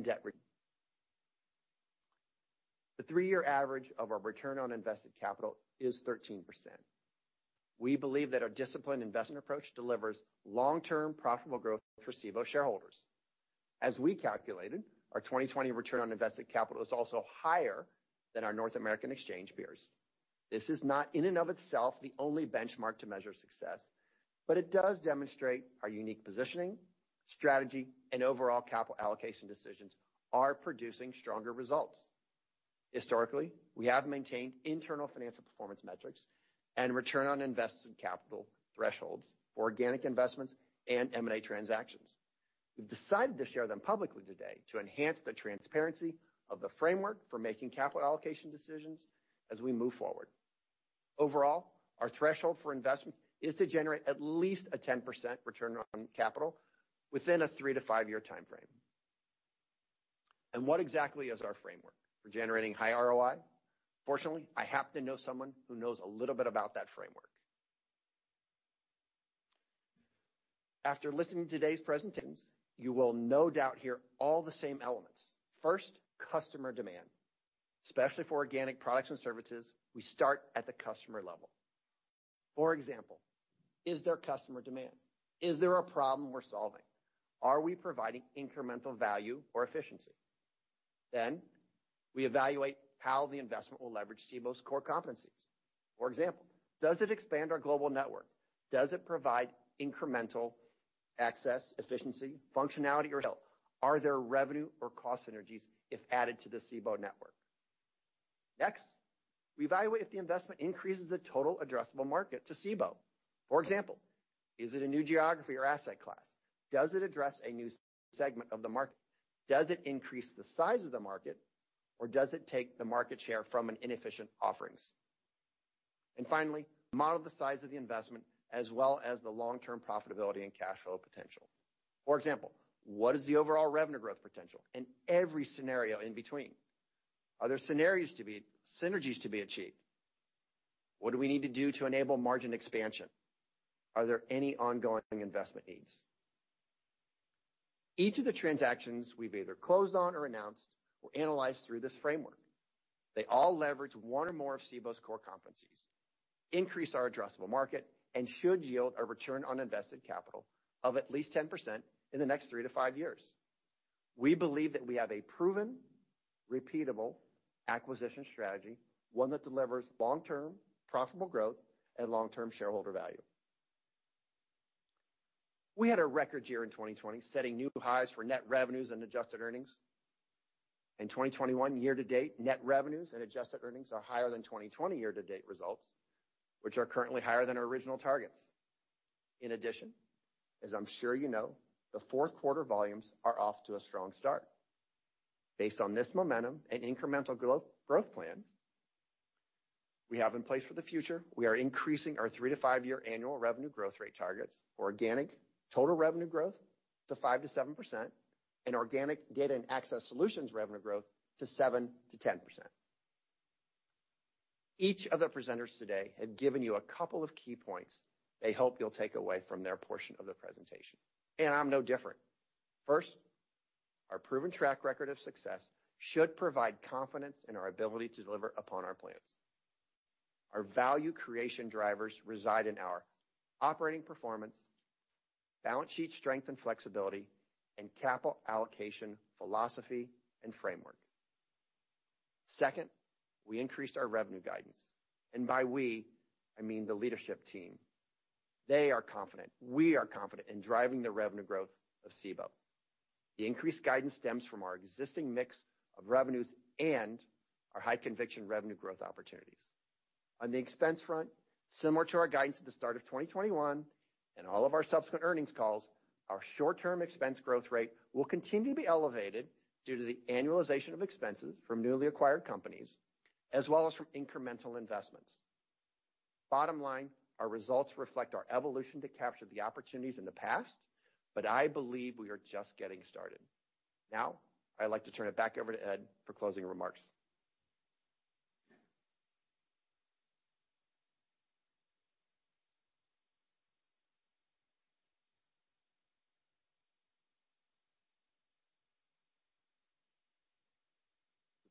three year average of our return on invested capital is 13%. We believe that our disciplined investment approach delivers long-term profitable growth for Cboe shareholders. As we calculated, our 2020 return on invested capital is also higher than our North American exchange peers. This is not in and of itself the only benchmark to measure success, but it does demonstrate our unique positioning, strategy, and overall capital allocation decisions are producing stronger results. Historically, we have maintained internal financial performance metrics and return on invested capital thresholds for organic investments and M&A transactions. We've decided to share them publicly today to enhance the transparency of the framework for making capital allocation decisions as we move forward. Overall, our threshold for investment is to generate at least a 10% return on capital within a three to five year time frame. What exactly is our framework for generating high ROI? Fortunately, I happen to know someone who knows a little bit about that framework. After listening to today's presentations, you will no doubt hear all the same elements. First, customer demand, especially for organic products and services, we start at the customer level. For example, is there customer demand? Is there a problem we're solving? Are we providing incremental value or efficiency? We evaluate how the investment will leverage Cboe's core competencies. For example, does it expand our global network? Does it provide incremental access, efficiency, functionality or help? Are there revenue or cost synergies if added to the Cboe network? Next, we evaluate if the investment increases the total addressable market to Cboe. For example, is it a new geography or asset class? Does it address a new segment of the market? Does it increase the size of the market, or does it take the market share from an inefficient offerings? Finally, model the size of the investment as well as the long-term profitability and cash flow potential. For example, what is the overall revenue growth potential in every scenario in between? Are there synergies to be achieved? What do we need to do to enable margin expansion? Are there any ongoing investment needs? Each of the transactions we've either closed on or announced were analyzed through this framework. They all leverage one or more of Cboe's core competencies, increase our addressable market, and should yield a return on invested capital of at least 10% in the next three to five years. We believe that we have a proven, repeatable acquisition strategy, one that delivers long-term profitable growth and long-term shareholder value. We had a record year in 2020, setting new highs for net revenues and adjusted earnings. In 2021 year to date, net revenues and adjusted earnings are higher than 2020 year to date results, which are currently higher than our original targets. In addition, as I'm sure you know, the fourth quarter volumes are off to a strong start. Based on this momentum and incremental growth plans we have in place for the future, we are increasing our three to five year annual revenue growth rate targets, organic total revenue growth to 5%-7%, and organic Data and Access Solutions revenue growth to 7%-10%. Each of the presenters today have given you a couple of key points they hope you'll take away from their portion of the presentation, and I'm no different. First, our proven track record of success should provide confidence in our ability to deliver upon our plans. Our value creation drivers reside in our operating performance, balance sheet strength and flexibility, and capital allocation philosophy and framework. Second, we increased our revenue guidance, and by we, I mean the leadership team. They are confident. We are confident in driving the revenue growth of Cboe. The increased guidance stems from our existing mix of revenues and our high conviction revenue growth opportunities. On the expense front, similar to our guidance at the start of 2021 and all of our subsequent earnings calls, our short-term expense growth rate will continue to be elevated due to the annualization of expenses from newly acquired companies, as well as from incremental investments. Bottom line, our results reflect our evolution to capture the opportunities in the past, but I believe we are just getting started. Now, I'd like to turn it back over to Ed for closing remarks.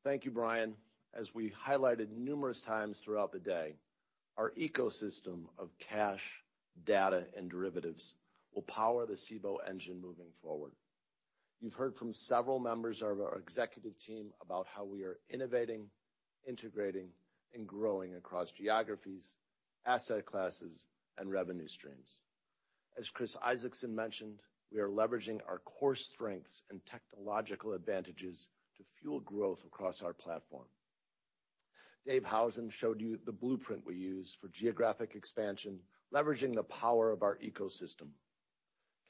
Thank you, Brian. As we highlighted numerous times throughout the day, our ecosystem of cash, data, and derivatives will power the Cboe engine moving forward. You've heard from several members of our executive team about how we are innovating, integrating, and growing across geographies, asset classes, and revenue streams. As Chris Isaacson mentioned, we are leveraging our core strengths and technological advantages to fuel growth across our platform. David Howson showed you the blueprint we use for geographic expansion, leveraging the power of our ecosystem.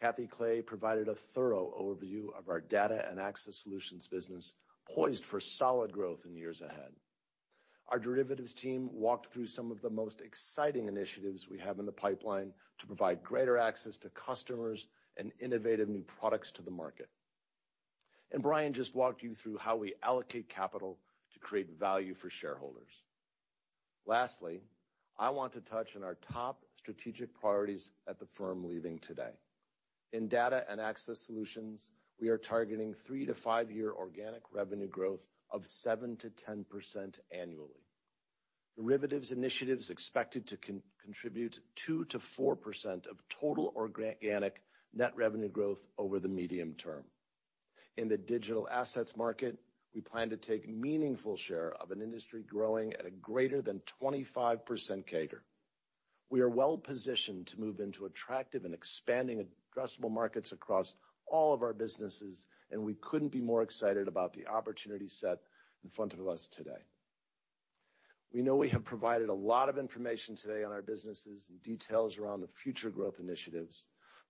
Catherine Clay provided a thorough overview of our Data and Access Solutions business, poised for solid growth in years ahead. Our derivatives team walked through some of the most exciting initiatives we have in the pipeline to provide greater access to customers and innovative new products to the market. Brian just walked you through how we allocate capital to create value for shareholders. Lastly, I want to touch on our top strategic priorities at the firm leaving today. In Data and Access Solutions, we are targeting three to five year organic revenue growth of 7%-10% annually. Derivatives initiatives expected to contribute 2%-4% of total organic net revenue growth over the medium term. In the digital assets market, we plan to take meaningful share of an industry growing at a greater than 25% CAGR. We are well-positioned to move into attractive and expanding addressable markets across all of our businesses, and we couldn't be more excited about the opportunity set in front of us today. We know we have provided a lot of information today on our businesses and details around the future growth initiatives.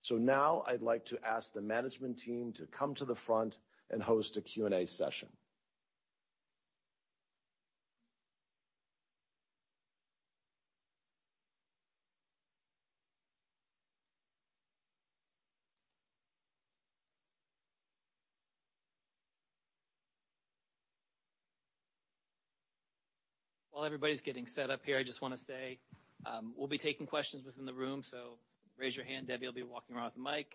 Now I'd like to ask the management team to come to the front and host a Q&A session. While everybody's getting set up here, I just wanna say, we'll be taking questions within the room, so raise your hand. Debbie will be walking around with a mic.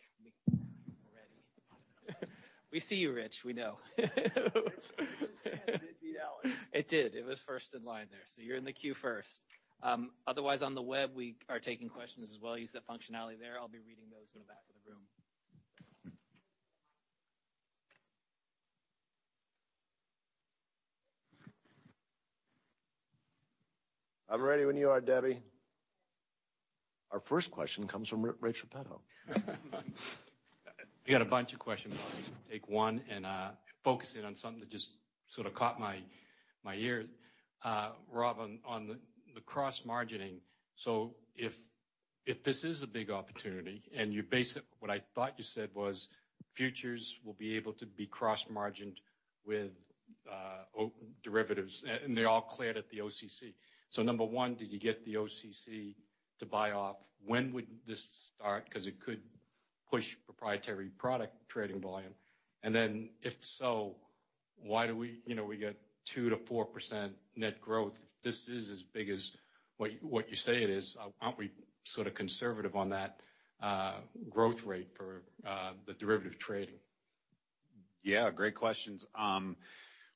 We see you, Rich. We know. Rich's hand did beat Adam. It did. It was first in line there, so you're in the queue first. Otherwise on the web, we are taking questions as well. Use the functionality there. I'll be reading those in the back of the room. I'm ready when you are, Debbie. Our first question comes from Rich Repetto. I got a bunch of questions. I'll just take one and focus in on something that just sorta caught my ear. Rob, on the cross-margining. If this is a big opportunity, and what I thought you said was futures will be able to be cross-margined with derivatives, and they're all cleared at the OCC. Number one, did you get the OCC to sign off? When would this start? 'Cause it could push proprietary product trading volume. Then if so, why do we, you know, we get 2%-4% net growth. This is as big as what you say it is. Aren't we sort of conservative on that growth rate for the derivative trading? Yeah, great questions.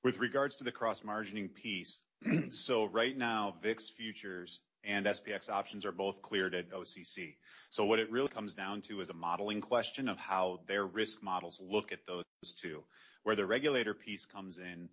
With regards to the cross-margining piece, right now, VIX futures and SPX options are both cleared at OCC. What it really comes down to is a modeling question of how their risk models look at those two. Where the regulatory piece comes in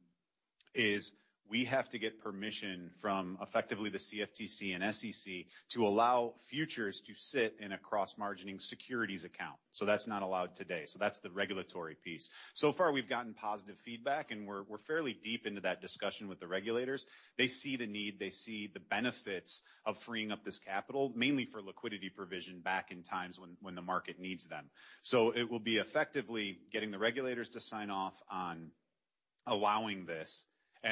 is we have to get permission from effectively the CFTC and SEC to allow futures to sit in a cross-margining securities account. That's not allowed today. That's the regulatory piece. So far, we've gotten positive feedback, and we're fairly deep into that discussion with the regulators. They see the need, they see the benefits of freeing up this capital, mainly for liquidity provision back in times when the market needs them. It will be effectively getting the regulators to sign off on allowing this.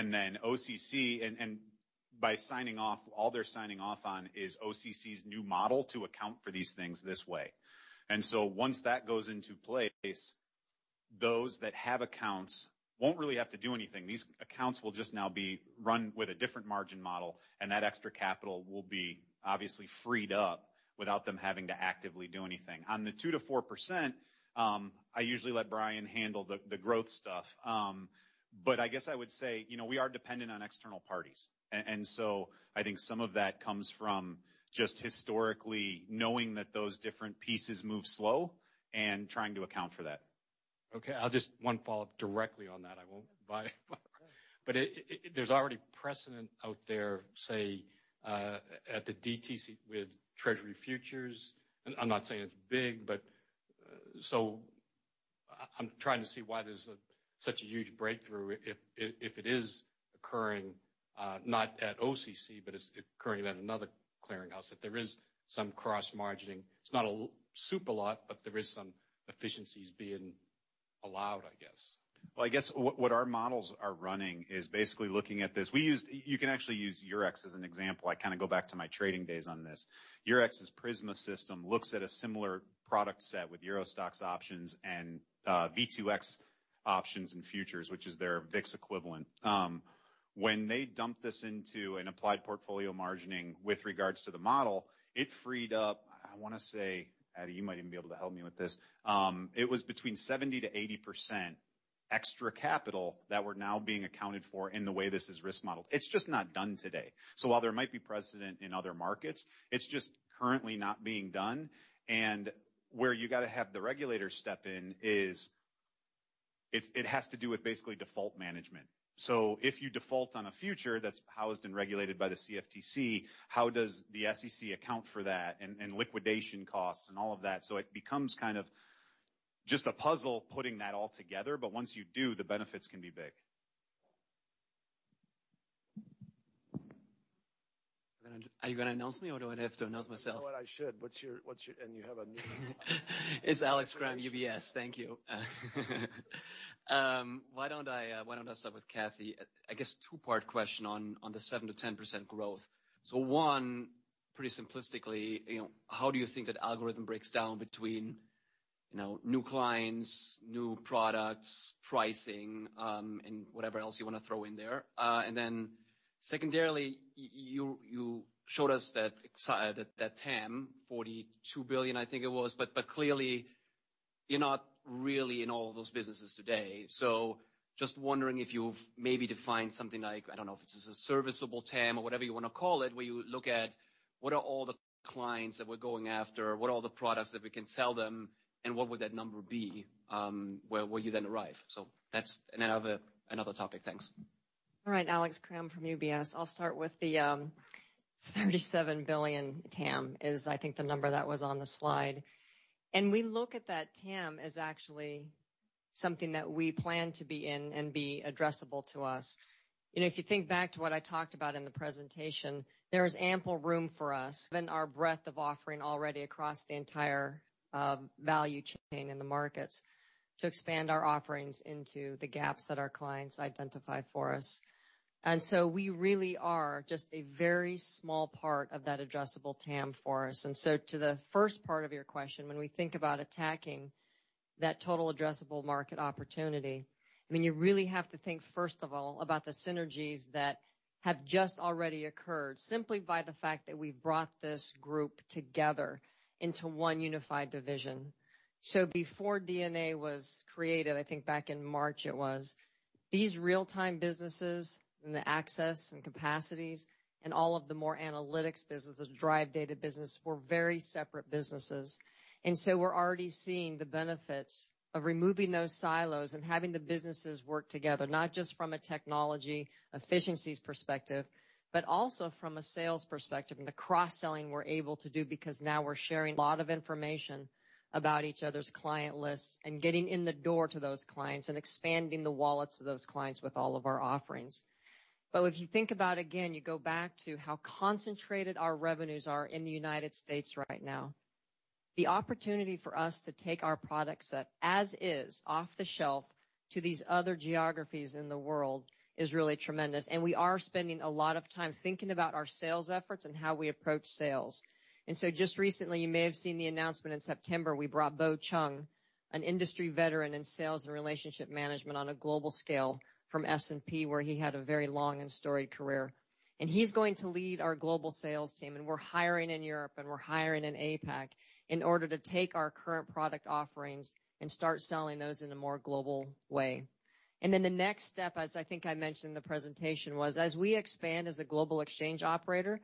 Then OCC, and by signing off, all they're signing off on is OCC's new model to account for these things this way. Once that goes into place, those that have accounts won't really have to do anything. These accounts will just now be run with a different margin model, and that extra capital will be obviously freed up without them having to actively do anything. On the 2%-4%, I usually let Brian handle the growth stuff. I guess I would say, you know, we are dependent on external parties. I think some of that comes from just historically knowing that those different pieces move slow and trying to account for that. Okay, I'll just one follow-up directly on that. I won't buy. There's already precedent out there, say, at the DTC with Treasury Futures. I'm not saying it's big, but so I'm trying to see why there's such a huge breakthrough if it is occurring not at OCC, but it's occurring at another clearinghouse. If there is some cross-margining, it's not a super lot, but there is some efficiencies being allowed, I guess. Well, I guess what our models are running is basically looking at this. You can actually use Eurex as an example. I kinda go back to my trading days on this. Eurex's Prisma system looks at a similar product set with Euro Stoxx options and V2X options and futures, which is their VIX equivalent. When they dump this into an applied portfolio margining with regards to the model, it freed up, I wanna say, Ade, you might even be able to help me with this. It was between 70%-80% extra capital that were now being accounted for in the way this is risk modeled. It's just not done today. While there might be precedent in other markets, it's just currently not being done, and where you gotta have the regulators step in is. It has to do with basically default management. If you default on a future that's housed and regulated by the CFTC, how does the SEC account for that and liquidation costs and all of that. It becomes kind of just a puzzle putting that all together, but once you do, the benefits can be big. Are you gonna announce me, or do I have to announce myself? You know what, I should. What's your... You have a new. It's Alex Kramm, UBS. Thank you. Why don't I start with Cathy? I guess two-part question on the 7%-10% growth. One, pretty simplistically, you know, how do you think that algorithm breaks down between, you know, new clients, new products, pricing, and whatever else you wanna throw in there? And then secondarily, you showed us that that TAM, $42 billion, I think it was. But clearly you're not really in all of those businesses today. Just wondering if you've maybe defined something like, I don't know, if this is a serviceable TAM or whatever you wanna call it, where you look at what are all the clients that we're going after, what are all the products that we can sell them, and what would that number be, where you then arrive. That's another topic. Thanks. All right, Alex Kramm from UBS. I'll start with the $37 billion TAM, I think the number that was on the slide. We look at that TAM as actually something that we plan to be in and be addressable to us. If you think back to what I talked about in the presentation, there is ample room for us, within our breadth of offering already across the entire value chain in the markets to expand our offerings into the gaps that our clients identify for us. We really are just a very small part of that addressable TAM for us. To the first part of your question, when we think about attacking that total addressable market opportunity, I mean, you really have to think, first of all, about the synergies that have just already occurred simply by the fact that we've brought this group together into one unified division. Before DNA was created, I think back in March it was, these real-time businesses and the access and capacities and all of the more analytics businesses, data and access business, were very separate businesses. We're already seeing the benefits of removing those silos and having the businesses work together, not just from a technology efficiencies perspective, but also from a sales perspective and the cross-selling we're able to do because now we're sharing a lot of information about each other's client lists and getting in the door to those clients and expanding the wallets of those clients with all of our offerings. If you think about, again, you go back to how concentrated our revenues are in the United States right now. The opportunity for us to take our product set as is, off the shelf, to these other geographies in the world is really tremendous, and we are spending a lot of time thinking about our sales efforts and how we approach sales. Just recently, you may have seen the announcement in September. We brought Bo Chung, an industry veteran in sales and relationship management on a global scale from S&P, where he had a very long and storied career. He's going to lead our global sales team, and we're hiring in Europe, and we're hiring in APAC in order to take our current product offerings and start selling those in a more global way. Then the next step, as I think I mentioned in the presentation, was as we expand as a global exchange operator,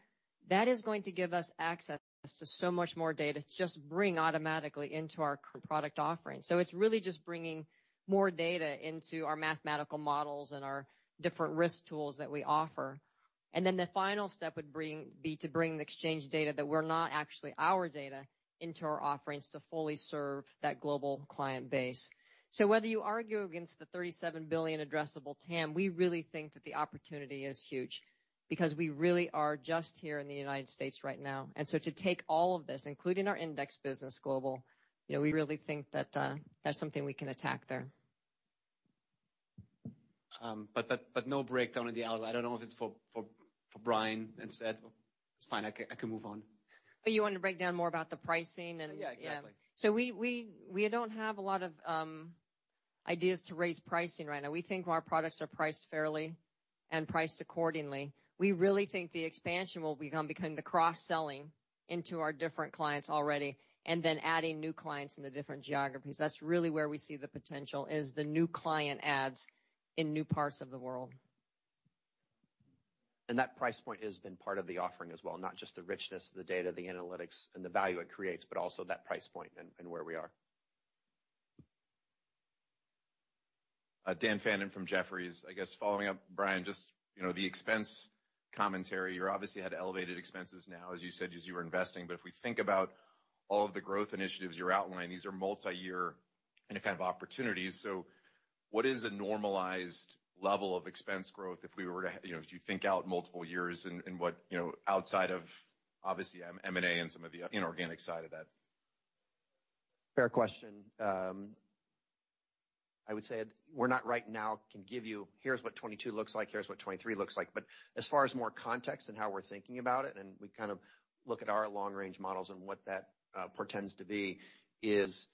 that is going to give us access to so much more data to just bring automatically into our product offerings. It's really just bringing more data into our mathematical models and our different risk tools that we offer. The final step would be to bring the exchange data that were not actually our data into our offerings to fully serve that global client base. Whether you argue against the $37 billion addressable TAM, we really think that the opportunity is huge because we really are just here in the United States right now. To take all of this, including our index business global, you know, we really think that that's something we can attack there. No breakdown of the algo. I don't know if it's for Brian instead. It's fine. I can move on. Oh, you want to break down more about the pricing and. Yeah, exactly. We don't have a lot of ideas to raise pricing right now. We think our products are priced fairly and priced accordingly. We really think the expansion will come from the cross-selling to our different clients already and then adding new clients in the different geographies. That's really where we see the potential is the new client adds in new parts of the world. That price point has been part of the offering as well, not just the richness of the data, the analytics, and the value it creates, but also that price point and where we are. Daniel Fannon from Jefferies. I guess following up, Brian, just, you know, the expense commentary. You obviously had elevated expenses now, as you said, as you were investing. If we think about all of the growth initiatives you're outlining, these are multi-year in a kind of opportunities. What is a normalized level of expense growth if we were to, you know, if you think out multiple years and what, you know, outside of obviously M&A and some of the inorganic side of that? Fair question. I would say we're not right now can give you, "Here's what 2022 looks like, here's what 2023 looks like." As far as more context and how we're thinking about it, and we kind of look at our long-range models and what that portends to be is.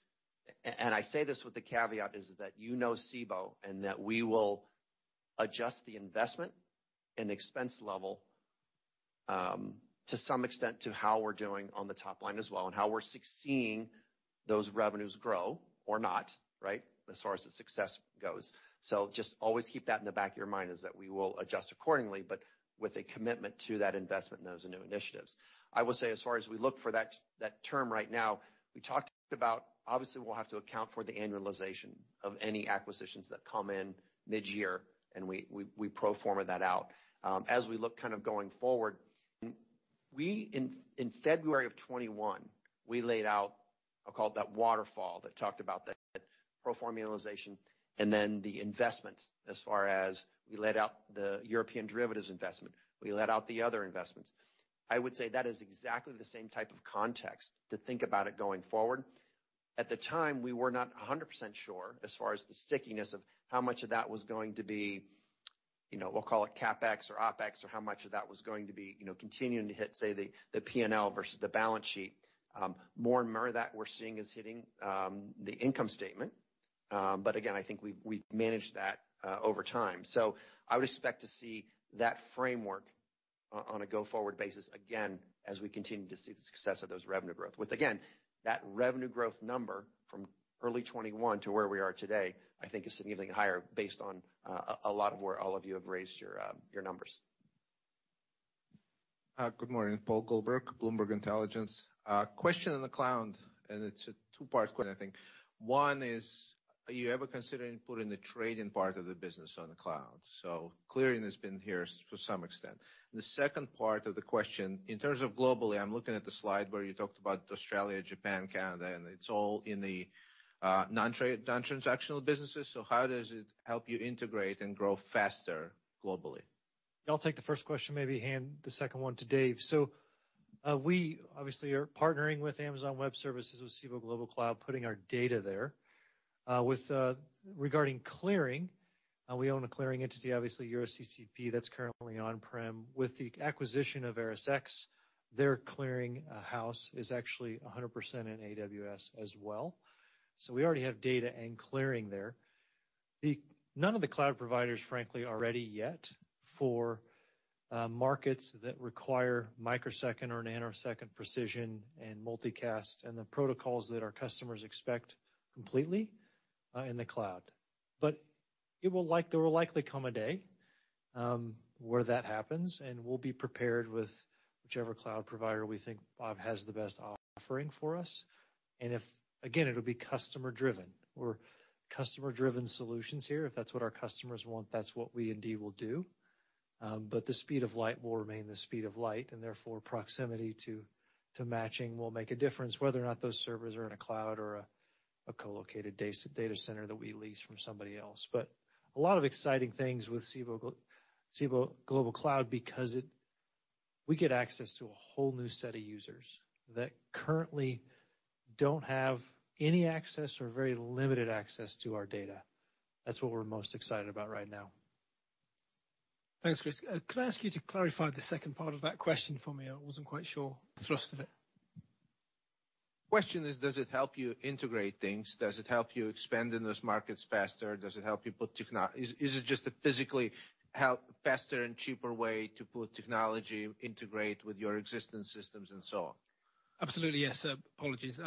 And I say this with the caveat that you know Cboe and that we will adjust the investment and expense level, to some extent to how we're doing on the top line as well and how we're succeeding those revenues grow or not, right? As far as the success goes. Just always keep that in the back of your mind that we will adjust accordingly, but with a commitment to that investment and those new initiatives. I will say, as far as we look for that term right now, we talked about, obviously, we'll have to account for the annualization of any acquisitions that come in mid-year, and we pro forma that out. As we look kind of going forward, we in February of 2021, we laid out, I'll call it that waterfall that talked about that pro forma-ization and then the investments as far as we laid out the European derivatives investment, we laid out the other investments. I would say that is exactly the same type of context to think about it going forward. At the time, we were not 100% sure as far as the stickiness of how much of that was going to be, you know, we'll call it CapEx or OpEx or how much of that was going to be, you know, continuing to hit, say, the P&L versus the balance sheet. More and more of that we're seeing is hitting the income statement. Again, I think we've managed that over time. I would expect to see that framework on a go-forward basis again as we continue to see the success of those revenue growth. With again, that revenue growth number from early 2021 to where we are today, I think is significantly higher based on a lot of where all of you have raised your numbers. Good morning. Paul Goldberg, Bloomberg Intelligence. Question in the cloud, and it's a two-part question, I think. One is, are you ever considering putting the trading part of the business on the cloud? So clearing has been here for some extent. The second part of the question, in terms of globally, I'm looking at the slide where you talked about Australia, Japan, Canada, and it's all in the non-trade, non-transactional businesses. So how does it help you integrate and grow faster globally? I'll take the first question, maybe hand the second one to Dave. We obviously are partnering with Amazon Web Services with Cboe Global Cloud, putting our data there. Regarding clearing, we own a clearing entity, obviously, EuroCCP, that's currently on-prem. With the acquisition of ErisX, their clearing house is actually 100% in AWS as well. We already have data and clearing there. None of the cloud providers, frankly, are ready yet for markets that require microsecond or nanosecond precision and multicast and the protocols that our customers expect completely in the cloud. There will likely come a day where that happens, and we'll be prepared with whichever cloud provider we think has the best offering for us. Again, it'll be customer-driven. We're customer-driven solutions here. If that's what our customers want, that's what we indeed will do. The speed of light will remain the speed of light, and therefore, proximity to matching will make a difference whether or not those servers are in a cloud or a co-located data center that we lease from somebody else. A lot of exciting things with Cboe Global Cloud because it we get access to a whole new set of users that currently don't have any access or very limited access to our data. That's what we're most excited about right now. Thanks, Chris. Can I ask you to clarify the second part of that question for me? I wasn't quite sure the thrust of it. Question is, does it help you integrate things? Does it help you expand in those markets faster? Is it just a physical help faster and cheaper way to put technology, integrate with your existing systems and so on? Absolutely, yes, sir. Apologies.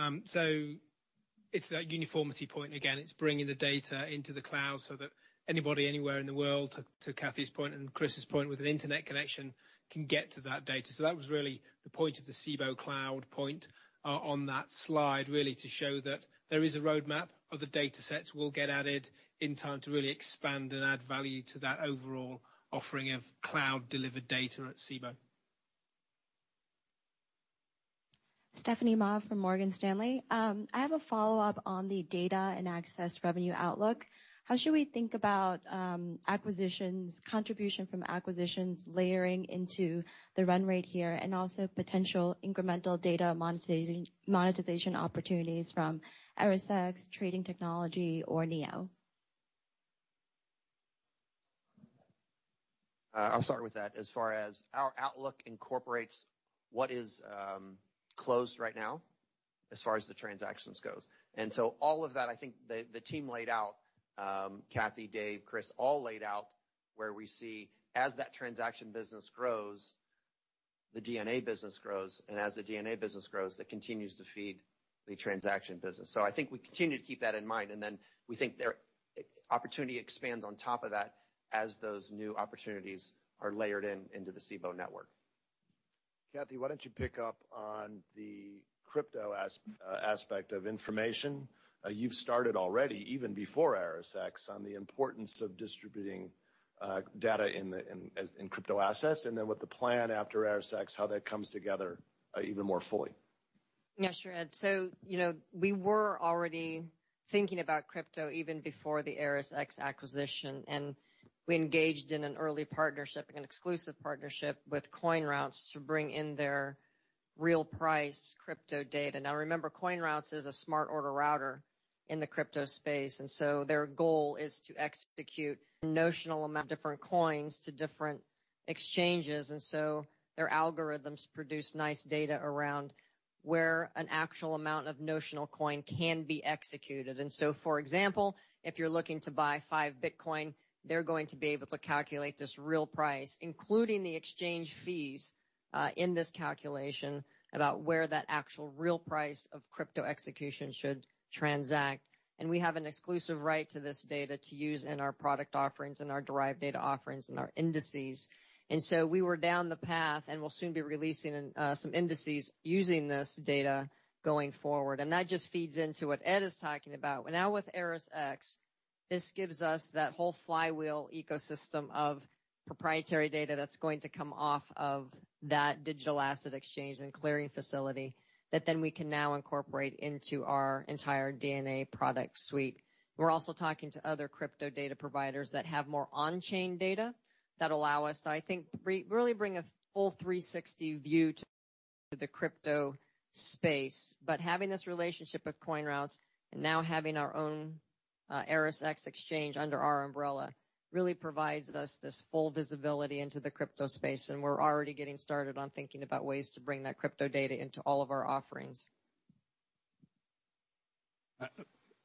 It's that uniformity point. Again, it's bringing the data into the cloud so that anybody anywhere in the world, to Cathy's point and Chris's point, with an internet connection can get to that data. That was really the point of the Cboe Cloud point, on that slide, really to show that there is a roadmap, other datasets will get added in time to really expand and add value to that overall offering of cloud-delivered data at Cboe. Stephanie Ma from Morgan Stanley. I have a follow-up on the data and access revenue outlook. How should we think about acquisitions, contribution from acquisitions layering into the run rate here, and also potential incremental data monetization opportunities from ErisX, Trading Technologies or Neo? I'll start with that. As far as our outlook incorporates what is closed right now as far as the transactions goes. All of that, I think the team laid out, Cathy, David, Chris, all laid out where we see as that transaction business grows, the DNA business grows, and as the DNA business grows, that continues to feed the transaction business. I think we continue to keep that in mind, and then we think their opportunity expands on top of that as those new opportunities are layered in into the Cboe network. Cathy, why don't you pick up on the crypto aspect of information? You've started already, even before ErisX, on the importance of distributing data in crypto assets, and then with the plan after ErisX, how that comes together even more fully. Yeah, sure, Ed. You know, we were already thinking about crypto even before the ErisX acquisition, and we engaged in an early partnership, an exclusive partnership with CoinRoutes to bring in their real price crypto data. Now remember, CoinRoutes is a smart order router in the crypto space, and their goal is to execute notional amounts of different coins to different exchanges. Their algorithms produce nice data around where an actual notional amount of coin can be executed. For example, if you're looking to buy five Bitcoin, they're going to be able to calculate this real price, including the exchange fees, in this calculation about where that actual real price of crypto execution should transact. We have an exclusive right to this data to use in our product offerings and our derived data offerings and our indices. We were down the path, and we'll soon be releasing some indices using this data going forward. That just feeds into what Ed is talking about. Now, with ErisX, this gives us that whole flywheel ecosystem of proprietary data that's going to come off of that digital asset exchange and clearing facility that then we can now incorporate into our entire DNA product suite. We're also talking to other crypto data providers that have more on-chain data that allow us to, I think, really bring a full 360 view to the crypto space. Having this relationship with CoinRoutes and now having our own ErisX exchange under our umbrella really provides us this full visibility into the crypto space. We're already getting started on thinking about ways to bring that crypto data into all of our offerings.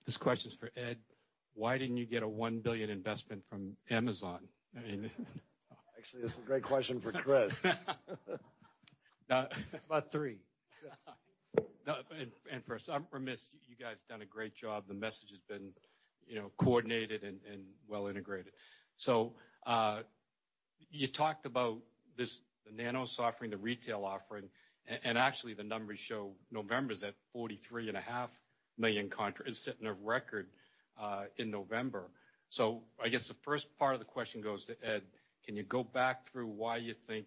This question is for Ed. Why didn't you get a $1 billion investment from Amazon? I mean. Actually, that's a great question for Chris. How about three? First, I'm remiss, you guys have done a great job. The message has been, you know, coordinated and well integrated. You talked about this, the Nanos offering, the retail offering, and actually the numbers show November's at 43.5 million contracts. It's setting a record in November. I guess the first part of the question goes to Ed. Can you go back through why you think,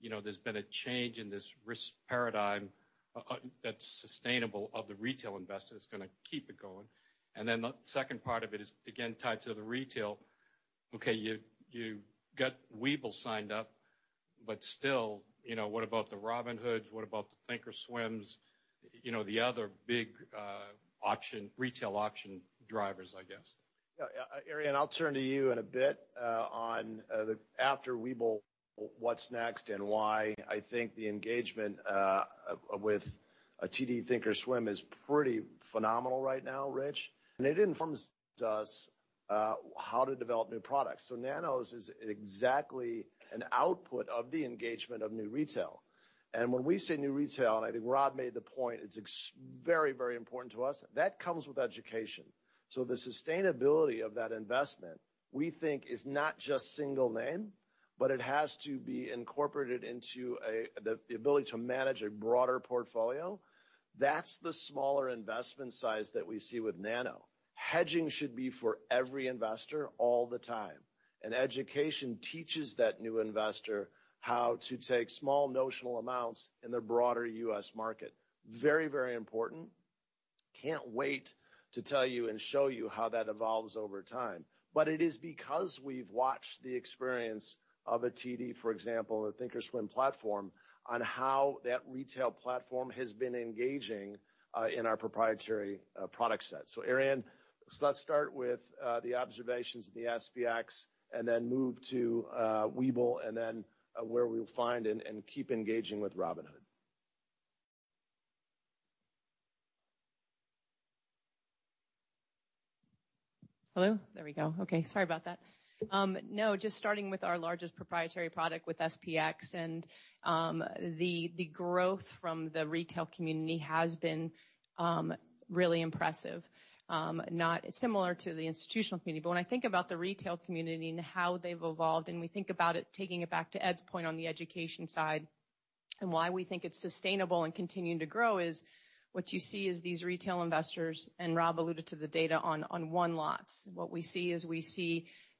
you know, there's been a change in this risk paradigm that's sustainable of the retail investor that's gonna keep it going? Then the second part of it is, again, tied to the retail. Okay, you got Webull signed up, but still, you know, what about the Robinhoods? What about the thinkorswim's? You know, the other big option, retail option drivers, I guess. Yeah, Arianne, I'll turn to you in a bit, on the after Webull, what's next and why I think the engagement with TD thinkorswim is pretty phenomenal right now, Rich. It informs us how to develop new products. Nanos is exactly an output of the engagement of new retail. When we say new retail, I think Rob made the point, it's very, very important to us. That comes with education. The sustainability of that investment, we think, is not just single name, but it has to be incorporated into the ability to manage a broader portfolio. That's the smaller investment size that we see with Nano. Hedging should be for every investor all the time. Education teaches that new investor how to take small notional amounts in the broader U.S. market. Very, very important. Can't wait to tell you and show you how that evolves over time. It is because we've watched the experience of a TD, for example, a thinkorswim platform, on how that retail platform has been engaging in our proprietary product set. Arianne, let's start with the observations of the SPX and then move to Webull and then where we'll find and keep engaging with Robinhood. Hello. There we go. Okay, sorry about that. No, just starting with our largest proprietary product with SPX and the growth from the retail community has been really impressive, not similar to the institutional community. When I think about the retail community and how they've evolved, and we think about it, taking it back to Ed's point on the education side and why we think it's sustainable and continuing to grow, what you see is these retail investors, and Rob alluded to the data on one lots. What we see is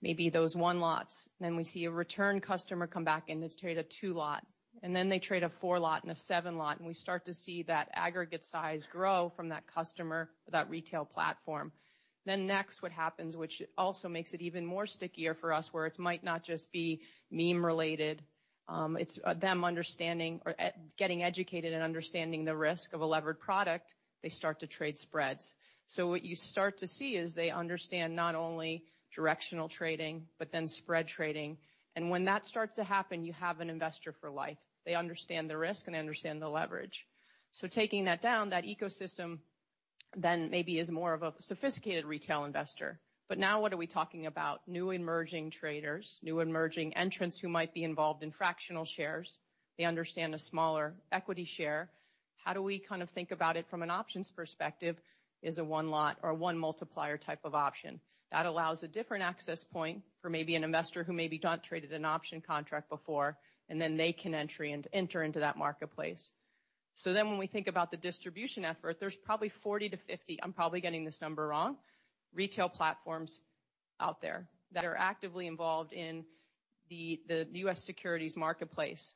maybe those one lots, then we see a return customer come back and just trade a two lot, and then they trade a four lot and a seven lot, and we start to see that aggregate size grow from that customer, that retail platform. What happens, which also makes it even more stickier for us, where it might not just be meme related, it's them understanding or getting educated and understanding the risk of a levered product, they start to trade spreads. What you start to see is they understand not only directional trading, but then spread trading. When that starts to happen, you have an investor for life. They understand the risk, and they understand the leverage. Taking that down, that ecosystem then maybe is more of a sophisticated retail investor. Now what are we talking about? New emerging traders, new emerging entrants who might be involved in fractional shares. They understand a smaller equity share. How do we kind of think about it from an options perspective is a one lot or one multiplier type of option. That allows a different access point for maybe an investor who maybe don't trade an option contract before, and then they can enter into that marketplace. When we think about the distribution effort, there's probably 40-50, I'm probably getting this number wrong, retail platforms-. Out there that are actively involved in the U.S. securities marketplace.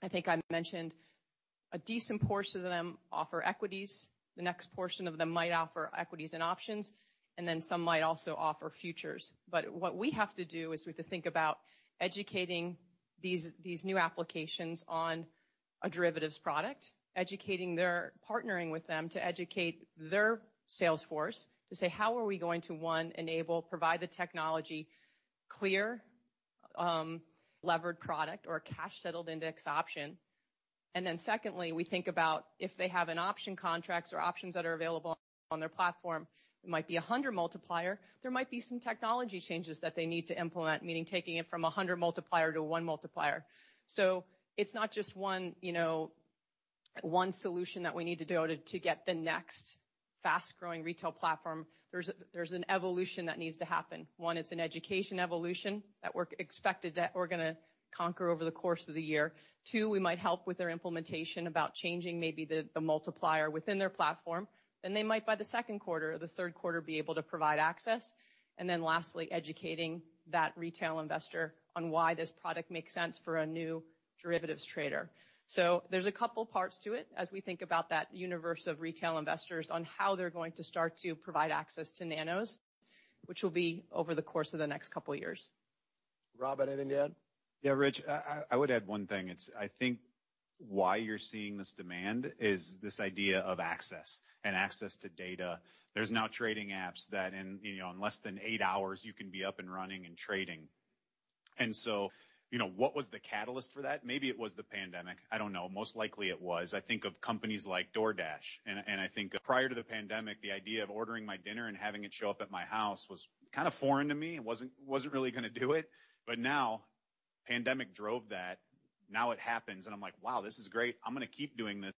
I think I mentioned a decent portion of them offer equities. The next portion of them might offer equities and options, and then some might also offer futures. What we have to do is we have to think about educating these new applications on a derivatives product, partnering with them to educate their sales force to say, how are we going to, one, enable, provide the technology clear, levered product or a cash-settled index option. Then secondly, we think about if they have an option contracts or options that are available on their platform, it might be a 100 multiplier. There might be some technology changes that they need to implement, meaning taking it from a 100 multiplier to one multiplier. It's not just one, you know, one solution that we need to do to get the next fast-growing retail platform. There's an evolution that needs to happen. One is an education evolution that we expect to conquer over the course of the year. Two, we might help with their implementation about changing maybe the multiplier within their platform. They might, by the second quarter or the third quarter, be able to provide access. Then lastly, educating that retail investor on why this product makes sense for a new derivatives trader. There's a couple parts to it as we think about that universe of retail investors on how they're going to start to provide access to nanos, which will be over the course of the next couple of years. Rob, anything to add? Yeah, Rich, I would add one thing. It's, I think why you're seeing this demand is this idea of access and access to data. There's now trading apps that you know, in less than 8 hours you can be up and running and trading. You know, what was the catalyst for that? Maybe it was the pandemic. I don't know. Most likely it was. I think of companies like DoorDash, and I think prior to the pandemic, the idea of ordering my dinner and having it show up at my house was kind of foreign to me and wasn't really gonna do it. Now pandemic drove that. Now it happens, and I'm like, "Wow, this is great. I'm gonna keep doing this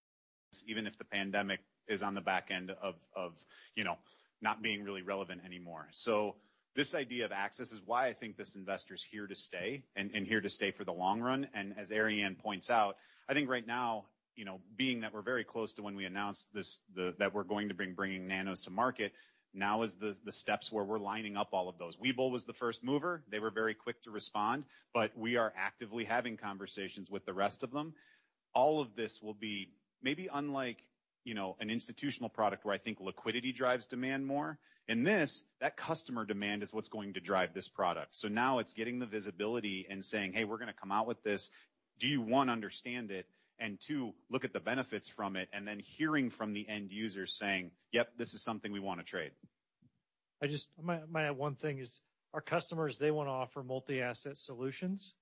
even if the pandemic is on the back end of, you know, not being really relevant anymore." This idea of access is why I think this investor's here to stay and here to stay for the long run. As Arianne points out, I think right now, you know, being that we're very close to when we announced this, that we're bringing Nanos to market, now is the steps where we're lining up all of those. Webull was the first mover. They were very quick to respond, but we are actively having conversations with the rest of them. All of this will be maybe unlike, you know, an institutional product where I think liquidity drives demand more. In this, that customer demand is what's going to drive this product. Now it's getting the visibility and saying, "Hey, we're gonna come out with this. Do you, one, understand it and two, look at the benefits from it?" Then hearing from the end users saying, "Yep, this is something we want to trade. My one thing is our customers. They wanna offer multi-asset solutions.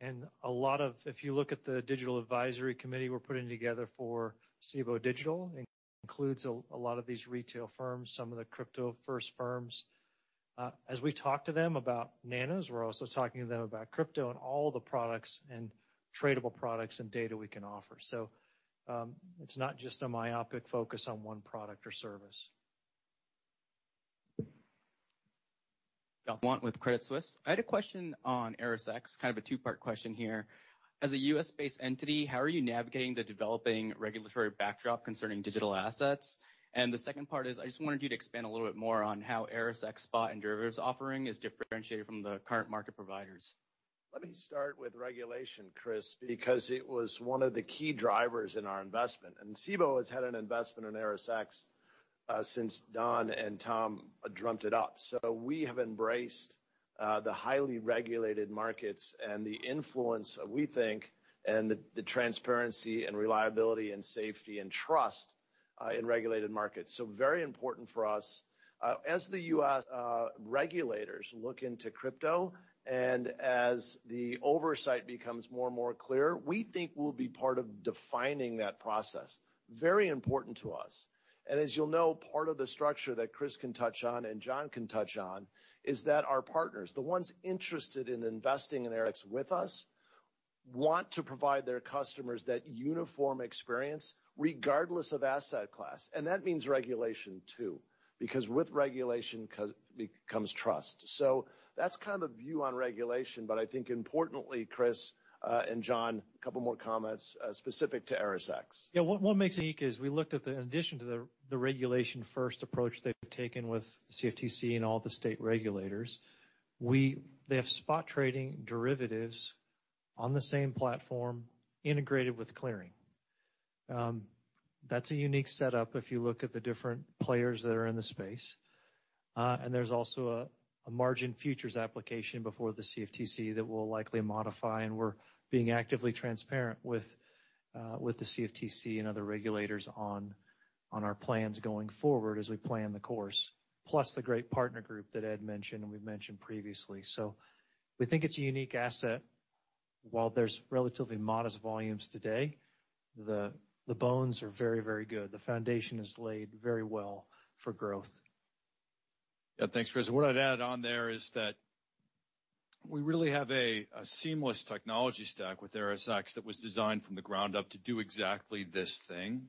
If you look at the digital advisory committee we're putting together for Cboe Digital, it includes a lot of these retail firms, some of the crypto-first firms. As we talk to them about Nanos, we're also talking to them about crypto and all the products and tradable products and data we can offer. It's not just a myopic focus on one product or service. John Bush with Credit Suisse. I had a question on ErisX, kind of a two-part question here. As a U.S.-based entity, how are you navigating the developing regulatory backdrop concerning digital assets? The second part is, I just wanted you to expand a little bit more on how ErisX spot and derivatives offering is differentiated from the current market providers. Let me start with regulation, Chris, because it was one of the key drivers in our investment. Cboe has had an investment in ErisX since Don and Tom dreamt it up. We have embraced the highly regulated markets and the influence we think, and the transparency and reliability and safety and trust in regulated markets. Very important for us. As the U.S. regulators look into crypto and as the oversight becomes more and more clear, we think we'll be part of defining that process. Very important to us. As you'll know, part of the structure that Chris can touch on and John can touch on is that our partners, the ones interested in investing in ErisX with us, want to provide their customers that uniform experience regardless of asset class. That means regulation too, because with regulation comes trust. That's kind of view on regulation, but I think importantly, Chris and John, a couple more comments specific to ErisX. Yeah. What makes it unique is we looked at the addition to the regulation-first approach they've taken with CFTC and all the state regulators. They have spot trading derivatives on the same platform integrated with clearing. That's a unique setup if you look at the different players that are in the space. And there's also a margin futures application before the CFTC that we'll likely modify, and we're being actively transparent with the CFTC and other regulators on our plans going forward as we plan the course, plus the great partner group that Ed mentioned and we've mentioned previously. We think it's a unique asset. While there's relatively modest volumes today, the bones are very, very good. The foundation is laid very well for growth. Yeah. Thanks, Chris. What I'd add on there is that we really have a seamless technology stack with ErisX that was designed from the ground up to do exactly this thing.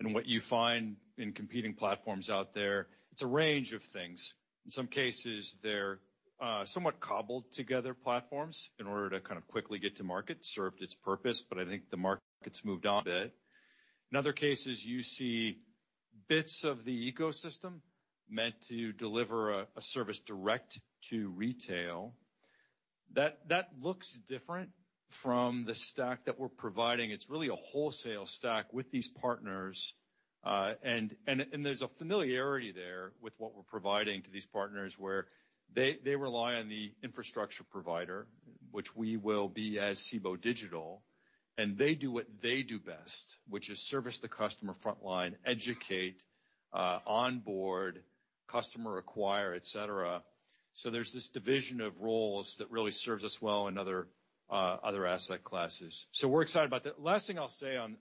What you find in competing platforms out there, it's a range of things. In some cases, they're somewhat cobbled together platforms in order to kind of quickly get to market. Served its purpose, but I think the market's moved on a bit. In other cases, you see bits of the ecosystem meant to deliver a service direct to retail. That looks different from the stack that we're providing. It's really a wholesale stack with these partners. There's a familiarity there with what we're providing to these partners, where they rely on the infrastructure provider, which we will be as Cboe Digital, and they do what they do best, which is service the customer front line, educate, onboard, customer acquire, et cetera. There's this division of roles that really serves us well in other asset classes. We're excited about that. Last thing I'll say on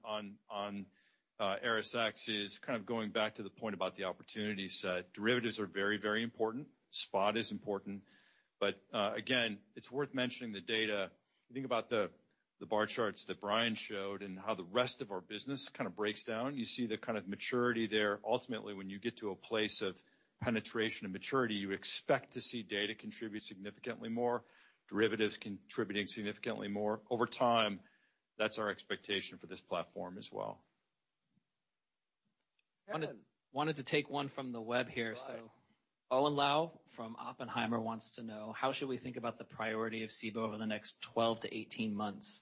ErisX is kind of going back to the point about the opportunity set. Derivatives are very important. Spot is important. Again, it's worth mentioning the data. Think about the bar charts that Brian showed and how the rest of our business kind of breaks down. You see the kind of maturity there. Ultimately, when you get to a place of penetration and maturity, you expect to see data contribute significantly more, derivatives contributing significantly more. Over time, that's our expectation for this platform as well. Kenneth. Wanted to take one from the web here. All right. Owen Lau from Oppenheimer wants to know, how should we think about the priority of Cboe over the next 12-18 months?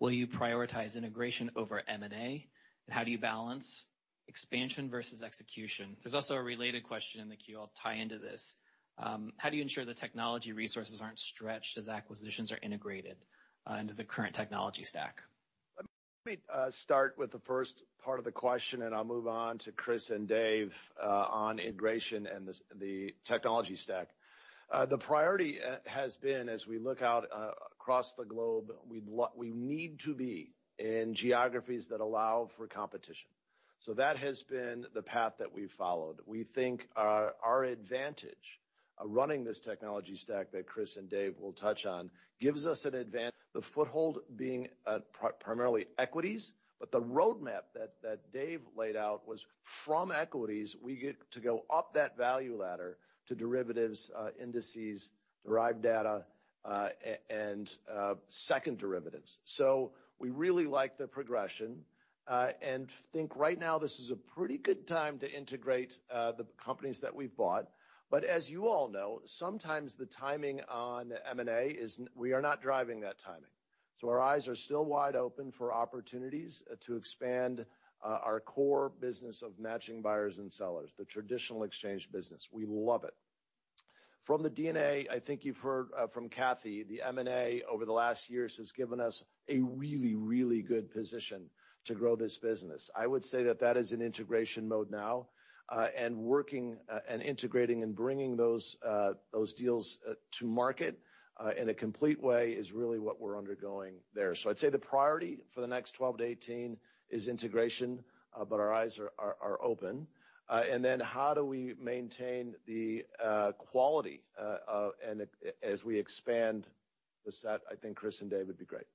Will you prioritize integration over M&A? And how do you balance expansion versus execution? There's also a related question in the queue I'll tie into this. How do you ensure the technology resources aren't stretched as acquisitions are integrated into the current technology stack? Let me start with the first part of the question, and I'll move on to Chris and Dave on integration and the technology stack. The priority has been as we look out across the globe, we need to be in geographies that allow for competition. That has been the path that we've followed. We think our advantage running this technology stack that Chris and Dave will touch on gives us the foothold being primarily equities, but the roadmap that Dave laid out was from equities, we get to go up that value ladder to derivatives, indices, derived data, and second derivatives. We really like the progression and think right now this is a pretty good time to integrate the companies that we've bought. As you all know, sometimes the timing on M&A is. We are not driving that timing. Our eyes are still wide open for opportunities to expand our core business of matching buyers and sellers, the traditional exchange business. We love it. From the DNA, I think you've heard from Cathy, the M&A over the last years has given us a really good position to grow this business. I would say that is in integration mode now and working and integrating and bringing those deals to market in a complete way is really what we're undergoing there. I'd say the priority for the next 12-18 is integration, but our eyes are open. Then how do we maintain the quality of and as we expand the set? I think Chris and Dave would be great.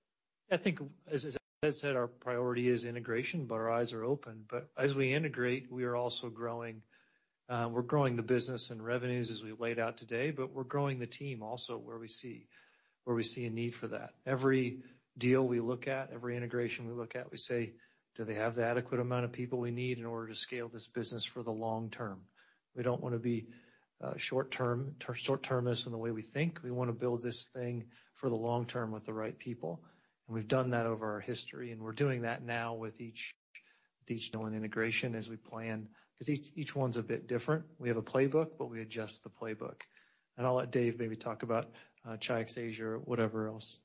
I think as Ed said, our priority is integration, but our eyes are open. As we integrate, we are also growing. We're growing the business and revenues as we laid out today, but we're growing the team also where we see a need for that. Every deal we look at, every integration we look at, we say, "Do they have the adequate amount of people we need in order to scale this business for the long term?" We don't wanna be short-term, short-termist in the way we think. We wanna build this thing for the long term with the right people. We've done that over our history, and we're doing that now with each known integration as we plan. 'Cause each one's a bit different. We have a playbook, but we adjust the playbook. I'll let Dave maybe talk about Chi-X Asia or whatever else.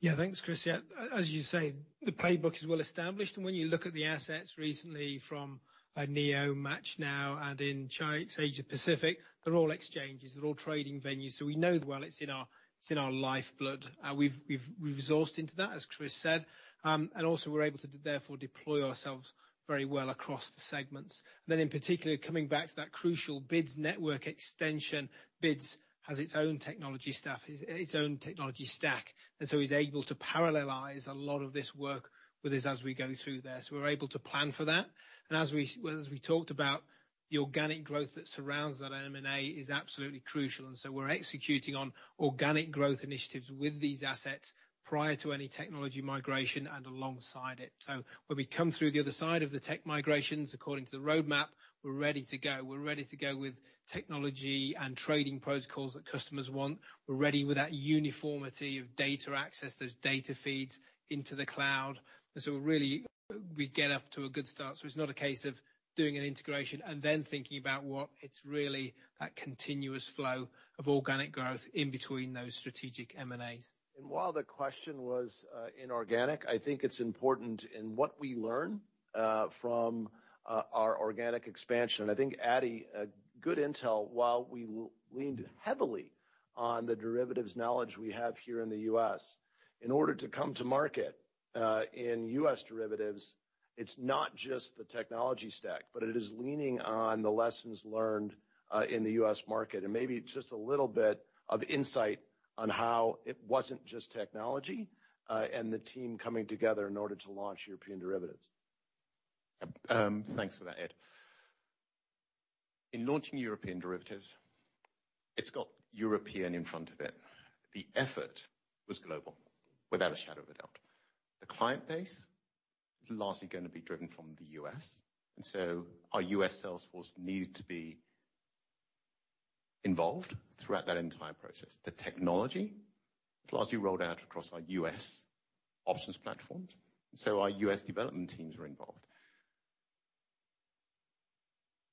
Yeah. Thanks, Chris. Yeah, as you say, the playbook is well established. When you look at the assets recently from NEO, MATCHNow, and Chi-X Asia Pacific, they're all exchanges, they're all trading venues, so we know well it's in our lifeblood. We've resourced into that, as Chris said. We're able to therefore deploy ourselves very well across the segments. In particular, coming back to that crucial BIDS network extension, BIDS has its own technology staff, its own technology stack, and so is able to parallelize a lot of this work with this as we go through this. We're able to plan for that. As we talked about, the organic growth that surrounds that M&A is absolutely crucial, and we're executing on organic growth initiatives with these assets prior to any technology migration and alongside it. When we come through the other side of the tech migrations, according to the roadmap, we're ready to go. We're ready to go with technology and trading protocols that customers want. We're ready with that uniformity of data access, those data feeds into the cloud. Really, we get off to a good start. It's not a case of doing an integration and then thinking about what. It's really that continuous flow of organic growth in between those strategic M&As. While the question was inorganic, I think it's important in what we learn from our organic expansion. I think, Ade, good intel, while we leaned heavily on the derivatives knowledge we have here in the U.S., in order to come to market in U.S. derivatives, it's not just the technology stack, but it is leaning on the lessons learned in the U.S. market. Maybe just a little bit of insight on how it wasn't just technology and the team coming together in order to launch European derivatives. Thanks for that, Ed. In launching European derivatives, it's got European in front of it. The effort was global without a shadow of a doubt. The client base is largely gonna be driven from the U.S., and so our U.S. sales force needed to be involved throughout that entire process. The technology is largely rolled out across our U.S. options platforms, so our U.S. development teams were involved.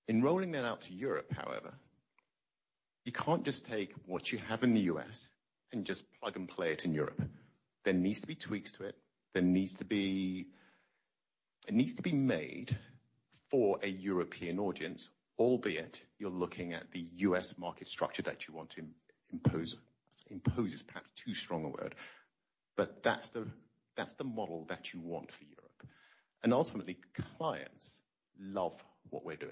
In rolling that out to Europe, however, you can't just take what you have in the U.S. and just plug and play it in Europe. There needs to be tweaks to it. It needs to be made for a European audience, albeit you're looking at the U.S. market structure that you want to impose. Impose is perhaps too strong a word, but that's the model that you want for Europe. Ultimately, clients love what we're doing.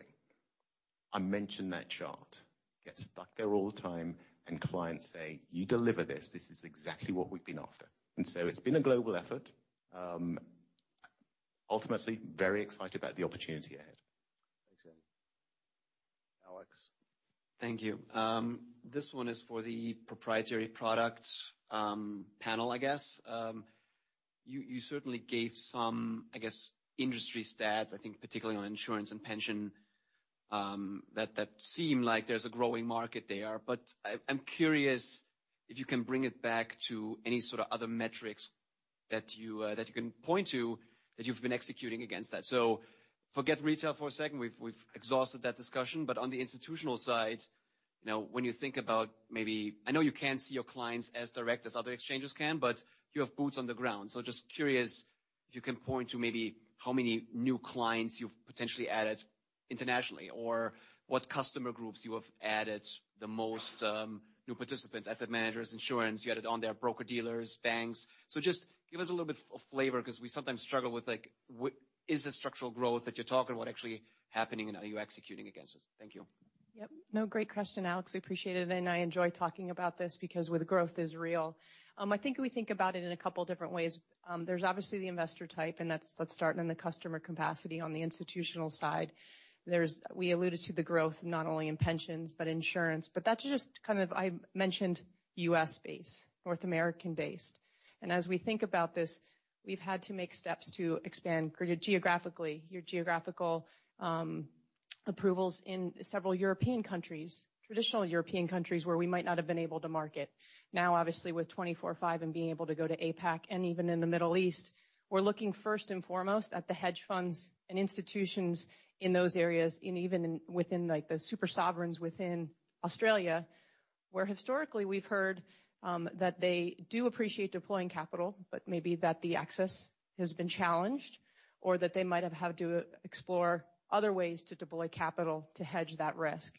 I mentioned that chart. Get stuck there all the time, and clients say, "You deliver this. This is exactly what we've been after." It's been a global effort. Ultimately, very excited about the opportunity ahead. Thanks, Andy. Alex. Thank you. This one is for the proprietary product panel, I guess. You certainly gave some, I guess, industry stats, I think particularly on insurance and pension that seem like there's a growing market there. I'm curious if you can bring it back to any sort of other metrics that you can point to that you've been executing against that. Forget retail for a second. We've exhausted that discussion. On the institutional side, you know, when you think about maybe I know you can't see your clients as direct as other exchanges can, but you have boots on the ground. Just curious if you can point to maybe how many new clients you've potentially added internationally, or what customer groups you have added the most, new participants, asset managers, insurance you added on there, broker-dealers, banks. Just give us a little bit of flavor 'cause we sometimes struggle with, like, what is the structural growth that you're talking about actually happening, and are you executing against it? Thank you. Great question, Alex. We appreciate it, and I enjoy talking about this because the growth is real. I think we think about it in a couple different ways. There's obviously the investor type, and that's, let's start in the customer capacity on the institutional side. We alluded to the growth not only in pensions, but insurance. But that's just kind of, as I mentioned, U.S.-based, North American-based. As we think about this, we've had to make steps to expand geographically, our geographical approvals in several European countries, traditional European countries where we might not have been able to market. Now, obviously, with 24/5 and being able to go to APAC and even in the Middle East, we're looking first and foremost at the hedge funds and institutions in those areas and even within, like, the super sovereigns within Australia, where historically we've heard that they do appreciate deploying capital, but maybe that the access has been challenged or that they might have had to explore other ways to deploy capital to hedge that risk.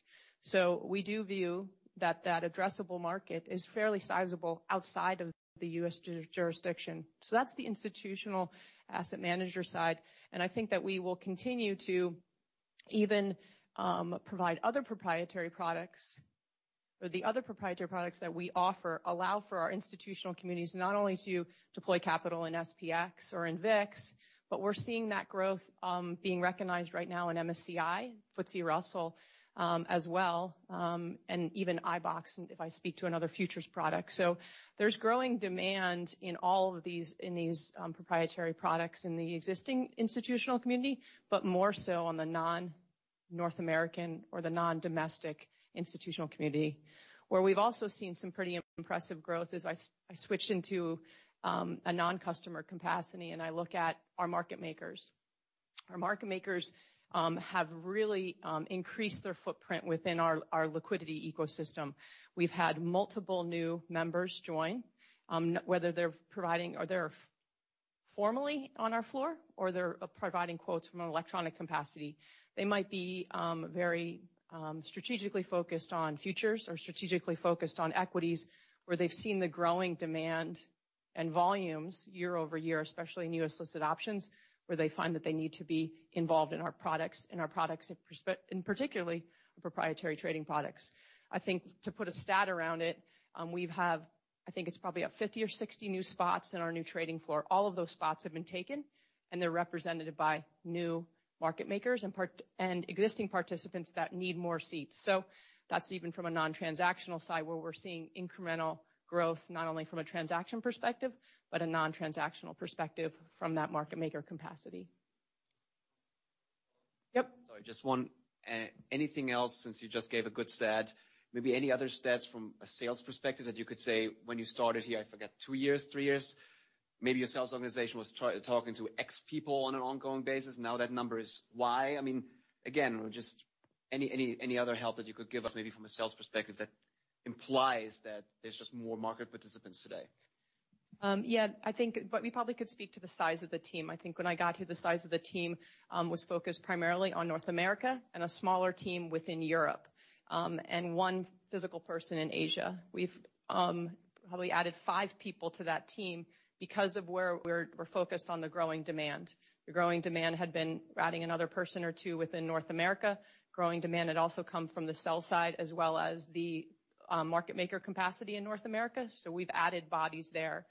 We do view that addressable market is fairly sizable outside of the U.S. jurisdiction. That's the institutional asset manager side. I think that we will continue to even provide other proprietary products or the other proprietary products that we offer allow for our institutional communities not only to deploy capital in SPX or in VIX, but we're seeing that growth being recognized right now in MSCI, FTSE Russell, as well, and even iBoxx, if I speak to another futures product. There's growing demand in all of these in these proprietary products in the existing institutional community, but more so on the non-North American or the non-domestic institutional community. Where we've also seen some pretty impressive growth as I switch into a non-customer capacity, and I look at our market makers. Our market makers have really increased their footprint within our liquidity ecosystem. We've had multiple new members join, whether they're providing or they're formally on our floor, or they're providing quotes from an electronic capacity. They might be very strategically focused on futures or strategically focused on equities, where they've seen the growing demand and volumes year over year, especially in U.S. listed options, where they find that they need to be involved in our products and particularly our proprietary trading products. I think to put a stat around it, we have, I think it's probably about 50 or 60 new spots in our new trading floor. All of those spots have been taken, and they're represented by new market makers and existing participants that need more seats. That's even from a non-transactional side, where we're seeing incremental growth, not only from a transaction perspective, but a non-transactional perspective from that market maker capacity. Yep. Sorry, just one. Anything else, since you just gave a good stat, maybe any other stats from a sales perspective that you could say when you started here, I forget, two years, three years, maybe your sales organization was talking to X people on an ongoing basis, now that number is Y. I mean, again, just any other help that you could give us, maybe from a sales perspective that implies that there's just more market participants today. I think we probably could speak to the size of the team. I think when I got here, the size of the team was focused primarily on North America and a smaller team within Europe, and one physical person in Asia. We've probably added five people to that team because of where we're focused on the growing demand. The growing demand had been adding another person or two within North America. Growing demand had also come from the sell side as well as the-. Market maker capacity in North America, so we've added bodies there.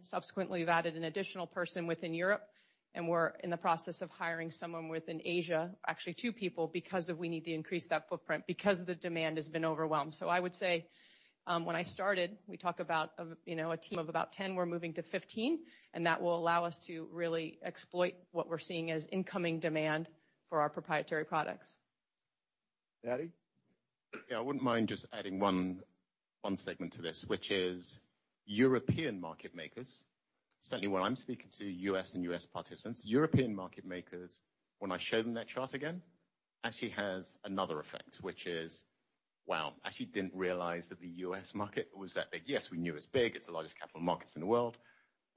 Subsequently, we've added an additional person within Europe, and we're in the process of hiring someone within Asia. Actually, two people, because we need to increase that footprint because the demand has been overwhelmed. I would say, when I started, we're talking about, you know, a team of about 10, we're moving to 15, and that will allow us to really exploit what we're seeing as incoming demand for our proprietary products. Ade? Yeah, I wouldn't mind just adding one segment to this, which is European market makers. Certainly when I'm speaking to U.S. participants, European market makers, when I show them that chart again, actually has another effect, which is, "Wow, I actually didn't realize that the U.S. market was that big. Yes, we knew it's big. It's the largest capital markets in the world,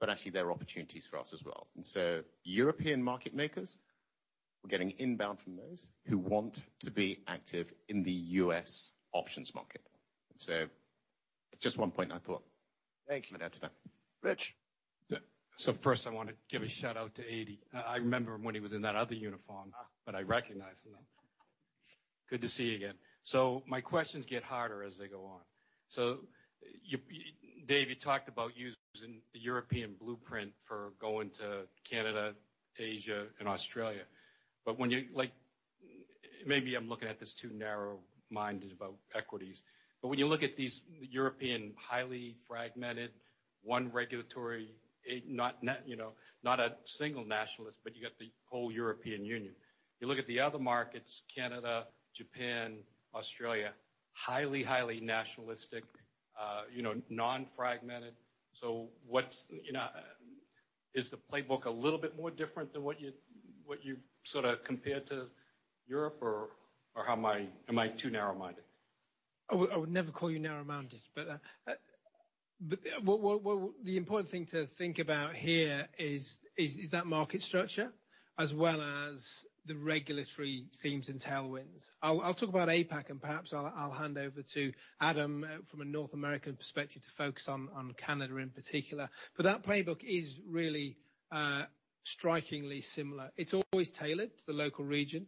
but actually there are opportunities for us as well." European market makers, we're getting inbound from those who want to be active in the U.S. options market. It's just one point I thought. Thank you. I'd add to that. Rich. First I wanna give a shout-out to Ade. I remember him when he was in that other uniform. Ah. I recognize him now. Good to see you again. My questions get harder as they go on. You, Dave, you talked about using the European blueprint for going to Canada, Asia and Australia. When you like, maybe I'm looking at this too narrow-minded about equities, but when you look at these European, highly fragmented, one regulatory, not you know, not a single nationalist, but you got the whole European Union. You look at the other markets, Canada, Japan, Australia, highly nationalistic, you know, non-fragmented. What's, you know. Is the playbook a little bit more different than what you, what you sorta compared to Europe, or how am I. Am I too narrow-minded? I would never call you narrow-minded. The important thing to think about here is that market structure as well as the regulatory themes and tailwinds. I'll talk about APAC and perhaps I'll hand over to Adam from a North American perspective to focus on Canada in particular. That playbook is really strikingly similar. It's always tailored to the local region.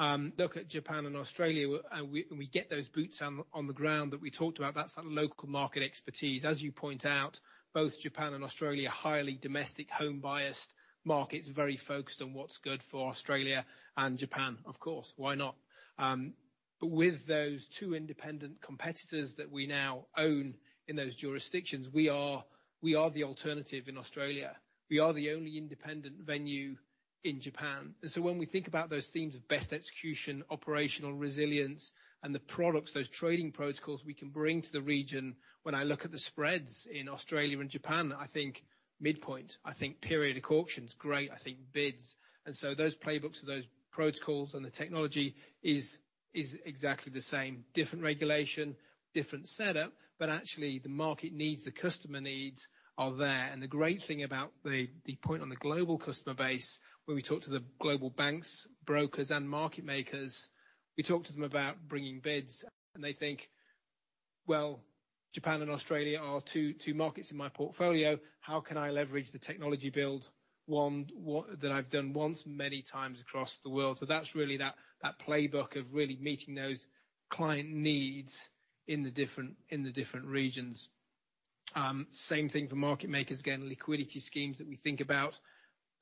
Look at Japan and Australia. We get those boots on the ground that we talked about. That's the local market expertise. As you point out, both Japan and Australia are highly domestic, home-biased markets, very focused on what's good for Australia and Japan, of course. Why not? With those two independent competitors that we now own in those jurisdictions, we are the alternative in Australia. We are the only independent venue in Japan. When we think about those themes of best execution, operational resilience and the products, those trading protocols we can bring to the region, when I look at the spreads in Australia and Japan, I think midpoint, I think Periodic Auctions, great, I think BIDS. Those playbooks or those protocols and the technology is exactly the same. Different regulation, different setup, but actually the market needs, the customer needs are there. The great thing about the point on the global customer base, when we talk to the global banks, brokers and market makers, we talk to them about bringing BIDS and they think, "Well, Japan and Australia are two markets in my portfolio. How can I leverage the technology that I've done once many times across the world?" That's really that playbook of really meeting those client needs in the different regions. Same thing for market makers. Again, liquidity schemes that we think about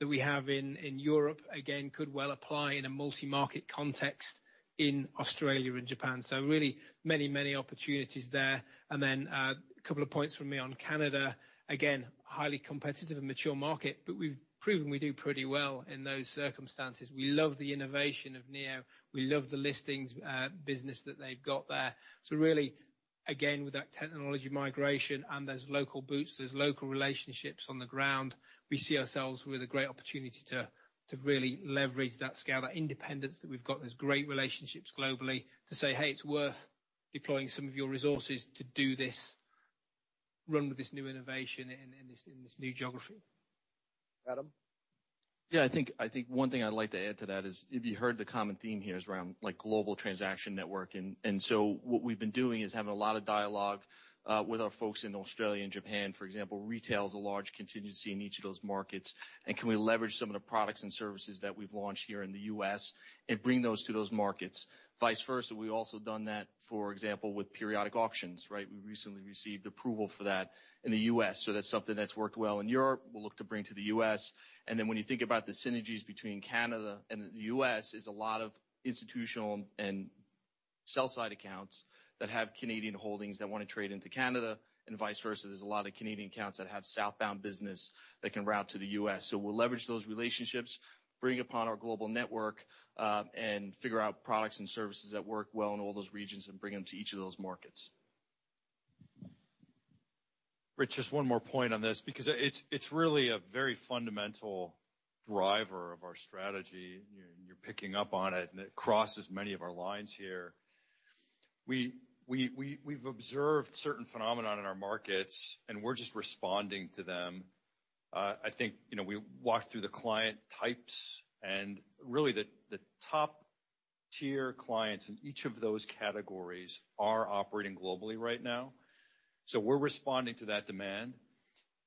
that we have in Europe, again, could well apply in a multi-market context in Australia and Japan. Really many opportunities there. Then, a couple of points from me on Canada. Again, highly competitive and mature market, but we've proven we do pretty well in those circumstances. We love the innovation of NEO. We love the listings business that they've got there. Really, again, with that technology migration and those local boots, those local relationships on the ground, we see ourselves with a great opportunity to really leverage that scale, that independence that we've got, those great relationships globally to say, "Hey, it's worth deploying some of your resources to do this, run with this new innovation in this, in this new geography. Adam? Yeah, I think one thing I'd like to add to that is if you heard the common theme here is around like global transaction network and so what we've been doing is having a lot of dialogue with our folks in Australia and Japan, for example. Retail is a large contingent in each of those markets, and can we leverage some of the products and services that we've launched here in the U.S. and bring those to those markets? Vice versa, we've also done that, for example, with Periodic Auctions, right? We recently received approval for that in the U.S., so that's something that's worked well in Europe, we'll look to bring to the U.S. When you think about the synergies between Canada and the U.S., there's a lot of institutional and sell-side accounts that have Canadian holdings that wanna trade into Canada and vice versa. There's a lot of Canadian accounts that have southbound business that can route to the U.S. We'll leverage those relationships, draw upon our global network, and figure out products and services that work well in all those regions and bring them to each of those markets. Rich, just one more point on this because it's really a very fundamental driver of our strategy. You're picking up on it, and it crosses many of our lines here. We've observed certain phenomenon in our markets, and we're just responding to them. I think, you know, we walked through the client types and really the top tier clients in each of those categories are operating globally right now. We're responding to that demand,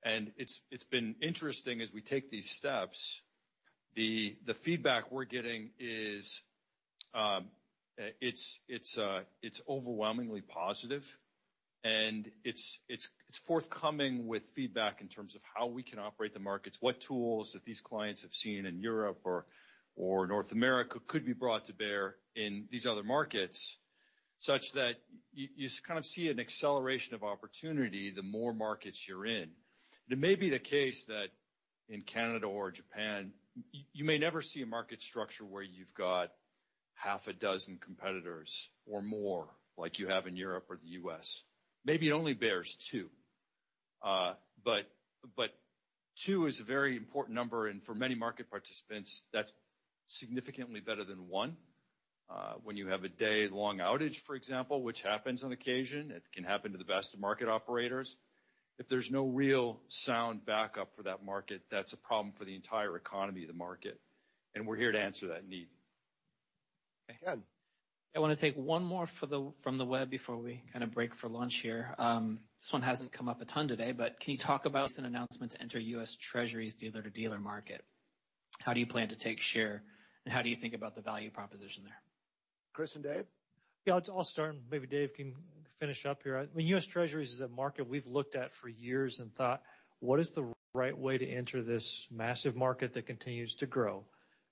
and it's overwhelmingly positive. It's forthcoming with feedback in terms of how we can operate the markets, what tools that these clients have seen in Europe or North America could be brought to bear in these other markets, such that you kind of see an acceleration of opportunity, the more markets you're in. It may be the case that in Canada or Japan, you may never see a market structure where you've got half a dozen competitors or more like you have in Europe or the U.S. Maybe it only bears two. But two is a very important number, and for many market participants, that's significantly better than one. When you have a day-long outage, for example, which happens on occasion, it can happen to the best of market operators, if there's no real sound backup for that market, that's a problem for the entire economy of the market, and we're here to answer that need. Okay. Ken. I wanna take one more from the web before we kind of break for lunch here. This one hasn't come up a ton today, but can you talk about an announcement to enter U.S. Treasuries dealer-to-dealer market? How do you plan to take share, and how do you think about the value proposition there? Chris and Dave? Yeah. I'll start, and maybe Dave can finish up here. I mean, U.S. Treasuries is a market we've looked at for years and thought, "What is the right way to enter this massive market that continues to grow?"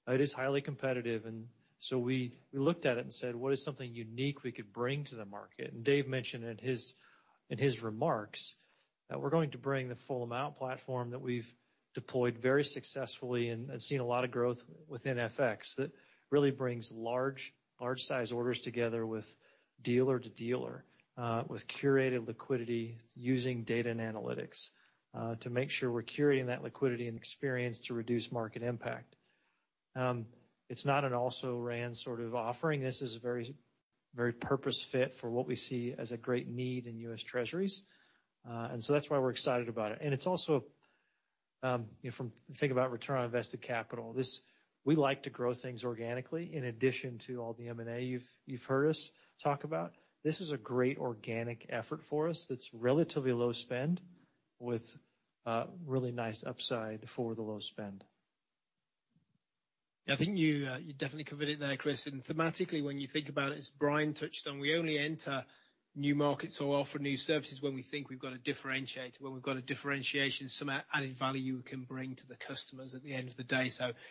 It is highly competitive, and we looked at it and said, "What is something unique we could bring to the market?" Dave mentioned in his remarks that we're going to bring the BIDS platform that we've deployed very successfully and seen a lot of growth within FX that really brings large-sized orders together with dealer-to-dealer, with curated liquidity using data and analytics, to make sure we're curating that liquidity and experience to reduce market impact. It's not an also-ran sort of offering. This is very, very purpose-built for what we see as a great need in U.S. Treasuries. That's why we're excited about it. It's also, you know, if you think about return on invested capital. We like to grow things organically in addition to all the M&A you've heard us talk about. This is a great organic effort for us that's relatively low spend with a really nice upside for the low spend. I think you definitely covered it there, Chris. Thematically, when you think about it, as Brian touched on, we only enter new markets or offer new services when we think we've got a differentiator, when we've got a differentiation, some added value we can bring to the customers at the end of the day.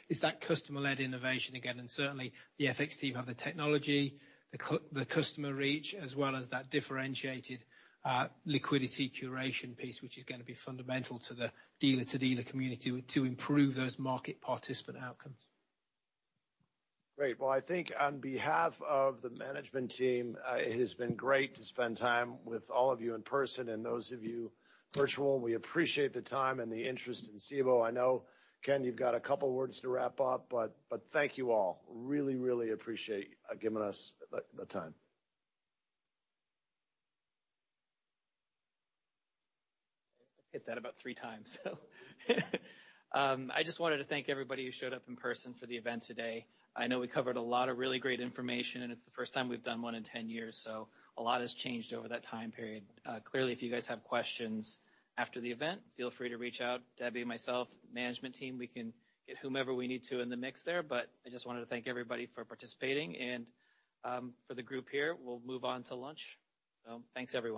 It's that customer-led innovation again, and certainly, the FX team have the technology, the customer reach, as well as that differentiated, liquidity curation piece, which is gonna be fundamental to the dealer-to-dealer community to improve those market participant outcomes. Great. Well, I think on behalf of the management team, it has been great to spend time with all of you in person and those of you virtual. We appreciate the time and the interest in Cboe. I know, Ken, you've got a couple of words to wrap up, but thank you all. Really, really appreciate giving us the time. Hit that about three times, I just wanted to thank everybody who showed up in person for the event today. I know we covered a lot of really great information, and it's the first time we've done one in 10-years, so a lot has changed over that time period. Clearly, if you guys have questions after the event, feel free to reach out, Debbie and myself, management team. We can get whomever we need to in the mix there. I just wanted to thank everybody for participating and, for the group here, we'll move on to lunch. Thanks everyone.